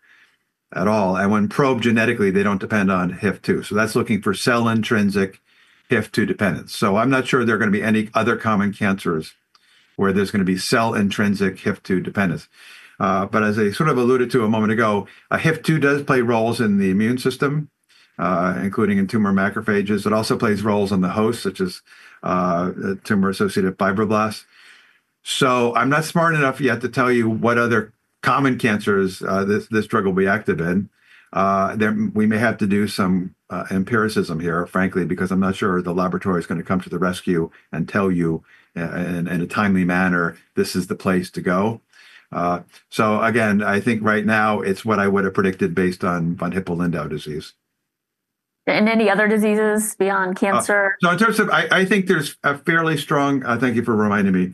at all, and when probed genetically, they don't depend on HIF-2. That's looking for cell intrinsic HIF-2 dependence. I'm not sure there are going to be any other common cancers where there's going to be cell intrinsic HIF-2 dependence. As I sort of alluded to a moment ago, HIF-2 does play roles in the immune system, including in tumor macrophages. It also plays roles on the host, such as tumor-associated fibroblasts. I'm not smart enough yet to tell you what other common cancers this drug will be active in. We may have to do some empiricism here, frankly, because I'm not sure the laboratory is going to come to the rescue and tell you in a timely manner, this is the place to go. I think right now it's what I would have predicted based on von Hippel-Lindau disease. there any other diseases beyond cancer? I think there's a fairly strong, thank you for reminding me,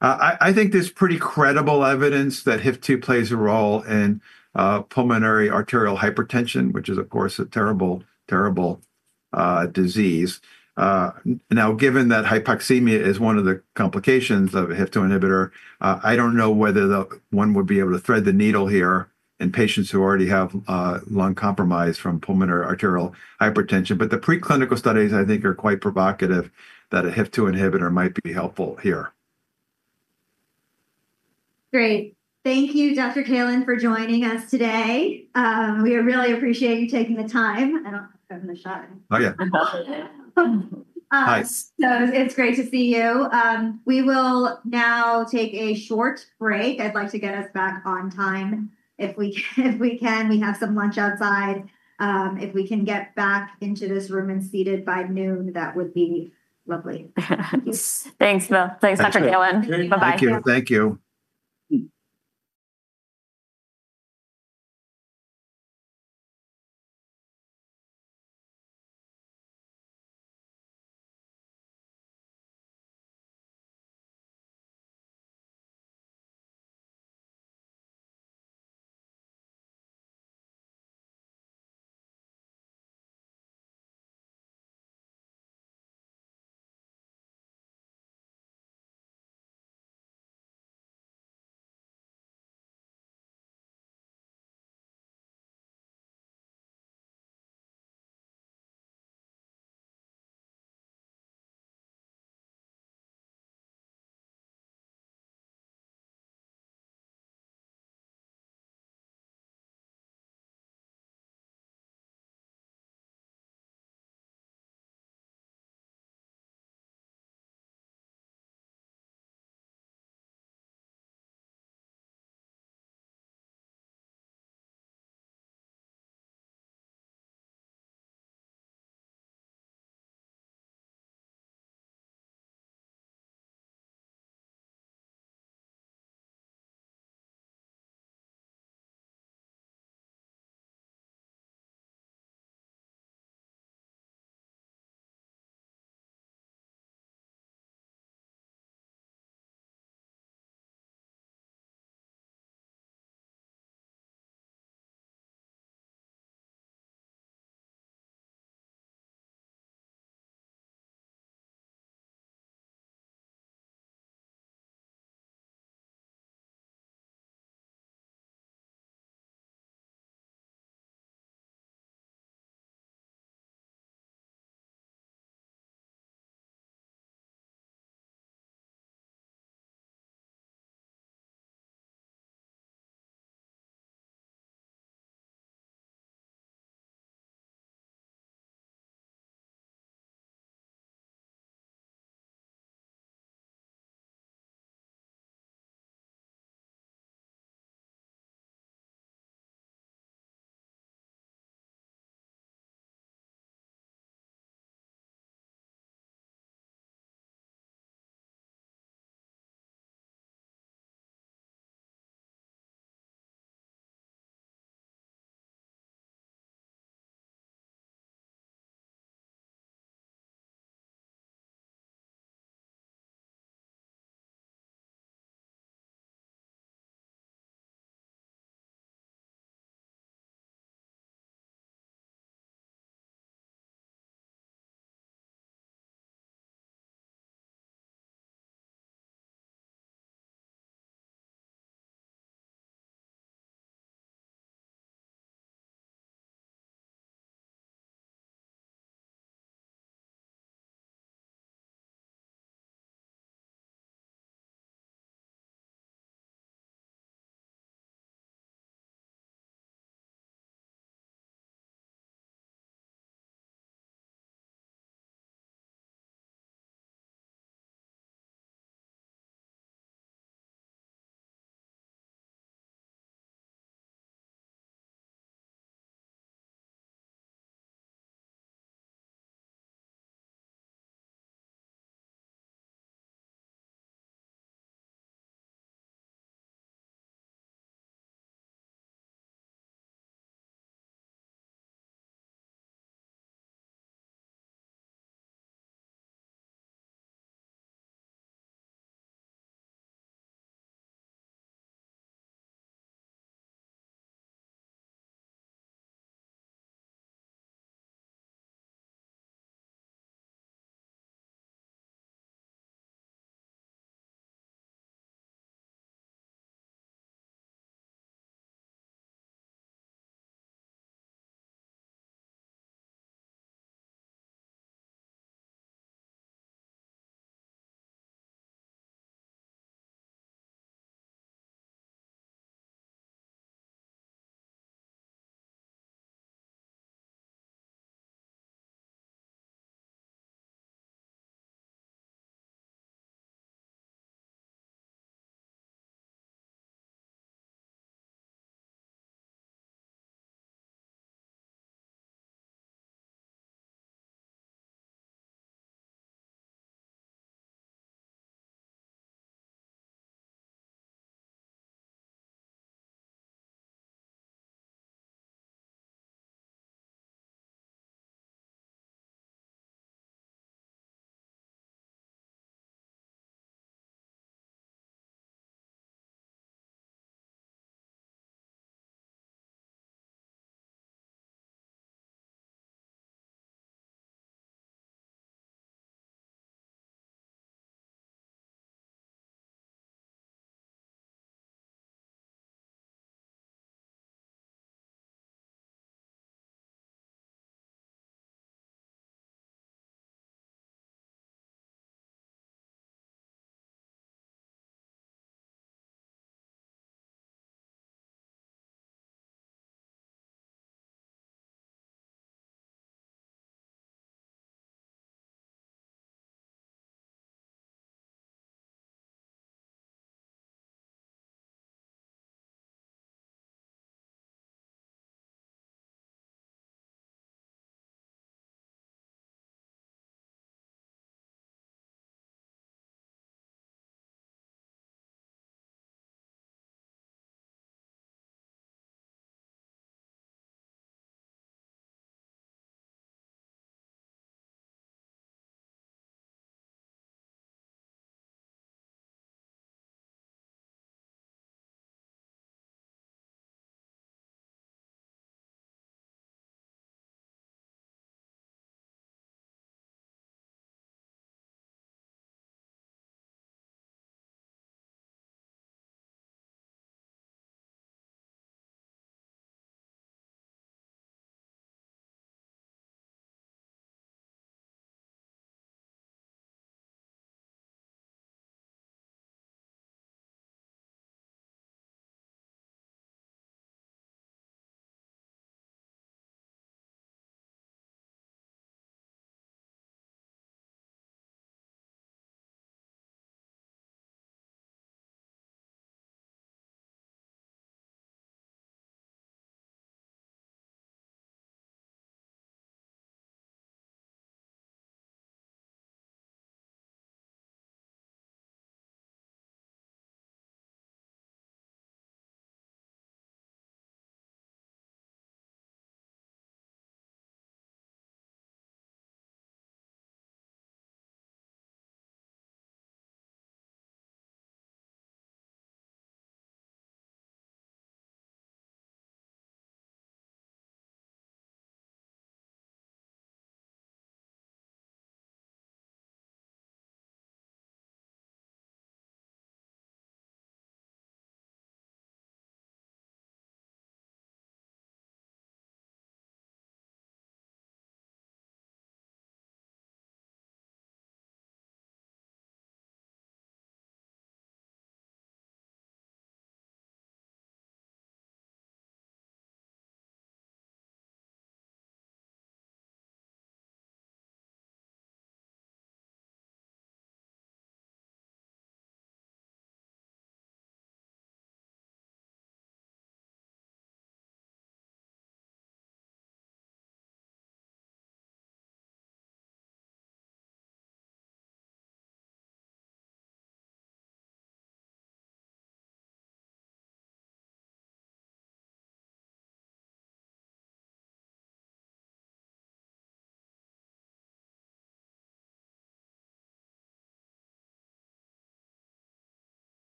I think there's pretty credible evidence that HIF-2 plays a role in pulmonary arterial hypertension, which is, of course, a terrible, terrible disease. Now, given that hypoxemia is one of the complications of a HIF-2 inhibitor, I don't know whether one would be able to thread the needle here in patients who already have lung compromise from pulmonary arterial hypertension. The preclinical studies, I think, are quite provocative that a HIF-2 inhibitor might be helpful here. Great. Thank you, Dr. Bill Kaelin, for joining us today. We really appreciate you taking the time. I don't have the sharm. Oh, yeah. I'm baffled. Nice. It's great to see you. We will now take a short break. I'd like to get us back on time. If we can, we have some lunch outside. If we can get back into this room and seated by noon, that would be lovely. Thanks, Bill. Thanks, Dr. Kaelin. Thank you. Bye-bye. Thank you.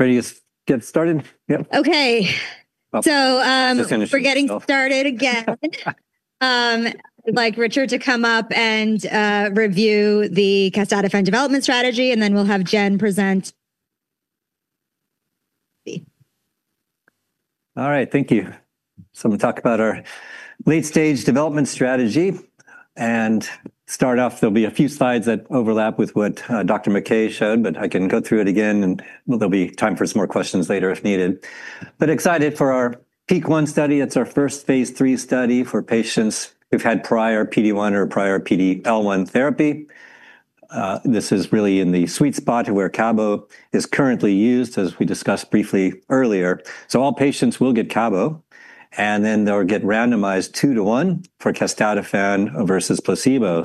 Okay. We're getting started again. I'd like Richard to come up and review the casdatifan development strategy, and then we'll have Jen present. All right, thank you. I'm going to talk about our late-stage development strategy. To start off, there'll be a few slides that overlap with what Dr. McKay showed, but I can go through it again, and there'll be time for some more questions later if needed. Excited for our PEAK-1 study. It's our first phase III study for patients who've had prior PD-1 or prior PD-L1 therapy. This is really in the sweet spot where cabozantinib is currently used, as we discussed briefly earlier. All patients will get cabozantinib, and then they'll get randomized two to one for casdatifan versus placebo.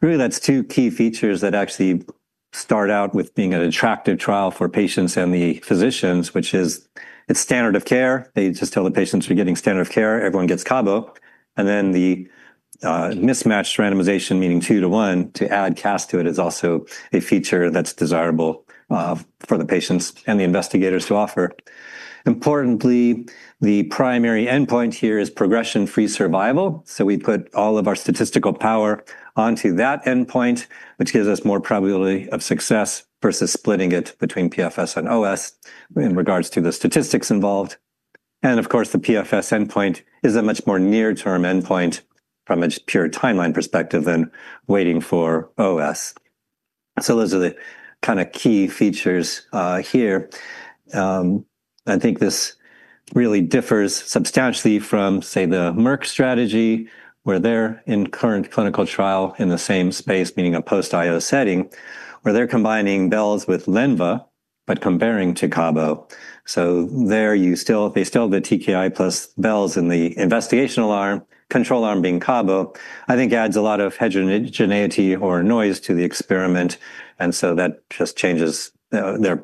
That's two key features that actually start out with being an attractive trial for patients and the physicians, which is its standard of care. They just tell the patients you're getting standard of care, everyone gets cabozantinib. The mismatched randomization, meaning two to one to add casdatifan to it, is also a feature that's desirable for the patients and the investigators who offer. Importantly, the primary endpoint here is progression-free survival. We put all of our statistical power onto that endpoint, which gives us more probability of success versus splitting it between PFS and OS in regards to the statistics involved. The PFS endpoint is a much more near-term endpoint from a pure timeline perspective than waiting for OS. Those are the kind of key features here. I think this really differs substantially from, say, the Merck strategy, where they're in current clinical trial in the same space, meaning a post-IO setting, where they're combining belzutifan with lenvatinib, but comparing to cabozantinib. There you still, they still have the TKI plus belzutifan in the investigational arm, control arm being cabozantinib. I think adds a lot of heterogeneity or noise to the experiment, and that just changes their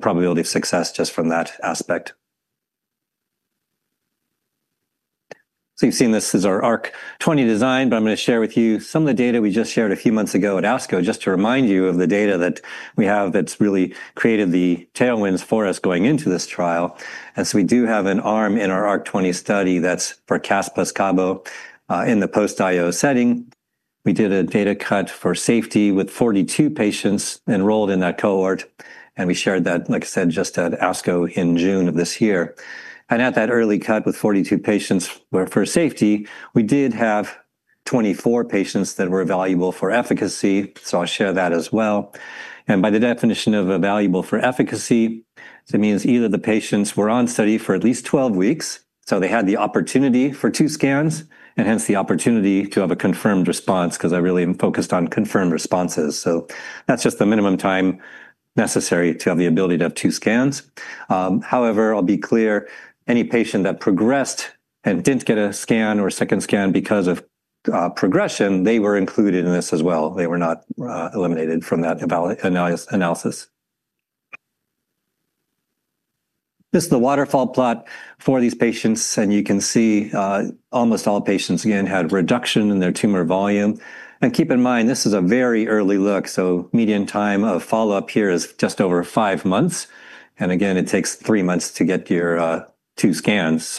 probability of success just from that aspect. You've seen this is our ARC-20 design, but I'm going to share with you some of the data we just shared a few months ago at ASCO, just to remind you of the data that we have that's really created the tailwinds for us going into this trial. We do have an arm in our ARC-20 study that's for casdatifan plus cabozantinib in the post-IO setting. We did a data cut for safety with 42 patients enrolled in that cohort, and we shared that, like I said, just at ASCO in June of this year. At that early cut with 42 patients for safety, we did have 24 patients that were evaluable for efficacy, so I'll share that as well. By the definition of a valuable for efficacy, it means either the patients were on study for at least 12 weeks, so they had the opportunity for two scans, and hence the opportunity to have a confirmed response, because I really am focused on confirmed responses. That's just the minimum time necessary to have the ability to have two scans. However, I'll be clear, any patient that progressed and didn't get a scan or a second scan because of progression, they were included in this as well. They were not eliminated from that analysis. This is the waterfall plot for these patients, and you can see almost all patients, again, had reduction in their tumor volume. Keep in mind, this is a very early look, so median time of follow-up here is just over five months. It takes three months to get your two scans.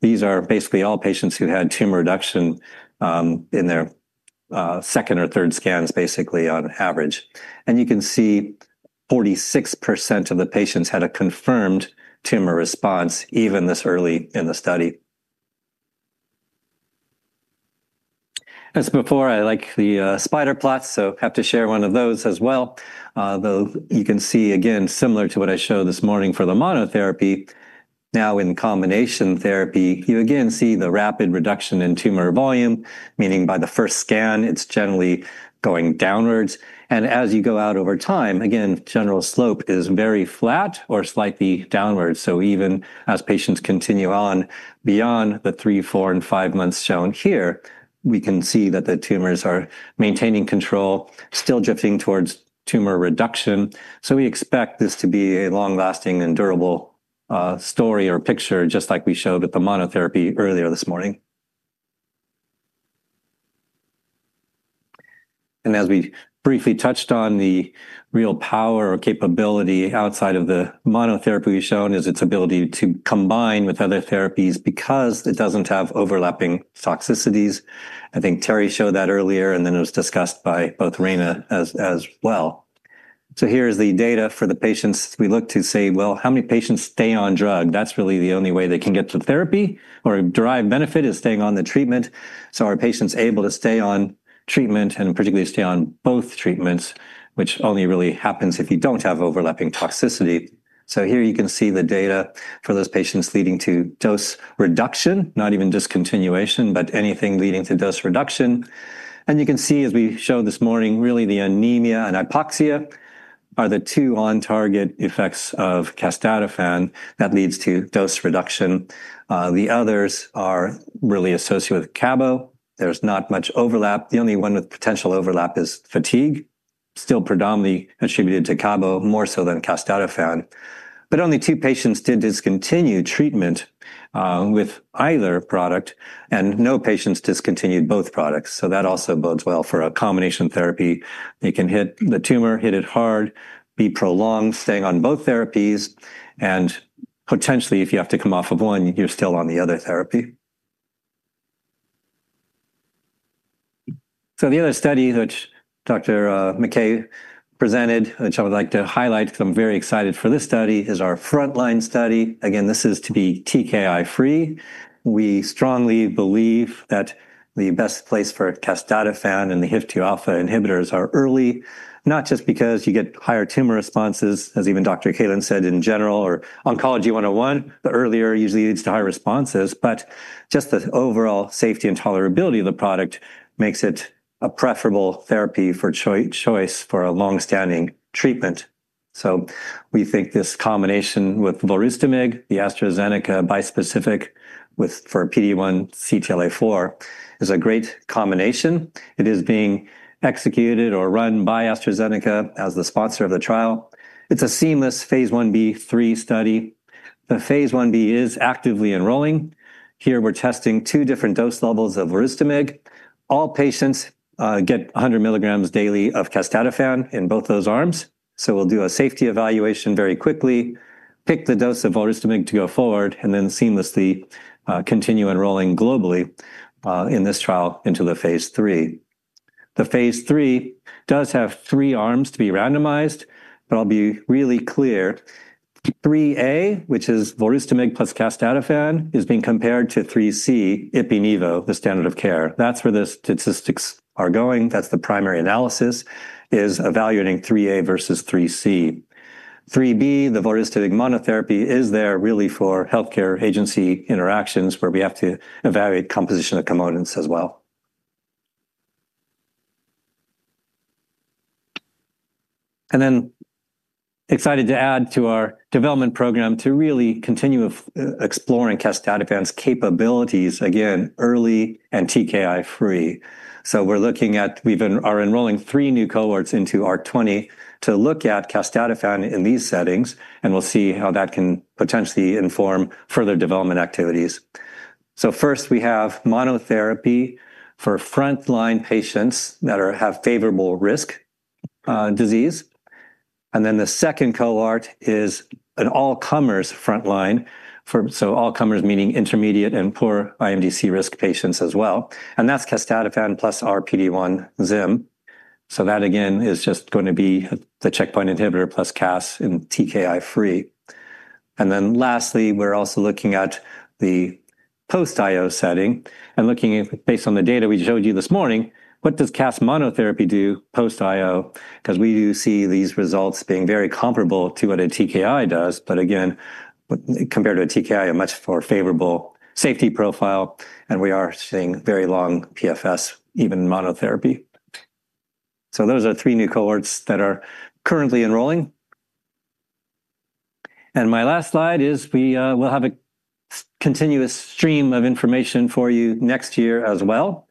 These are basically all patients who had tumor reduction in their second or third scans, basically, on average. You can see 46% of the patients had a confirmed tumor response, even this early in the study. As before, I like the spider plots, so I have to share one of those as well. You can see, again, similar to what I showed this morning for the monotherapy, now in combination therapy, you again see the rapid reduction in tumor volume, meaning by the first scan, it's generally going downwards. As you go out over time, again, general slope is very flat or slightly downward. Even as patients continue on beyond the three, four, and five months shown here, we can see that the tumors are maintaining control, still drifting towards tumor reduction. We expect this to be a long-lasting and durable story or picture, just like we showed with the monotherapy earlier this morning. As we briefly touched on, the real power or capability outside of the monotherapy we've shown is its ability to combine with other therapies because it doesn't have overlapping toxicities. I think Terry showed that earlier, and then it was discussed by both Raina as well. Here is the data for the patients. We look to say, how many patients stay on drug? That's really the only way they can get to therapy or derive benefit is staying on the treatment. Are patients able to stay on treatment and particularly stay on both treatments, which only really happens if you don't have overlapping toxicity? Here you can see the data for those patients leading to dose reduction, not even discontinuation, but anything leading to dose reduction. You can see, as we showed this morning, really the anemia and hypoxia are the two on-target effects of casdatifan that lead to dose reduction. The others are really associated with cabozantinib. There's not much overlap. The only one with potential overlap is fatigue, still predominantly attributed to cabozantinib, more so than casdatifan. Only two patients did discontinue treatment with either product, and no patients discontinued both products. That also bodes well for a combination therapy. You can hit the tumor, hit it hard, be prolonged staying on both therapies, and potentially, if you have to come off of one, you're still on the other therapy. The other study that Dr. McKay presented, which I would like to highlight because I'm very excited for this study, is our frontline study. This is to be TKI-3. We strongly believe that the best place for casdatifan and the HIF-2α Inhibitors are early, not just because you get higher tumor responses, as even Dr. Kaelin said in general, or oncology 101, the earlier usually leads to higher responses, but just the overall safety and tolerability of the product makes it a preferable therapy of choice for a longstanding treatment. We think this combination with volrustomig, the AstraZeneca bispecific for PD-1/CTLA-4, is a great combination. It is being executed or run by AstraZeneca as the sponsor of the trial. It's a seamless phase I-B/III study. phase I-B is actively enrolling. Here, we're testing two different dose levels of volrustomig. All patients get 100 mg daily. casdatifan in both those arms. We'll do a safety evaluation very quickly, pick the dose of volrustomig to go forward, and then seamlessly continue enrolling globally in this trial into the phase III. The phase III does have three arms to be randomized, but I'll be really clear. 3A, which is volrustomig plus casdatifan, is being compared to 3C, ipi nivo, the standard of care. That's where the statistics are going. That's the primary analysis is evaluating 3A versus 3C. 3B, the volrustomig monotherapy, is there really for healthcare agency interactions where we have to evaluate composition of components as well. Excited to add to our development program to really continue exploring casdatifan's capabilities again, early and TKI-3. We're looking at, we've been enrolling three new cohorts into ARC-20 to look at casdatifan in these settings, and we'll see how that can potentially inform further development activities. First, we have monotherapy for frontline patients that have favorable risk disease. The second cohort is an all-comers frontline, so all-comers meaning intermediate and poor IMDC risk patients as well. That's casdatifan plus our PD-1 zim. That again is just going to be the checkpoint inhibitor plus cas in TKI-3. Lastly, we're also looking at the post-IO setting and looking based on the data we showed you this morning, what does cas monotherapy do post-IO? We do see these results being very comparable to what a TKI does, but again, compared to a TKI, a much more favorable safety profile, and we are seeing very long PFS, even monotherapy. Those are three new cohorts that are currently enrolling. My last slide is we will have a continuous stream of information for you next year as well.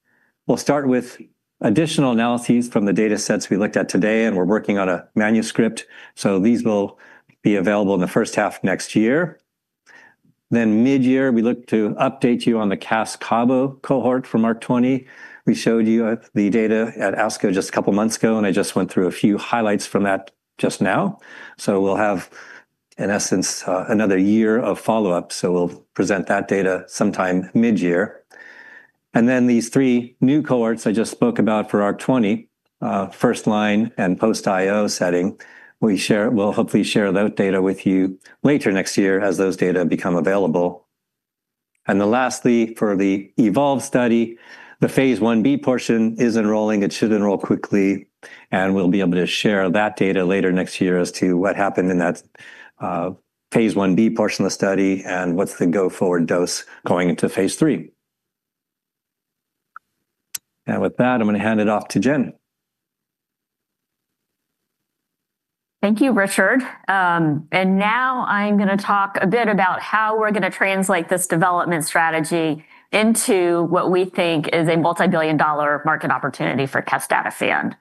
We'll start with additional analyses from the data sets we looked at today, and we're working on a manuscript. These will be available in the first half next year. Mid-year, we look to update you on the cas-cabo cohort from ARC-20. We showed you the data at ASCO just a couple of months ago, and I just went through a few highlights from that just now. We'll have, in essence, another year of follow-up. We'll present that data sometime mid-year. These three new cohorts I just spoke about for ARC-20, first line and post-IO setting, we'll hopefully share that data with you later next year as those data become available. Lastly, for the eVOLVE study, phase I-B portion is enrolling. It should enroll quickly, and we'll be able to share that data later next year as to what happened in phase I-B portion of the study and what's the go-forward dose going into phase III. With that, I'm going to hand it off to Jen. Thank you, Richard. Now I'm going to talk a bit about how we're going to translate this development strategy into what we think is a multi-billion dollar market opportunity for casdatifan.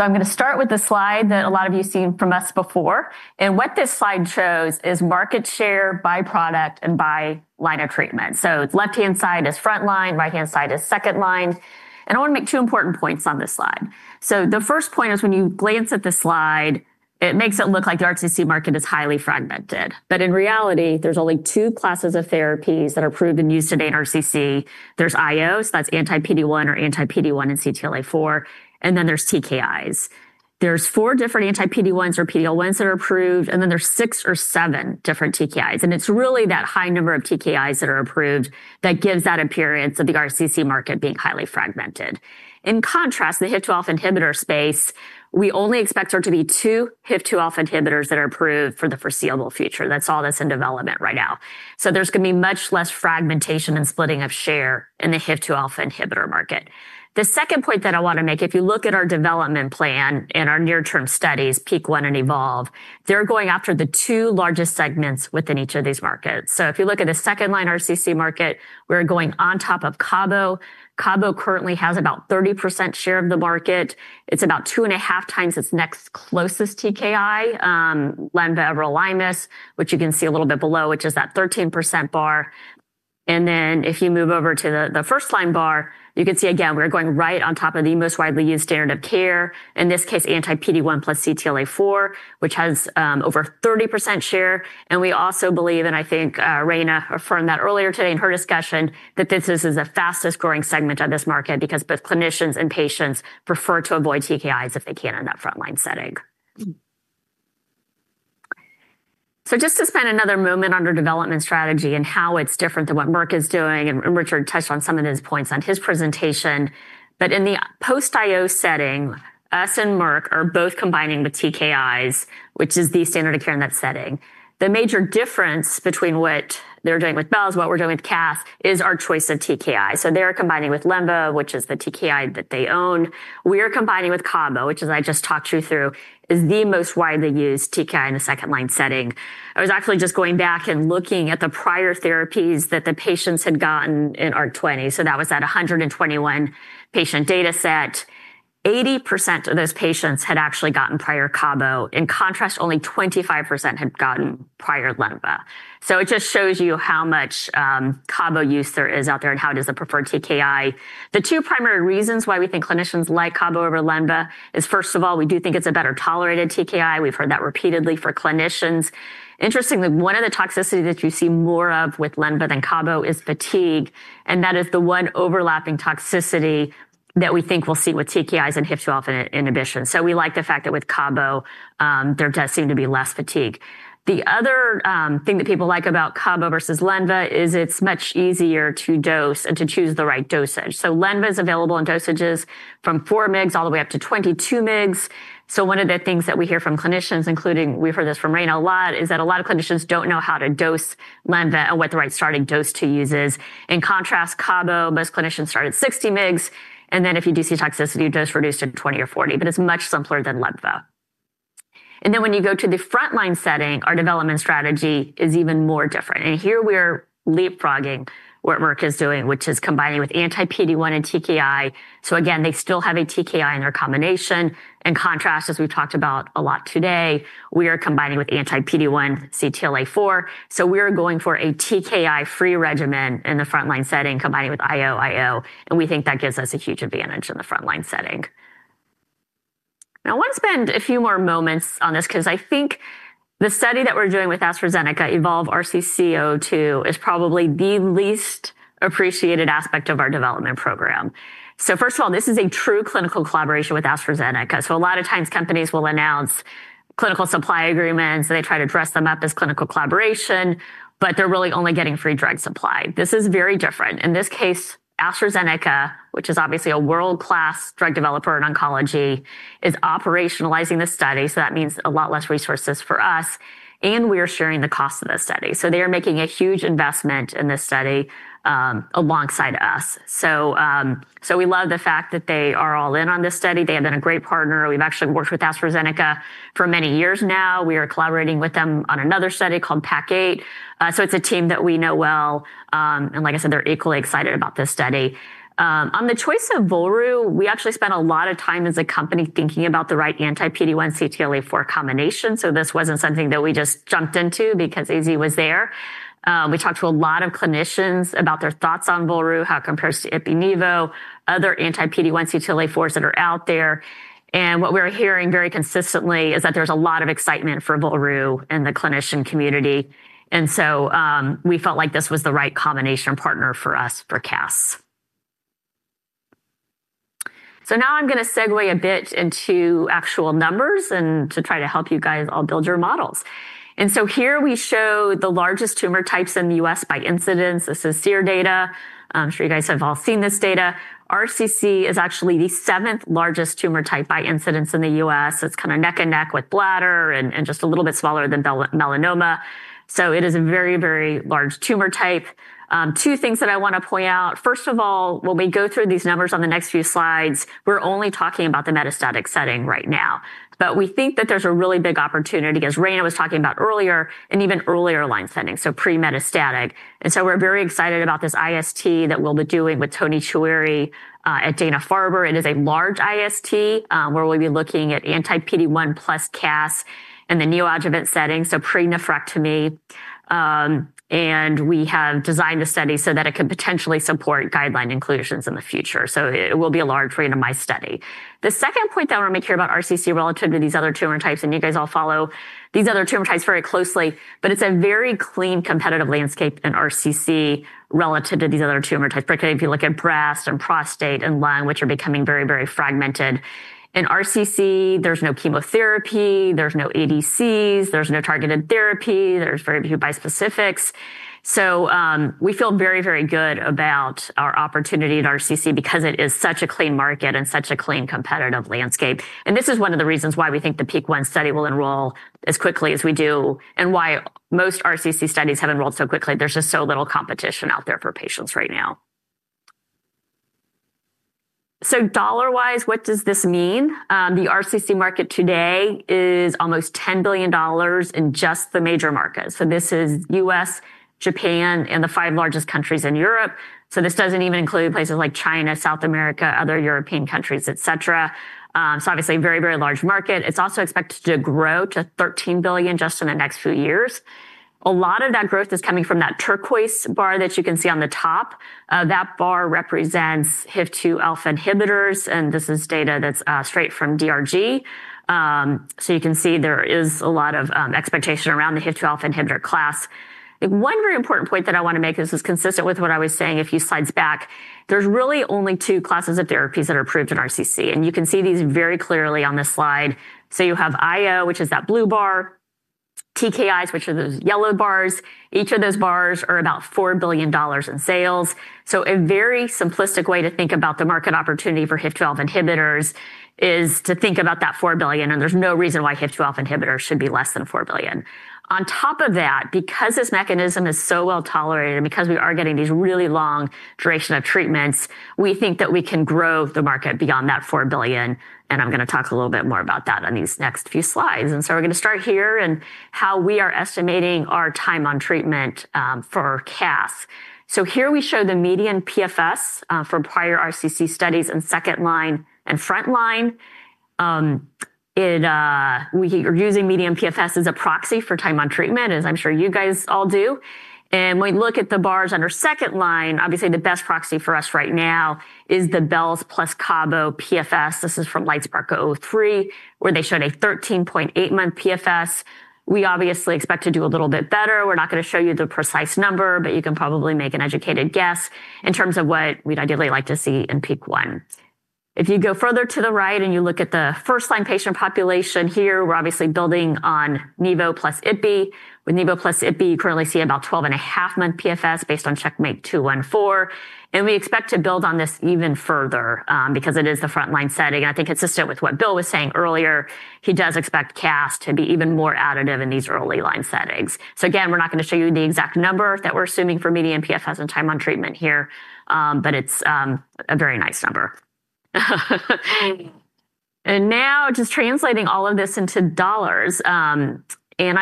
I'm going to start with the slide that a lot of you have seen from us before. What this slide shows is market share by product and by line of treatment. The left-hand side is frontline, right-hand side is second-line. I want to make two important points on this slide. The first point is when you glance at this slide, it makes it look like the RCC market is highly fragmented. In reality, there's only two classes of therapies that are approved and used today in RCC. There's IOs, that's anti-PD1 or anti-PD1 in CTLA4, and then there's TKIs. There's four different anti-PD1s or PDL1s that are approved, and then there's six or seven different TKIs. It's really that high number of TKIs that are approved that gives that appearance of the RCC market being highly fragmented. In contrast, in the HIF-2α Inhibitor space, we only expect there to be two HIF-2α Inhibitors that are approved for the foreseeable future. That's all that's in development right now. There's going to be much less fragmentation and splitting of share in the HIF-2α Inhibitor market. The second point that I want to make, if you look at our development plan and our near-term studies, PEAK-1 and eVOLVE, they're going after the two largest segments within each of these markets. If you look at the second-line RCC market, we're going on top of cabozantinib. Cabozantinib currently has about 30% share of the market. It's about 2.5x its next closest TKI, lenvatinib-everolimus, which you can see a little bit below, which is that 13% bar. If you move over to the first-line bar, you can see again, we're going right on top of the most widely used standard of care, in this case, anti-PD1 plus CTLA4, which has over 30% share. We also believe, and I think Raina affirmed that earlier today in her discussion, that this is the fastest growing segment of this market because both clinicians and patients prefer to avoid TKIs if they can in that frontline setting. Just to spend another moment on our development strategy and how it's different than what Merck is doing, and Richard touched on some of those points in his presentation. In the post-IO setting, us and Merck are both combining with TKIs, which is the standard of care in that setting. The major difference between what they're doing with belzutifan, what we're doing with casdatifan, is our choice of TKI. They're combining with lenvatinib, which is the TKI that they own. We're combining with cabozantinib, which as I just talked you through, is the most widely used TKI in the second-line setting. I was actually just going back and looking at the prior therapies that the patients had gotten in ARC-20. That was that 121-patient data set. 80% of those patients had actually gotten prior cabozantinib. In contrast, only 25% had gotten prior lenvatinib. It just shows you how much cabozantinib use there is out there and how it is a preferred TKI. The two primary reasons why we think clinicians like cabozantinib over lenvatinib is, first of all, we do think it's a better tolerated TKI. We've heard that repeatedly from clinicians. Interestingly, one of the toxicities that you see more of with lenvatinib than cabozantinib is fatigue. That is the one overlapping toxicity that we think we'll see with TKIs and HIF-2α inhibition. We like the fact that with cabozantinib, there does seem to be less fatigue. The other thing that people like about cabozantinib versus lenvatinib is it's much easier to dose and to choose the right dosage. Lenvatinib is available in dosages from 4 mg all the way up to 22 mg. One of the things that we hear from clinicians, including we've heard this from Raina a lot, is that a lot of clinicians don't know how to dose lenvatinib and what the right starting dose to use is. In contrast, cabozantinib, most clinicians start at 60 mg, and then if you do see toxicity, you just reduce to 20 mg or 40 mg. It's much simpler than lenvatinib. When you go to the frontline setting, our development strategy is even more different. Here we are leapfrogging what Merck is doing, which is combining with anti-PD-1 and TKI. They still have a TKI in their combination. In contrast, as we've talked about a lot today, we are combining with anti-PD-1, CTLA-4. We are going for a TKI-3 regimen in the frontline setting, combining with IO, IO. We think that gives us a huge advantage in the frontline setting. I want to spend a few more moments on this because I think the study that we're doing with AstraZeneca, eVOLVE RCC02, is probably the least appreciated aspect of our development program. First of all, this is a true clinical collaboration with AstraZeneca. A lot of times companies will announce clinical supply agreements. They try to dress them up as clinical collaboration, but they're really only getting free drug supply. This is very different. In this case, AstraZeneca, which is obviously a world-class drug developer in oncology, is operationalizing the study. That means a lot less resources for us, and we are sharing the cost of the study. They are making a huge investment in this study alongside us. We love the fact that they are all in on this study. They have been a great partner. We've actually worked with AstraZeneca for many years now. We are collaborating with them on another study called PAC8. It's a team that we know well. Like I said, they're equally excited about this study. On the choice of volrustomig, we actually spent a lot of time as a company thinking about the right anti-PD-1/CTLA-4 combination. This wasn't something that we just jumped into because AstraZeneca was there. We talked to a lot of clinicians about their thoughts on volrustomig, how it compares to ipilimumab/nivolumab, other anti-PD-1/CTLA-4s that are out there. What we're hearing very consistently is that there's a lot of excitement for volrustomig in the clinician community. We felt like this was the right combination partner for us for casdatifan. Now I'm going to segue a bit into actual numbers and try to help you guys all build your models. Here we show the largest tumor types in the U.S. by incidence. This is SEER data. I'm sure you guys have all seen this data. RCC is actually the seventh largest tumor type by incidence in the U.S. It's kind of neck and neck with bladder and just a little bit smaller than melanoma. It is a very, very large tumor type. Two things that I want to point out. First of all, when we go through these numbers on the next few slides, we're only talking about the metastatic setting right now. We think that there's a really big opportunity, as Raina was talking about earlier, in even earlier line settings, pre-metastatic. We are very excited about this IST that we'll be doing with Tony Choueiri at Dana-Farber. It is a large IST where we'll be looking at anti-PD-1 plus casdatifan in the neoadjuvant setting, pre-nephrectomy. We have designed a study so that it could potentially support guideline inclusions in the future. It will be a large randomized study. The second point that I want to make here about RCC relative to these other tumor types, and you guys all follow these other tumor types very closely, but it's a very clean competitive landscape in RCC relative to these other tumor types, particularly if you look at breast and prostate and lung, which are becoming very, very fragmented. In RCC, there's no chemotherapy, there's no ADCs, there's no targeted therapy, there's very few bispecifics. We feel very, very good about our opportunity in RCC because it is such a clean market and such a clean competitive landscape. This is one of the reasons why we think the PEAK-1 study will enroll as quickly as we do and why most RCC studies have enrolled so quickly. There's just so little competition out there for patients right now. Dollar-wise, what does this mean? The RCC market today is almost $10 billion in just the major markets. This is U.S., Japan, and the five largest countries in Europe. This doesn't even include places like China, South America, other European countries, etc. Obviously, a very, very large market. It's also expected to grow to $13 billion just in the next few years. A lot of that growth is coming from that turquoise bar that you can see on the top. That bar represents HIF-2α Inhibitors, and this is data that's straight from DRG. You can see there is a lot of expectation around the HIF-2α Inhibitor class. I think one very important point that I want to make, and this is consistent with what I was saying a few slides back, there's really only two classes of therapies that are approved in RCC, and you can see these very clearly on this slide. You have IO, which is that blue bar, TKIs, which are those yellow bars. Each of those bars are about $4 billion in sales. A very simplistic way to think about the market opportunity for HIF-2α Inhibitors is to think about that $4 billion, and there's no reason why HIF-2α Inhibitors should be less than $4 billion. On top of that, because this mechanism is so well tolerated and because we are getting these really long duration of treatments, we think that we can grow the market beyond that $4 billion. I'm going to talk a little bit more about that on these next few slides. We're going to start here and how we are estimating our time on treatment for casdatifan. Here we show the median PFS for prior RCC studies in second line and frontline. We are using median PFS as a proxy for time on treatment, as I'm sure you guys all do. When we look at the bars under second line, obviously the best proxy for us right now is the belzutifan plus cabozantinib PFS. This is from LITESPARK-03, where they showed a 13.8 month PFS. We obviously expect to do a little bit better. We're not going to show you the precise number, but you can probably make an educated guess in terms of what we'd ideally like to see in PEAK-1. If you go further to the right and you look at the first-line patient population here, we're obviously building on nivo plus ipi. With nivo plus ipi, you currently see about 12.5 month PFS based on CheckMate 214. We expect to build on this even further because it is the frontline setting. I think consistent with what Bill was saying earlier, he does expect casdatifan to be even more additive in these early line settings. Again, we're not going to show you the exact number that we're assuming for median PFS and time on treatment here, but it's a very nice number. Now just translating all of this into dollars. I'm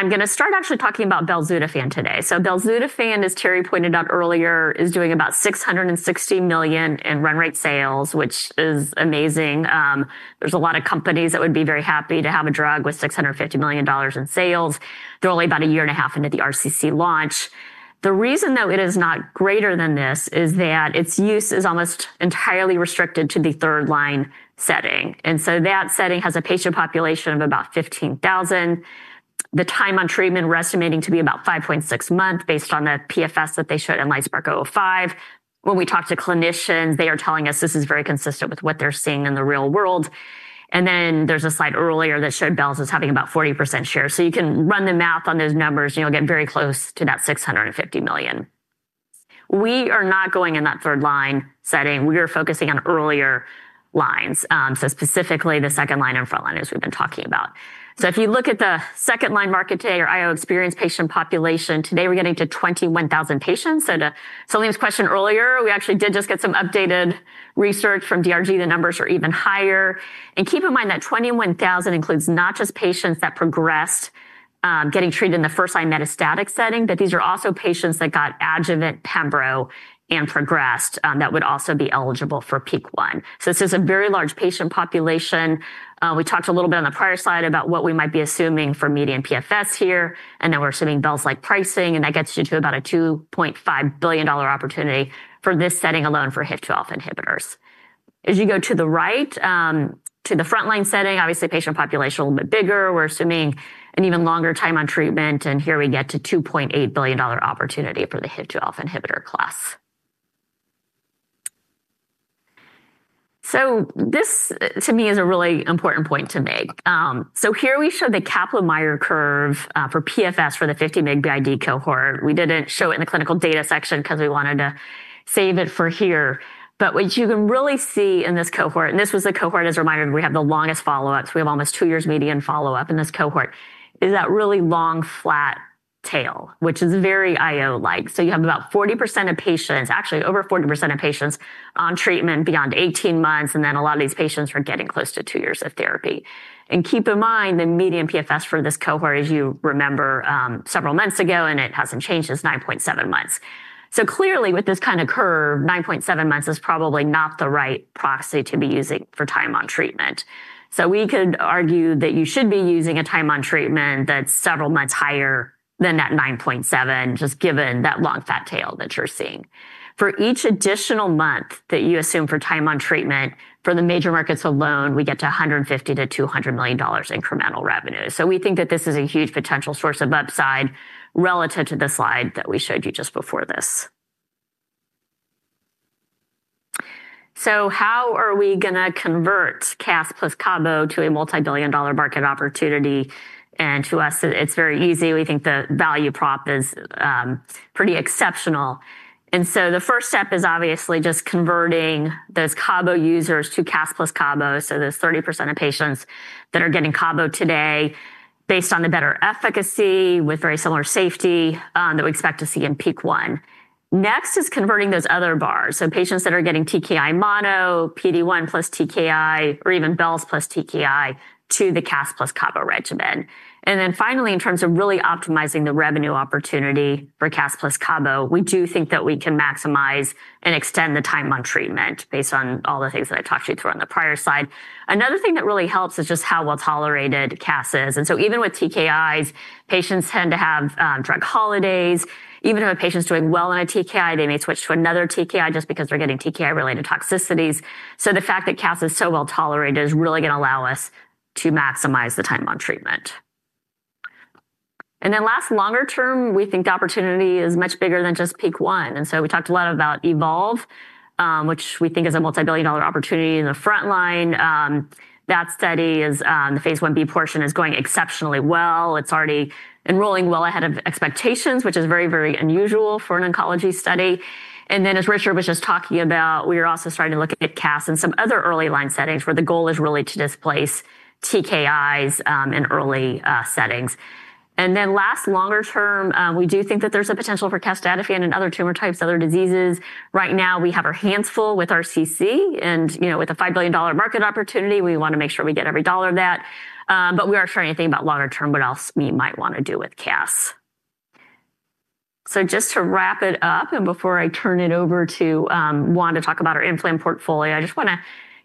going to start actually talking about belzutifan today. So belzutifan, as Terry pointed out earlier, is doing about $660 million in run rate sales, which is amazing. There are a lot of companies that would be very happy to have a drug with $650 million in sales. They're only about a year and a half into the RCC launch. The reason though it is not greater than this is that its use is almost entirely restricted to the third line setting. That setting has a patient population of about 15,000. The time on treatment we're estimating to be about 5.6 months based on the PFS that they showed in LITESPARK-05. When we talk to clinicians, they are telling us this is very consistent with what they're seeing in the real world. There is a slide earlier that showed belzutifan as having about 40% share. You can run the math on those numbers, you know, get very close to that $650 million. We are not going in that third line setting. We are focusing on earlier lines, specifically the second line and frontline as we've been talking about. If you look at the second line market today or IO experienced patient population, today we're getting to 21,000 patients. To Sylvia's question earlier, we actually did just get some updated research from DRG. The numbers are even higher. Keep in mind that 21,000 includes not just patients that progressed getting treated in the first-line metastatic setting, but these are also patients that got adjuvant Pembro and progressed that would also be eligible for PEAK-1. This is a very large patient population. We talked a little bit on the prior slide about what we might be assuming for median PFS here. We're assuming belz-like pricing, and that gets you to about a $2.5 billion opportunity for this setting alone for HIF-2α Inhibitors. As you go to the right, to the frontline setting, obviously patient population a little bit bigger. We're assuming an even longer time on treatment. Here we get to $2.8 billion opportunity for the HIF-2α Inhibitor class. This to me is a really important point to make. Here we show the Kaplan-Meier curve for PFS for the 50 mg BID cohort. We didn't show it in the clinical data section because we wanted to save it for here. What you can really see in this cohort, and this was the cohort, as a reminder, we have the longest follow-ups. We have almost two years median follow-up in this cohort. Is that really long flat tail, which is very IO-like. You have about 40% of patients, actually over 40% of patients on treatment beyond 18 months. A lot of these patients are getting close to two years of therapy. Keep in mind the median PFS for this cohort, as you remember, several months ago, and it hasn't changed, is 9.7 months. Clearly with this kind of curve, 9.7 months is probably not the right proxy to be using for time on treatment. We could argue that you should be using a time on treatment that's several months higher than that 9.7, just given that long flat tail that you're seeing. For each additional month that you assume for time on treatment for the major markets alone, we get to $150 million-$200 million incremental revenue. We think that this is a huge potential source of upside relative to the slide that we showed you just before this. How are we going to convert cas plus cabo to a multi-billion dollar market opportunity? To us, it's very easy. We think the value prop is pretty exceptional. The first step is obviously just converting those cabo users to cas plus cabo. There's 30% of patients that are getting cabo today based on a better efficacy with very similar safety that we expect to see in PEAK-1. Next is converting those other bars. Patients that are getting TKI mono, PD-1 plus TKI, or even belz plus TKI to the cas plus cabo regimen. Finally, in terms of really optimizing the revenue opportunity for cas plus cabo, we do think that we can maximize and extend the time on treatment based on all the things that I talked you through on the prior slide. Another thing that really helps is just how well tolerated cas is. Even with TKIs, patients tend to have drug holidays. Even if a patient's doing well on a TKI, they may switch to another TKI just because they're getting TKI-related toxicities. The fact that cas is so well tolerated is really going to allow us to maximize the time on treatment. Last, longer term, we think the opportunity is much bigger than just PEAK-1. We talked a lot about eVOLVE, which we think is a multi-billion dollar opportunity in the frontline. That study, phase I-B portion, is going exceptionally well. It's already enrolling well ahead of expectations, which is very, very unusual for an oncology study. As Richard was just talking about, we are also starting to look at cas in some other early line settings where the goal is really to displace TKIs in early settings. Last, longer term, we do think that there's a potential for casdatifan in other tumor types, other diseases. Right now, we have our hands full with RCC. With a $5 billion market opportunity, we want to make sure we get every dollar of that. We are trying to think about longer term, what else we might want to do with cas. Just to wrap it up, and before I turn it over to Juan to talk about our inflamed portfolio, I just want to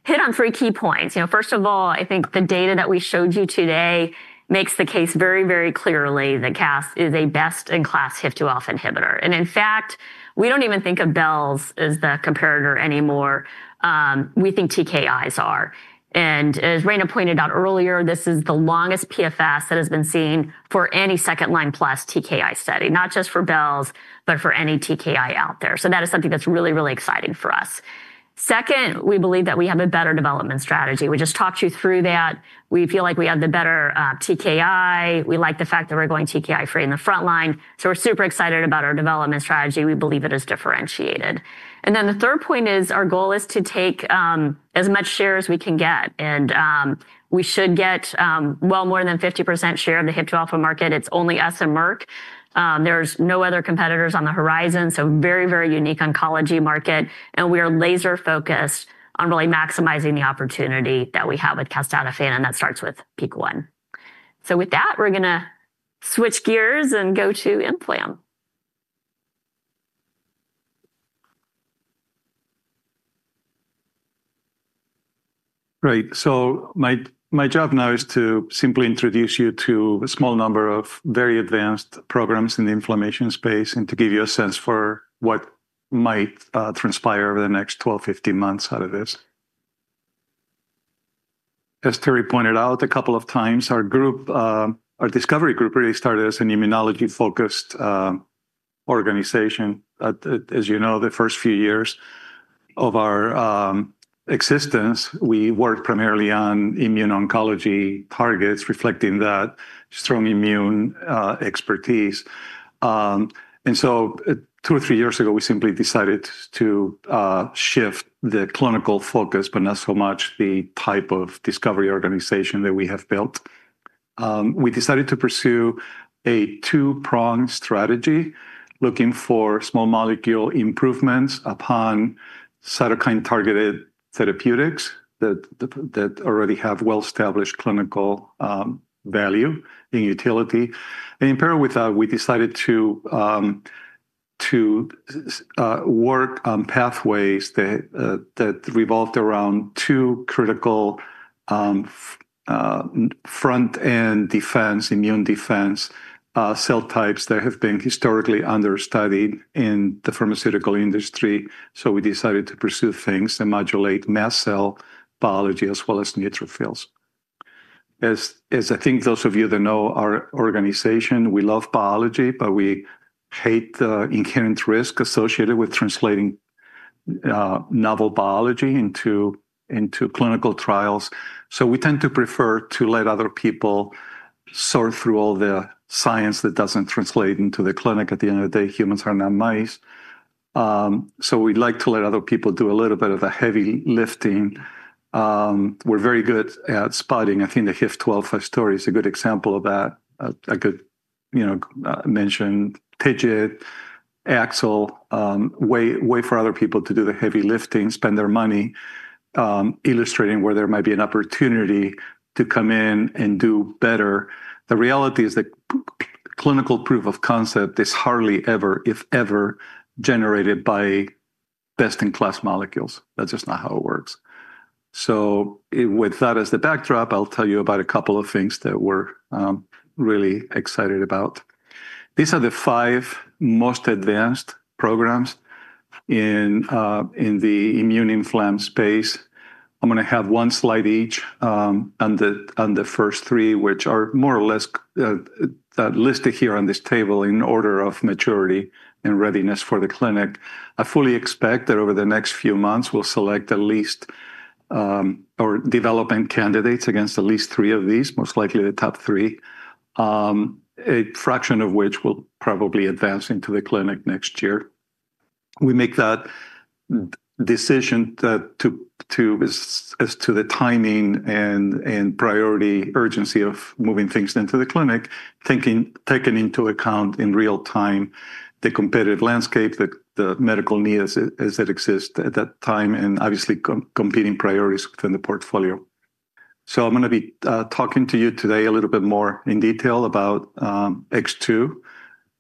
hit on three key points. First of all, I think the data that we showed you today makes the case very, very clearly that cas is a best-in-class HIF-2α Inhibitor. In fact, we don't even think of belz as the comparator anymore. We think TKIs are. As Raina pointed out earlier, this is the longest PFS that has been seen for any second-line plus TKI study, not just for belz, but for any TKI out there. That is something that's really, really exciting for us. Second, we believe that we have a better development strategy. We just talked you through that. We feel like we have the better TKI. We like the fact that we're going TKI-3 in the frontline. We're super excited about our development strategy. We believe it is differentiated. The third point is our goal is to take as much share as we can get. We should get well more than 50% share of the HIF-2α market. It's only us and Merck. There are no other competitors on the horizon. Very, very unique oncology market. We are laser-focused on really maximizing the opportunity that we have with casdatifan. That starts with PEAK-1. With that, we're going to switch gears and go to Implan. Right. My job now is to simply introduce you to a small number of very advanced programs in the inflammation space and to give you a sense for what might transpire over the next 12-15 months out of this. As Terry pointed out a couple of times, our group, our discovery group, really started as an immunology-focused organization. As you know, the first few years of our existence, we worked primarily on immune oncology targets, reflecting that strong immune expertise. Two or three years ago, we simply decided to shift the clinical focus, but not so much the type of discovery organization that we have built. We decided to pursue a two-pronged strategy, looking for small molecule improvements upon cytokine-targeted therapeutics that already have well-established clinical value and utility. In pair with that, we decided to work on pathways that revolved around two critical front-end defense, immune defense cell types that have been historically understudied in the pharmaceutical industry. We decided to pursue things that modulate mast cell biology as well as neutrophils. As I think those of you that know our organization, we love biology, but we hate the inherent risk associated with translating novel biology into clinical trials. We tend to prefer to let other people sort through all the science that doesn't translate into the clinic. At the end of the day, humans are not mice. We'd like to let other people do a little bit of the heavy lifting. We're very good at spotting. I think the HIF-2α story is a good example of that. I could mention TIGIT, actually, a way for other people to do the heavy lifting, spend their money illustrating where there might be an opportunity to come in and do better. The reality is that clinical proof of concept is hardly ever, if ever, generated by best-in-class molecules. That's just not how it works. With that as the backdrop, I'll tell you about a couple of things that we're really excited about. These are the five most advanced programs in the immune inflamed space. I'm going to have one slide each on the first three, which are more or less listed here on this table in order of maturity and readiness for the clinic. I fully expect that over the next few months, we'll select at least our development candidates against at least three of these, most likely the top three, a fraction of which will probably advance into the clinic next year. We make that decision as to the timing and priority urgency of moving things into the clinic, taking into account in real time the competitive landscape, the medical need as it exists at that time, and obviously competing priorities within the portfolio. I'm going to be talking to you today a little bit more in detail about X2,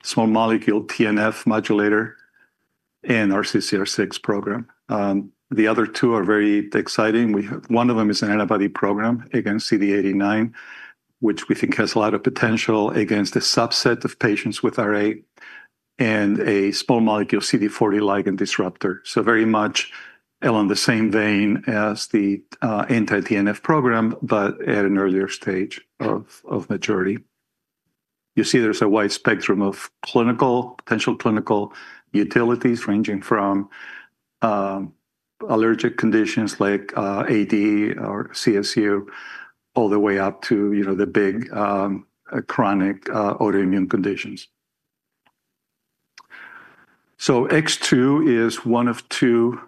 small molecule TNF modulator and RCCR6 program. The other two are very exciting. One of them is an antibody program against CD89, which we think has a lot of potential against a subset of patients with RA and a small molecule CD40 ligand disruptor. Very much along the same vein as the anti-TNF program, but at an earlier stage of maturity. You see there's a wide spectrum of potential clinical utilities ranging from allergic conditions like AD or CSU, all the way up to the big chronic autoimmune conditions. X2 is one of two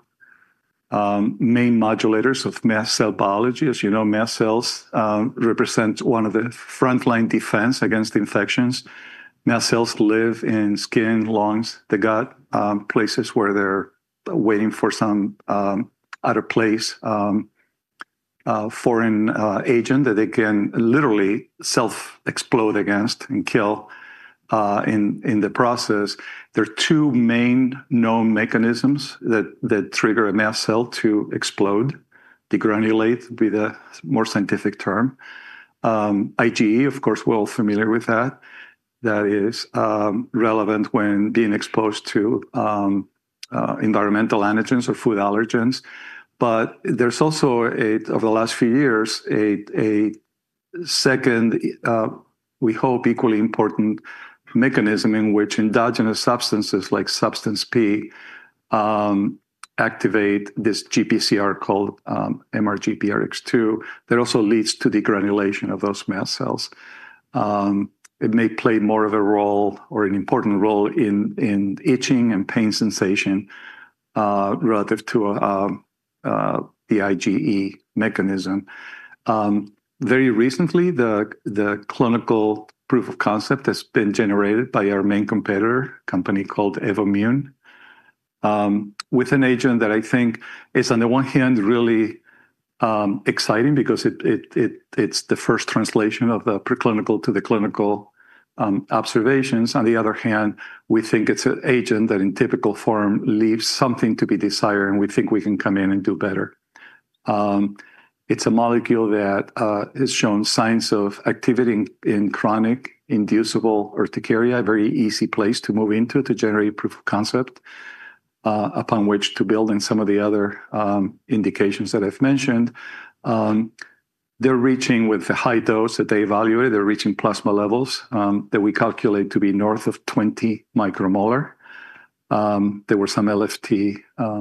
main modulators of mast cell biology. As you know, mast cells represent one of the frontline defense against infections. Mast cells live in skin, lungs, the gut, places where they're waiting for some out of place foreign agent that they can literally self-explode against and kill in the process. There are two main known mechanisms that trigger a mast cell to explode, degranulate to be the more scientific term. IgE, of course, we're all familiar with that. That is relevant when being exposed to environmental antigens or food allergens. There's also, over the last few years, a second, we hope equally important mechanism in which endogenous substances like substance P activate this GPCR called MRGPRX2 that also leads to degranulation of those mast cells. It may play more of a role or an important role in itching and pain sensation relative to the IgE mechanism. Very recently, the clinical proof of concept has been generated by our main competitor, a company called Evommune, with an agent that I think is, on the one hand, really exciting because it's the first translation of the preclinical to the clinical observations. On the other hand, we think it's an agent that in typical form leaves something to be desired, and we think we can come in and do better. It's a molecule that has shown signs of activity in chronic inducible urticaria, a very easy place to move into to generate proof of concept upon which to build in some of the other indications that I've mentioned. They're reaching with the high dose that they evaluate. They're reaching plasma levels that we calculate to be north of 20 μM. There were some LFT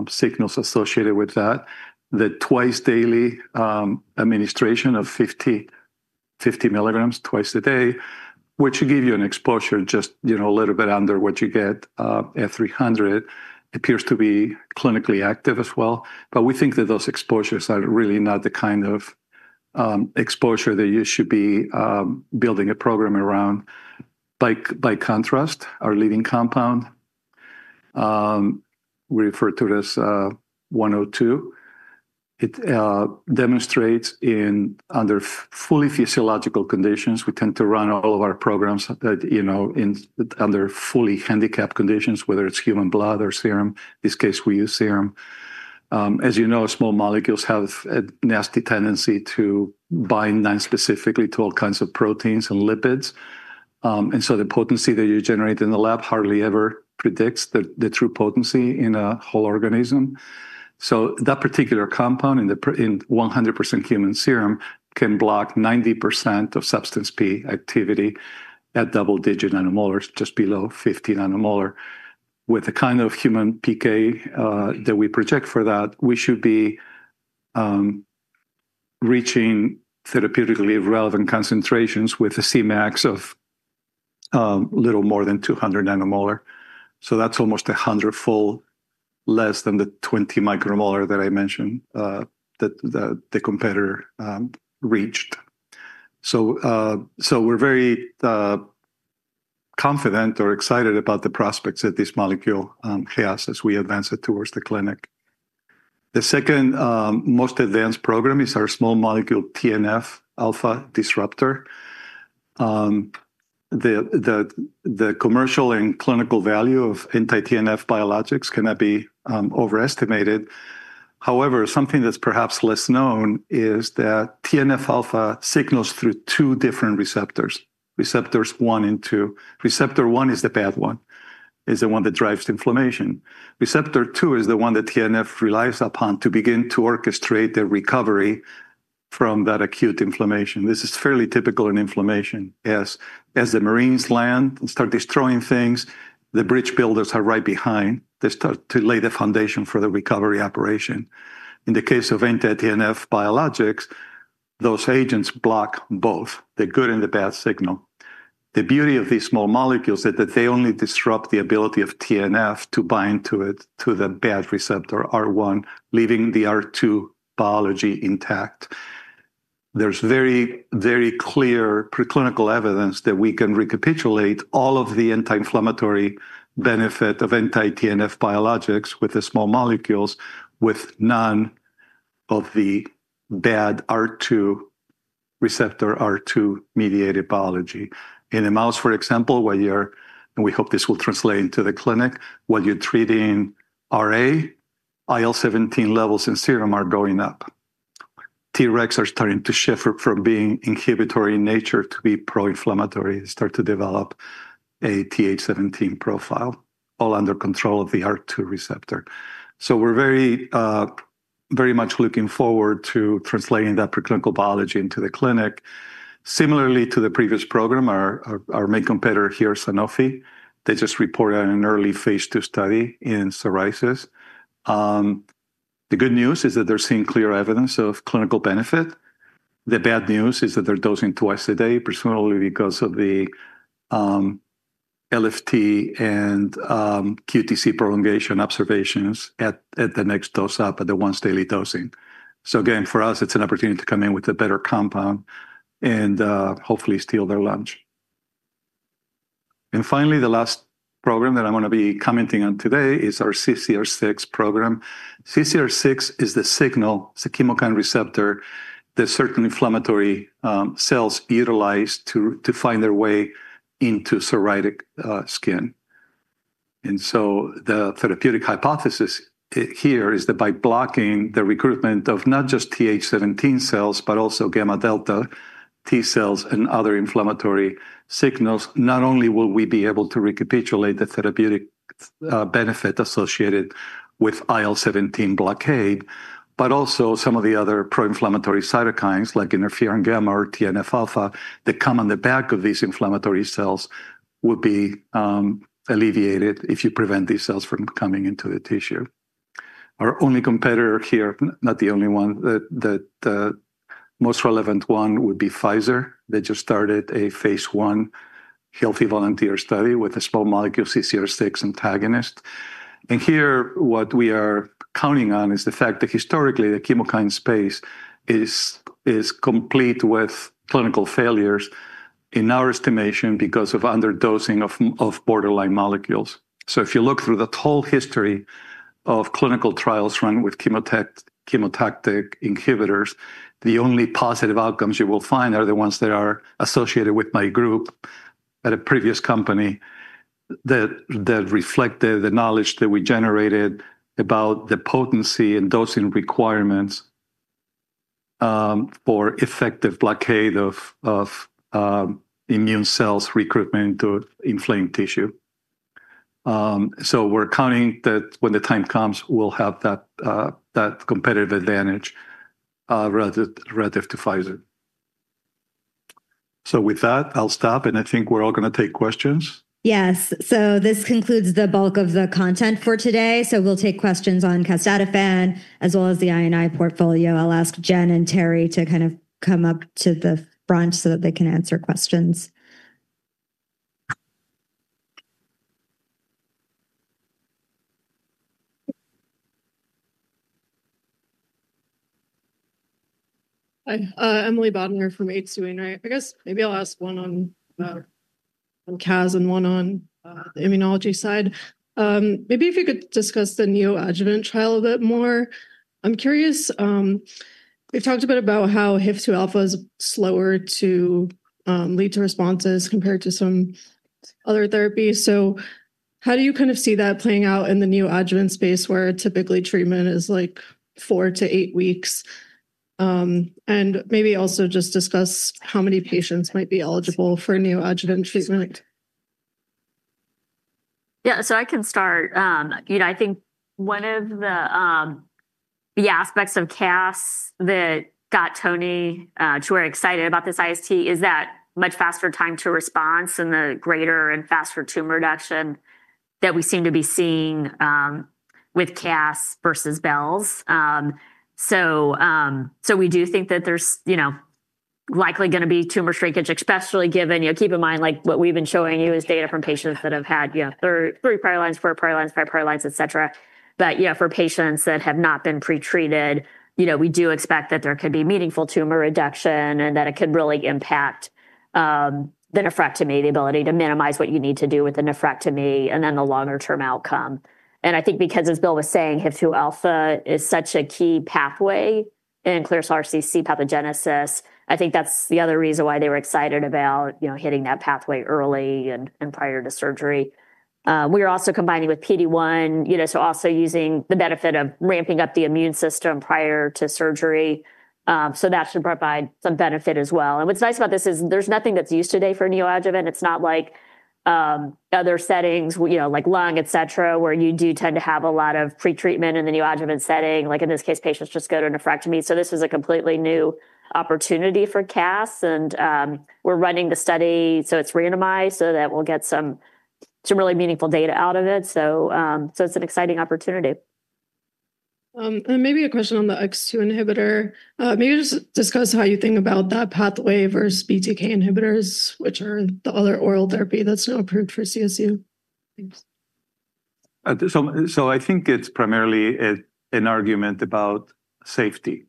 signals associated with that. The twice daily administration of 50 mg twice a day, which should give you an exposure just a little bit under what you get at 300, appears to be clinically active as well. We think that those exposures are really not the kind of exposure that you should be building a program around. By contrast, our leading compound, we refer to it as 102, demonstrates in under fully physiological conditions. We tend to run all of our programs in under fully handicapped conditions, whether it's human blood or serum. In this case, we use serum. As you know, small molecules have a nasty tendency to bind nonspecifically to all kinds of proteins and lipids. The potency that you generate in the lab hardly ever predicts the true potency in a whole organism. That particular compound in 100% human serum can block 90% of substance P activity at double-digit nM, just below 50 nM. With the kind of human PK that we project for that, we should be reaching therapeutically relevant concentrations with a Cmax of a little more than 200 nM. That's almost a hundredfold less than the 20 μM that I mentioned that the competitor reached. We are very confident or excited about the prospects that this molecule has as we advance it towards the clinic. The second most advanced program is our small molecule TNF alpha disruptor. The commercial and clinical value of anti-TNF biologics cannot be overestimated. However, something that's perhaps less known is that TNF alpha signals through two different receptors, receptors one and two. Receptor one is the bad one, is the one that drives inflammation. Receptor two is the one that TNF relies upon to begin to orchestrate the recovery from that acute inflammation. This is fairly typical in inflammation. As the marines land and start destroying things, the bridge builders are right behind. They start to lay the foundation for the recovery operation. In the case of anti-TNF biologics, those agents block both the good and the bad signal. The beauty of these small molecules is that they only disrupt the ability of TNF to bind to the bad receptor R1, leaving the R2 biology intact. There is very, very clear preclinical evidence that we can recapitulate all of the anti-inflammatory benefit of anti-TNF biologics with the small molecules with none of the bad R2 receptor R2 mediated biology. In a mouse, for example, where you're, and we hope this will translate into the clinic, while you're treating RA, IL-17 levels in serum are going up. Tregs are starting to shift from being inhibitory in nature to be pro-inflammatory and start to develop a TH-17 profile, all under control of the R2 receptor. We are very much looking forward to translating that preclinical biology into the clinic. Similarly to the previous program, our main competitor here, Sanofi, just reported an early phase II study in psoriasis. The good news is that they're seeing clear evidence of clinical benefit. The bad news is that they're dosing twice a day, presumably because of the LFT and QTC prolongation observations at the next dose up at the once daily dosing. For us, it's an opportunity to come in with a better compound and hopefully steal their lunch. Finally, the last program that I'm going to be commenting on today is our CCR6 program. CCR6 is the signal, it's a chemokine receptor that certain inflammatory cells utilize to find their way into psoriatic skin. The therapeutic hypothesis here is that by blocking the recruitment of not just TH-17 cells, but also gamma delta T cells and other inflammatory signals, not only will we be able to recapitulate the therapeutic benefit associated with IL-17 blockade, but also some of the other pro-inflammatory cytokines like interferon gamma or TNF alpha that come on the back of these inflammatory cells will be alleviated if you prevent these cells from coming into the tissue. Our only competitor here, not the only one, the most relevant one would be Pfizer. They just started a phase I healthy volunteer study with a small molecule CCR6 antagonist. Here what we are counting on is the fact that historically the chemokine space is complete with clinical failures in our estimation because of underdosing of borderline molecules. If you look through that whole history of clinical trials run with chemotactic inhibitors, the only positive outcomes you will find are the ones that are associated with my group at a previous company that reflected the knowledge that we generated about the potency and dosing requirements for effective blockade of immune cells recruitment to inflamed tissue. We are counting that when the time comes, we'll have that competitive advantage relative to Pfizer. With that, I'll stop and I think we're all going to take questions. Yes. This concludes the bulk of the content for today. We'll take questions on casdatifan as well as the immunology pipeline. I'll ask Jennifer and Terry to come up to the front so that they can answer questions. Hi, Emily Bodnar from H.C. Wainwright. I guess maybe I'll ask one on casdatifan and one on the immunology side. Maybe if you could discuss the neoadjuvant trial a bit more. I'm curious, we've talked a bit about how HIF-2α is slower to lead to responses compared to some other therapies. How do you kind of see that playing out in the neoadjuvant space where typically treatment is like four to eight weeks? Maybe also just discuss how many patients might be eligible for neoadjuvant treatment. Yeah, I can start. I think one of the aspects of casdatifan that got Tony to where he was excited about this IST is that much faster time to response and the greater and faster tumor reduction that we seem to be seeing with casdatifan versus belzutifan. We do think that there's likely going to be tumor shrinkage, especially given, keep in mind, what we've been showing you is data from patients that have had three prior lines, four prior lines, five prior lines, et cetera. For patients that have not been pre-treated, we do expect that there could be meaningful tumor reduction and that it could really impact the nephrectomy, the ability to minimize what you need to do with the nephrectomy, and then the longer term outcome. I think because, as Bill was saying, HIF-2α is such a key pathway in clear cell renal cell carcinoma pathogenesis, that's the other reason why they were excited about hitting that pathway early and prior to surgery. We are also combining with PD-1, also using the benefit of ramping up the immune system prior to surgery. That should provide some benefit as well. What's nice about this is there's nothing that's used today for neoadjuvant. It's not like other settings, like lung, et cetera, where you do tend to have a lot of pre-treatment in the neoadjuvant setting. In this case, patients just go to nephrectomy. This is a completely new opportunity for casdatifan. We're running the study, it's randomized so that we'll get some really meaningful data out of it. It's an exciting opportunity. Could you discuss how you think about that pathway versus BTK inhibitors, which are the other oral therapy that's now approved for CSU? I think it's primarily an argument about safety.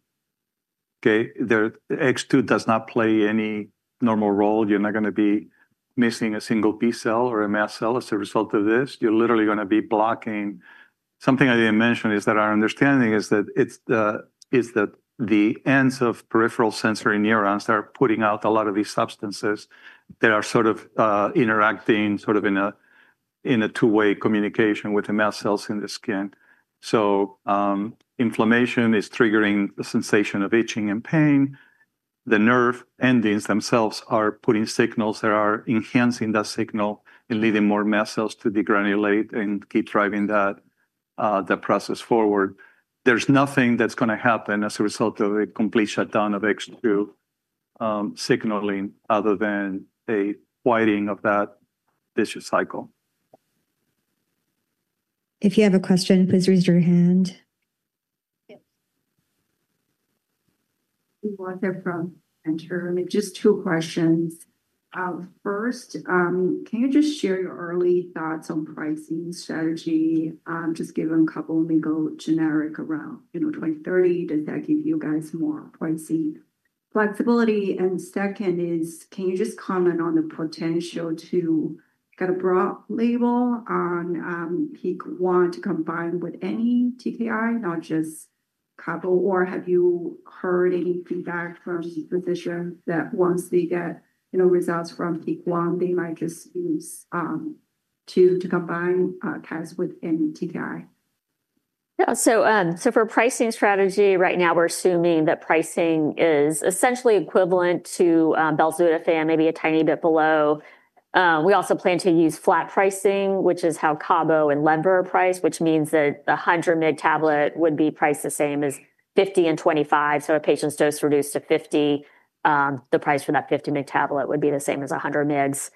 X2 does not play any normal role. You're not going to be missing a single B cell or a mast cell as a result of this. You're literally going to be blocking something I didn't mention. Our understanding is that it's the ends of peripheral sensory neurons that are putting out a lot of these substances that are interacting in a two-way communication with the mast cells in the skin. Inflammation is triggering the sensation of itching and pain. The nerve endings themselves are putting signals that are enhancing that signal and leading more mast cells to degranulate and keep driving that process forward. There's nothing that's going to happen as a result of a complete shutdown of X2 signaling other than a widening of that vicious cycle. If you have a question, please raise your hand. We want to hear from the center. Just two questions. First, can you just share your early thoughts on pricing strategy? Just give a couple of legal generics around 2030 to give you guys more pricing flexibility. Second, can you just comment on the potential to get a broad label on PEAK-1 to combine with any TKI, not just cabozantinib? Have you heard any feedback from physicians that once they get results from PEAK-1, they might just use to combine casdatifan with any TKI? Yeah, so for pricing strategy, right now we're assuming that pricing is essentially equivalent to belzutifan, maybe a tiny bit below. We also plan to use flat pricing, which is how cabozantinib and Lenvima are priced, which means that the 100-mg tablet would be priced the same as 50 mg and 25 mg. If a patient's dose reduced to 50, the price for that 50-mg tablet would be the same as 100-mg.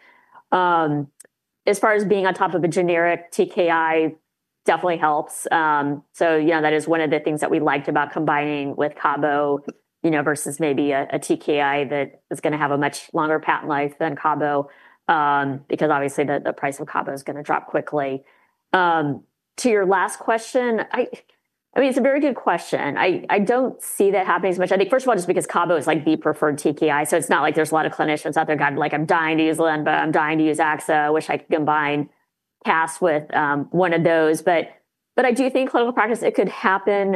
As far as being on top of a generic TKI, it definitely helps. That is one of the things that we liked about combining with cabozantinib versus maybe a TKI that is going to have a much longer patent life than cabozantinib because obviously the price of cabozantinib is going to drop quickly. To your last question, it's a very good question. I don't see that happening as much. I think, first of all, just because cabozantinib is like the preferred TKI, so it's not like there's a lot of clinicians out there going like, "I'm dying to use Lenvima, I'm dying to use axitinib. I wish I could combine casdatifan with one of those." I do think in clinical practice, it could happen,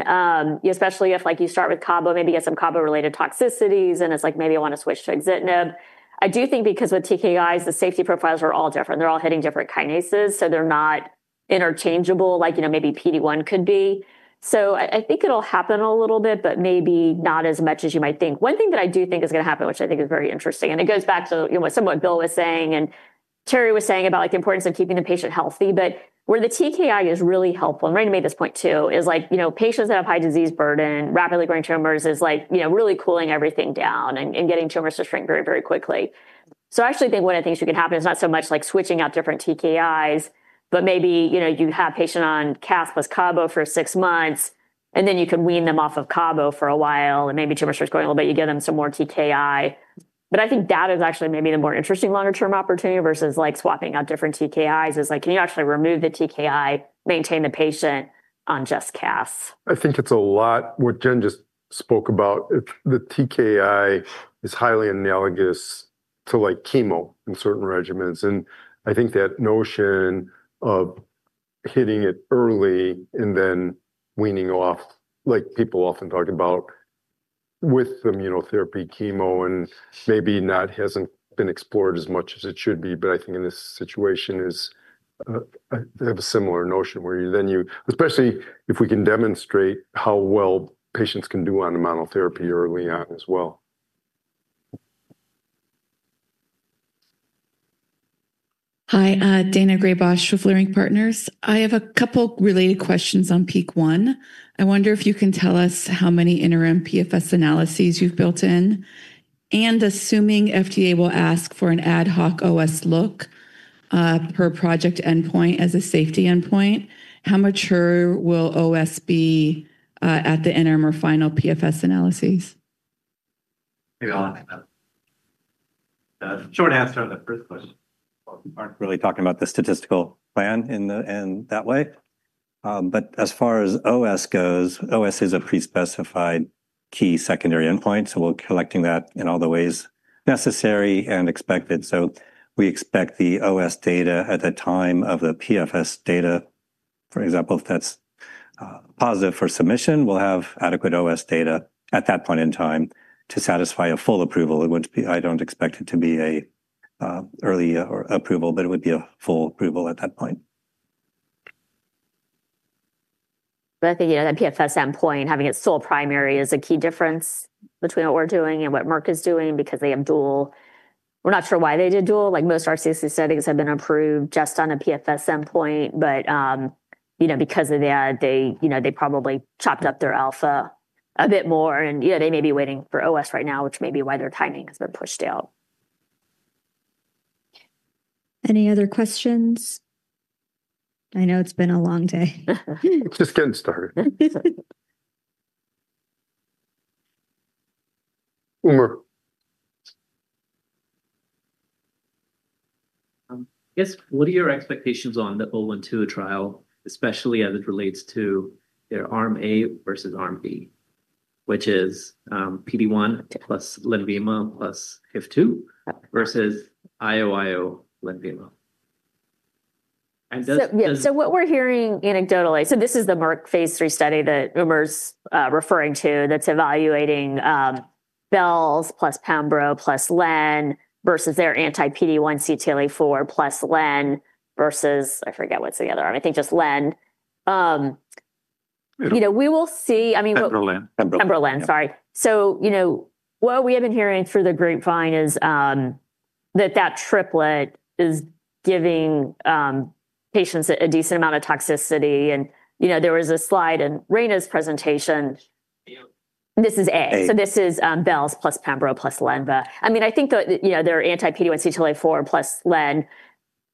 especially if you start with cabozantinib, maybe you get some cabozantinib-related toxicities and it's like, "Maybe I want to switch to axitinib." I do think because with TKIs, the safety profiles are all different. They're all hitting different kinases, so they're not interchangeable like maybe PD-1 could be. I think it'll happen a little bit, but maybe not as much as you might think. One thing that I do think is going to happen, which I think is very interesting, and it goes back to somewhat what Dr. Bill Kaelin was saying and Dr. Terry Rosen was saying about the importance of keeping the patient healthy, but where the TKI is really helpful, and Raina made this point too, is patients that have high disease burden, rapidly growing tumors, really cooling everything down and getting tumors to shrink very, very quickly. I actually think one of the things that can happen is not so much switching out different TKIs, but maybe you have a patient on casdatifan plus cabozantinib for six months, and then you can wean them off of cabozantinib for a while and maybe tumor starts growing a little bit, you give them some more TKI. I think that is actually maybe the more interesting longer-term opportunity versus swapping out different TKIs, can you actually remove the TKI, maintain the patient on just casdatifan? I think it's a lot, what Jen just spoke about, the TKI is highly analogous to like chemo in certain regimens. I think that notion of hitting it early and then weaning off, like people often talk about with immunotherapy chemo, maybe that hasn't been explored as much as it should be. I think in this situation is they have a similar notion where you then, especially if we can demonstrate how well patients can do on monotherapy early on as well. Hi, Daina Graybosch with Leerink Partners. I have a couple related questions on PEAK-1. I wonder if you can tell us how many interim PFS analyses you've built in, and assuming FDA will ask for an ad hoc OS look per project endpoint as a safety endpoint, how mature will OS be at the interim or final PFS analyses? Maybe I'll add that. Short answer on the first question. We aren't really talking about the statistical plan in that way. As far as OS goes, OS is a pre-specified key secondary endpoint. We're collecting that in all the ways necessary and expected. We expect the OS data at the time of the PFS data, for example, if that's positive for submission, we'll have adequate OS data at that point in time to satisfy a full approval. I don't expect it to be an early approval, but it would be a full approval at that point. I think, you know, that PFS endpoint, having it so primary, is a key difference between what we're doing and what Merck is doing because they have dual. We're not sure why they did dual. Like most RCC studies have been approved just on a PFS endpoint, but you know, because of that, they probably chopped up their alpha a bit more. They may be waiting for OS right now, which may be why their timing has been pushed out. Any other questions? I know it's been a long day. It's just getting started. I guess what are your expectations on the O12 trial, especially as it relates to their Arm A versus Arm B, which is PD-1 plus Lenvima plus HIF-2α versus IO-IO Lenvima? What we're hearing anecdotally, this is the Merck phase III study that Umer's referring to that's evaluating belzutifan plus pembro plus len versus their anti-PD-1/CTLA-4 plus len versus, I forget what's the other one, I think just len. We will see, I mean, pembro len, sorry. What we have been hearing through the grapevine is that that triplet is giving patients a decent amount of toxicity. There was a slide in Reina's presentation. This is A. This is belzutifan plus pembro plus lenvatinib. I think that their anti-PD-1/CTLA-4 plus len,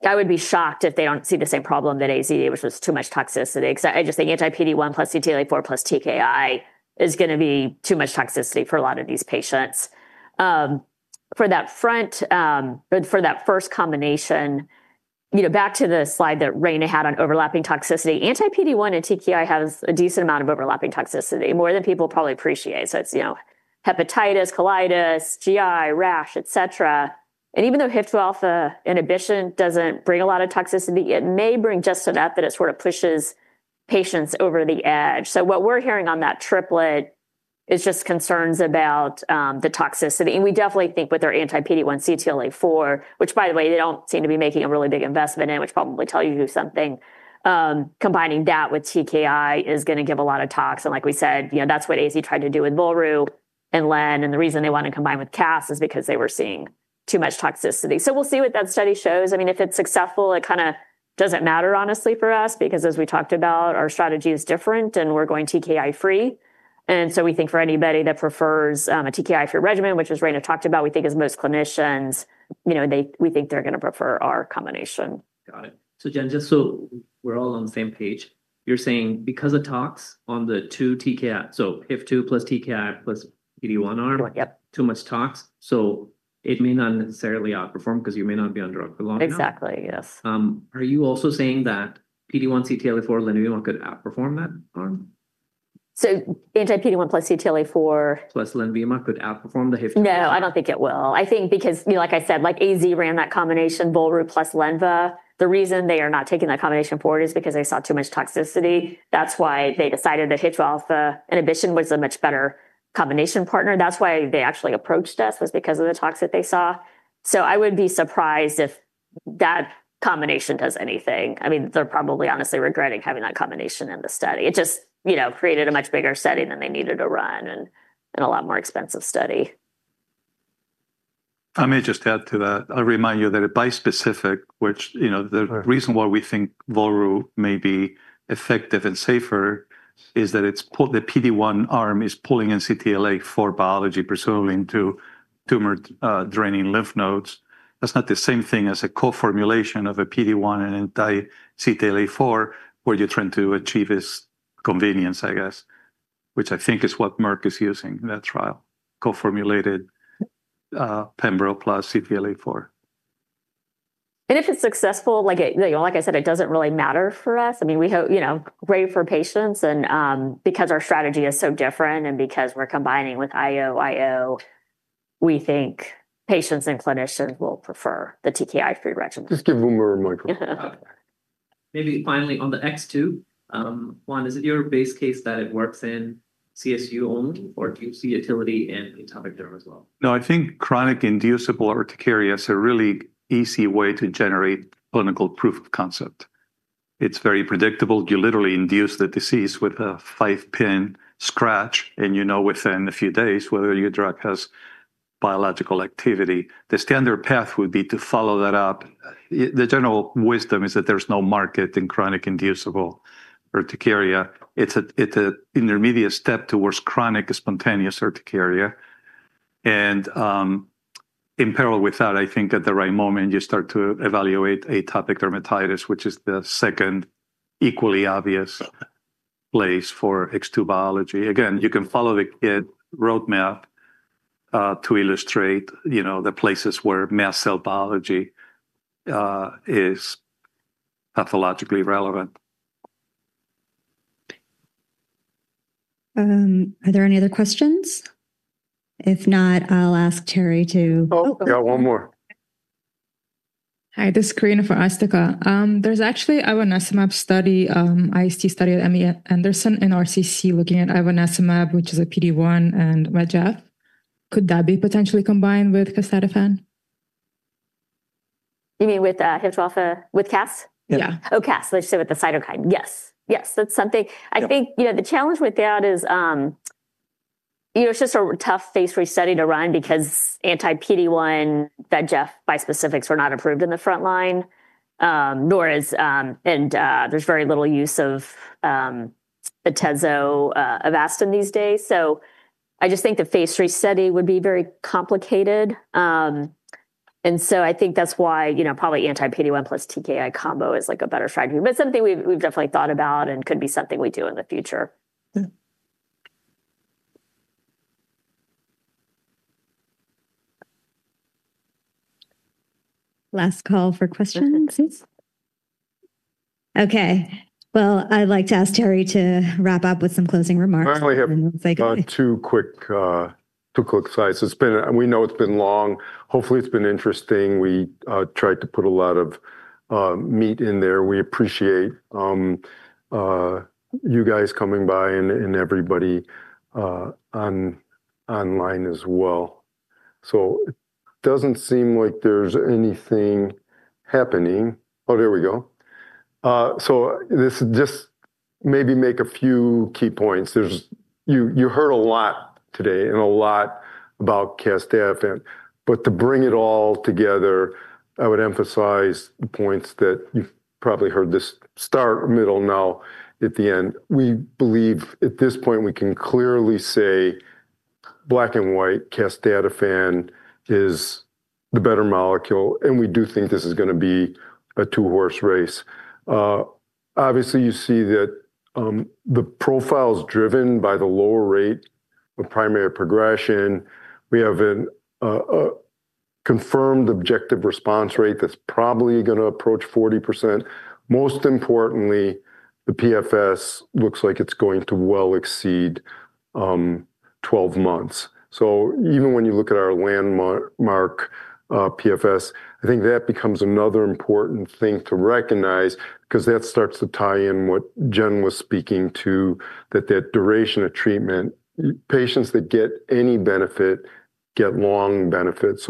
I would be shocked if they don't see the same problem that AZ, which was too much toxicity. I just think anti-PD-1 plus CTLA-4 plus TKI is going to be too much toxicity for a lot of these patients. For that first combination, back to the slide that Reina had on overlapping toxicity, anti-PD-1 and TKI have a decent amount of overlapping toxicity, more than people probably appreciate. It's hepatitis, colitis, GI, rash, et cetera. Even though HIF-2α inhibition doesn't bring a lot of toxicity, it may bring just enough that it sort of pushes patients over the edge. What we're hearing on that triplet is just concerns about the toxicity. We definitely think with their anti-PD-1/CTLA-4, which, by the way, they don't seem to be making a really big investment in, which probably tells you something, combining that with TKI is going to give a lot of tox. Like we said, that's what AZ tried to do with volrustomig and lenvatinib. The reason they wanted to combine with casdatifan is because they were seeing too much toxicity. We'll see what that study shows. If it's successful, it kind of doesn't matter, honestly, for us because, as we talked about, our strategy is different and we're going TKI-3. We think for anybody that prefers a TKI-3 regimen, which as Reina talked about, we think as most clinicians, we think they're going to prefer our combination. Got it. Jen, just so we're all on the same page, you're saying because of tox on the two TKI, so HIF-2α plus TKI plus PD-1 arm, too much tox, so it may not necessarily outperform because you may not be under optimal control. Exactly, yes. Are you also saying that PD-1/CTLA-4 Lenvima could outperform that arm? Anti-PD-1 plus CTLA-4. Plus Lenvima could outperform the HIF-2? No, I don't think it will. I think because, like I said, like AstraZeneca ran that combination, volrustomig plus lenvatinib. The reason they are not taking that combination forward is because they saw too much toxicity. That's why they decided that HIF-2α inhibition was a much better combination partner. That's why they actually approached us was because of the toxicity that they saw. I wouldn't be surprised if that combination does anything. I mean, they're probably honestly regretting having that combination in the study. It just created a much bigger study than they needed to run and a lot more expensive study. I may just add to that. I'll remind you that it's bispecific, which, you know, the reason why we think volrustomig may be effective and safer is that the PD-1 arm is pulling in CTLA-4 biology, presumably into tumor-draining lymph nodes. That's not the same thing as a co-formulation of a PD-1 and anti-CTLA-4, where you're trying to achieve this convenience, I guess, which I think is what Merck is using in that trial, co-formulated pembro plus CTLA-4. If it's successful, like I said, it doesn't really matter for us. I mean, we hope, you know, great for patients, and because our strategy is so different and because we're combining with IO-IO, we think patients and clinicians will prefer the TKI-3 regimen. Just give Umer a microphone. Maybe finally on the X2, Juan, is it your base case that it works in CSU only, or do you see utility in entire there as well? No, I think chronic inducible urticaria is a really easy way to generate clinical proof of concept. It's very predictable. You literally induce the disease with a five-pin scratch, and you know within a few days whether your drug has biological activity. The standard path would be to follow that up. The general wisdom is that there's no market in chronic inducible urticaria. It's an intermediate step towards chronic spontaneous urticaria. In parallel with that, I think at the right moment, you start to evaluate atopic dermatitis, which is the second equally obvious place for X2 biology. Again, you can follow the GAT roadmap to illustrate the places where mast cell biology is pathologically relevant. Are there any other questions? If not, I'll ask Terry to. Oh, we got one more. Hi, this is Corina for AstraZeneca. There's actually an IST study at MD Anderson in RCC looking at volrustomig, which is a PD-1 and CTLA-4 bispecific. Could that be potentially combined with casdatifan? You mean with HIF-2α with casdatifan? Yeah. Oh, casdatifan, so I should say with the cytokine. Yes, yes, that's something. I think, you know, the challenge with that is, you know, it's just a tough phase III study to run because anti-PD-1, REG F bispecifics are not approved in the frontline, nor is, and there's very little use of atezolizumab, Avastin these days. I just think the phase III study would be very complicated. I think that's why, you know, probably anti-PD-1 plus TKI combo is like a better strategy. It's something we've definitely thought about and could be something we do in the future. Yeah. Last call for questions. Okay, I'd like to ask Terry to wrap up with some closing remarks. I'm going to say two quick slides. We know it's been long. Hopefully, it's been interesting. We tried to put a lot of meat in there. We appreciate you guys coming by and everybody online as well. It doesn't seem like there's anything happening. There we go. This is just maybe make a few key points. You heard a lot today and a lot about casdatifan, but to bring it all together, I would emphasize points that you've probably heard this start, middle, now at the end. We believe at this point we can clearly say black and white casdatifan is the better molecule, and we do think this is going to be a two-horse race. Obviously, you see that the profile is driven by the lower rate of primary progression. We have a confirmed objective response rate that's probably going to approach 40%. Most importantly, the PFS looks like it's going to well exceed 12 months. Even when you look at our landmark PFS, I think that becomes another important thing to recognize because that starts to tie in what Jen was speaking to, that that duration of treatment, patients that get any benefit, get long benefits.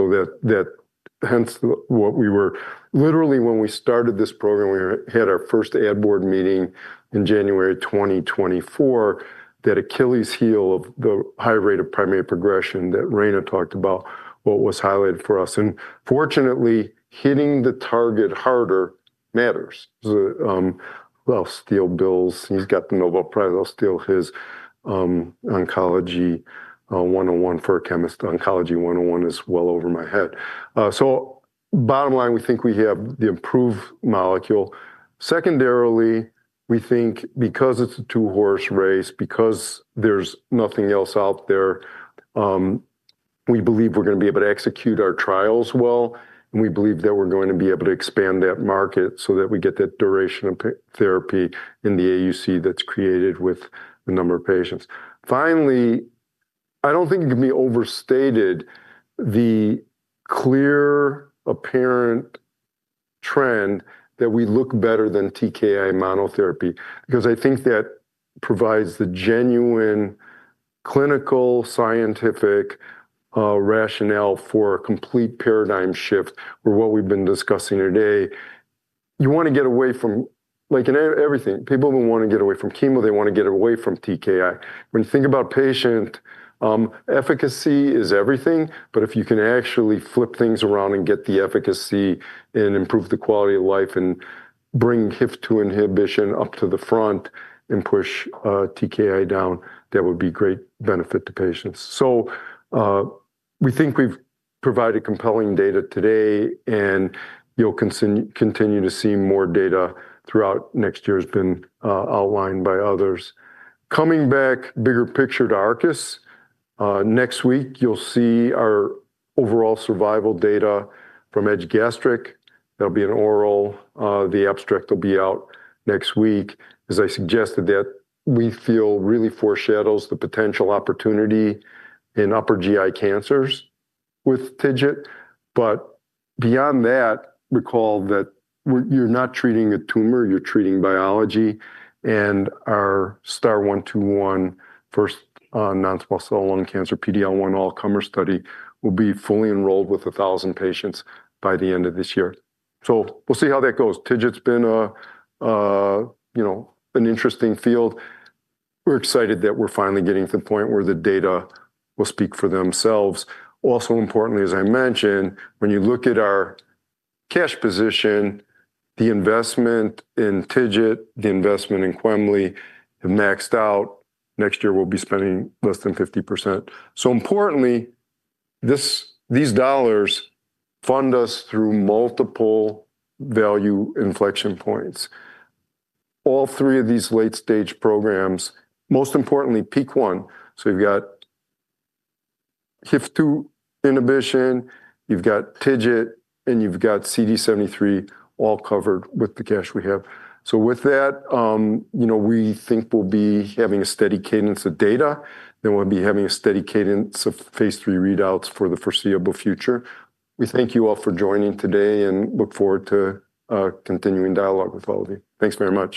Hence what we were literally when we started this program, we had our first ad Board meeting in January 2024, that Achilles heel of the high rate of primary progression that Raina talked about, what was highlighted for us. Fortunately, hitting the target harder matters. I'll steal Bill's. He's got the Nobel Prize. I'll steal his oncology 101 for a chemist. Oncology 101 is well over my head. Bottom line, we think we have the improved molecule. Secondarily, we think because it's a two-horse race, because there's nothing else out there, we believe we're going to be able to execute our trials well, and we believe that we're going to be able to expand that market so that we get that duration of therapy in the AUC that's created with a number of patients. Finally, I don't think it can be overstated the clear, apparent trend that we look better than TKI monotherapy because I think that provides the genuine clinical scientific rationale for a complete paradigm shift where what we've been discussing today, you want to get away from, like in everything, people don't want to get away from chemo. They want to get away from TKI. When you think about patients, efficacy is everything, but if you can actually flip things around and get the efficacy and improve the quality of life and bring HIF-2α inhibition up to the front and push TKI down, that would be great benefit to patients. We think we've provided compelling data today, and you'll continue to see more data throughout next year as has been outlined by others. Coming back, bigger picture to Arcus, next week you'll see our overall survival data from gastric. That'll be an oral. The abstract will be out next week. As I suggested, we feel really foreshadows the potential opportunity in upper GI cancers with TIGIT. Beyond that, recall that you're not treating a tumor. You're treating biology. Our STAR-121 first non-small cell lung cancer PD-L1 all-comer study will be fully enrolled with 1,000 patients by the end of this year. We'll see how that goes. TIGIT's been a, you know, an interesting field. We're excited that we're finally getting to the point where the data will speak for themselves. Also importantly, as I mentioned, when you look at our cash position, the investment in TIGIT, the investment in quemli have maxed out. Next year, we'll be spending less than 50%. Importantly, these dollars fund us through multiple value inflection points. All three of these late-stage programs, most importantly, PEAK-1. You've got HIF-2α inhibition, you've got TIGIT, and you've got CD73 all covered with the cash we have. We think we'll be having a steady cadence of data, and we'll be having a steady cadence of phase III readouts for the foreseeable future. We thank you all for joining today and look forward to continuing dialogue with all of you. Thanks very much.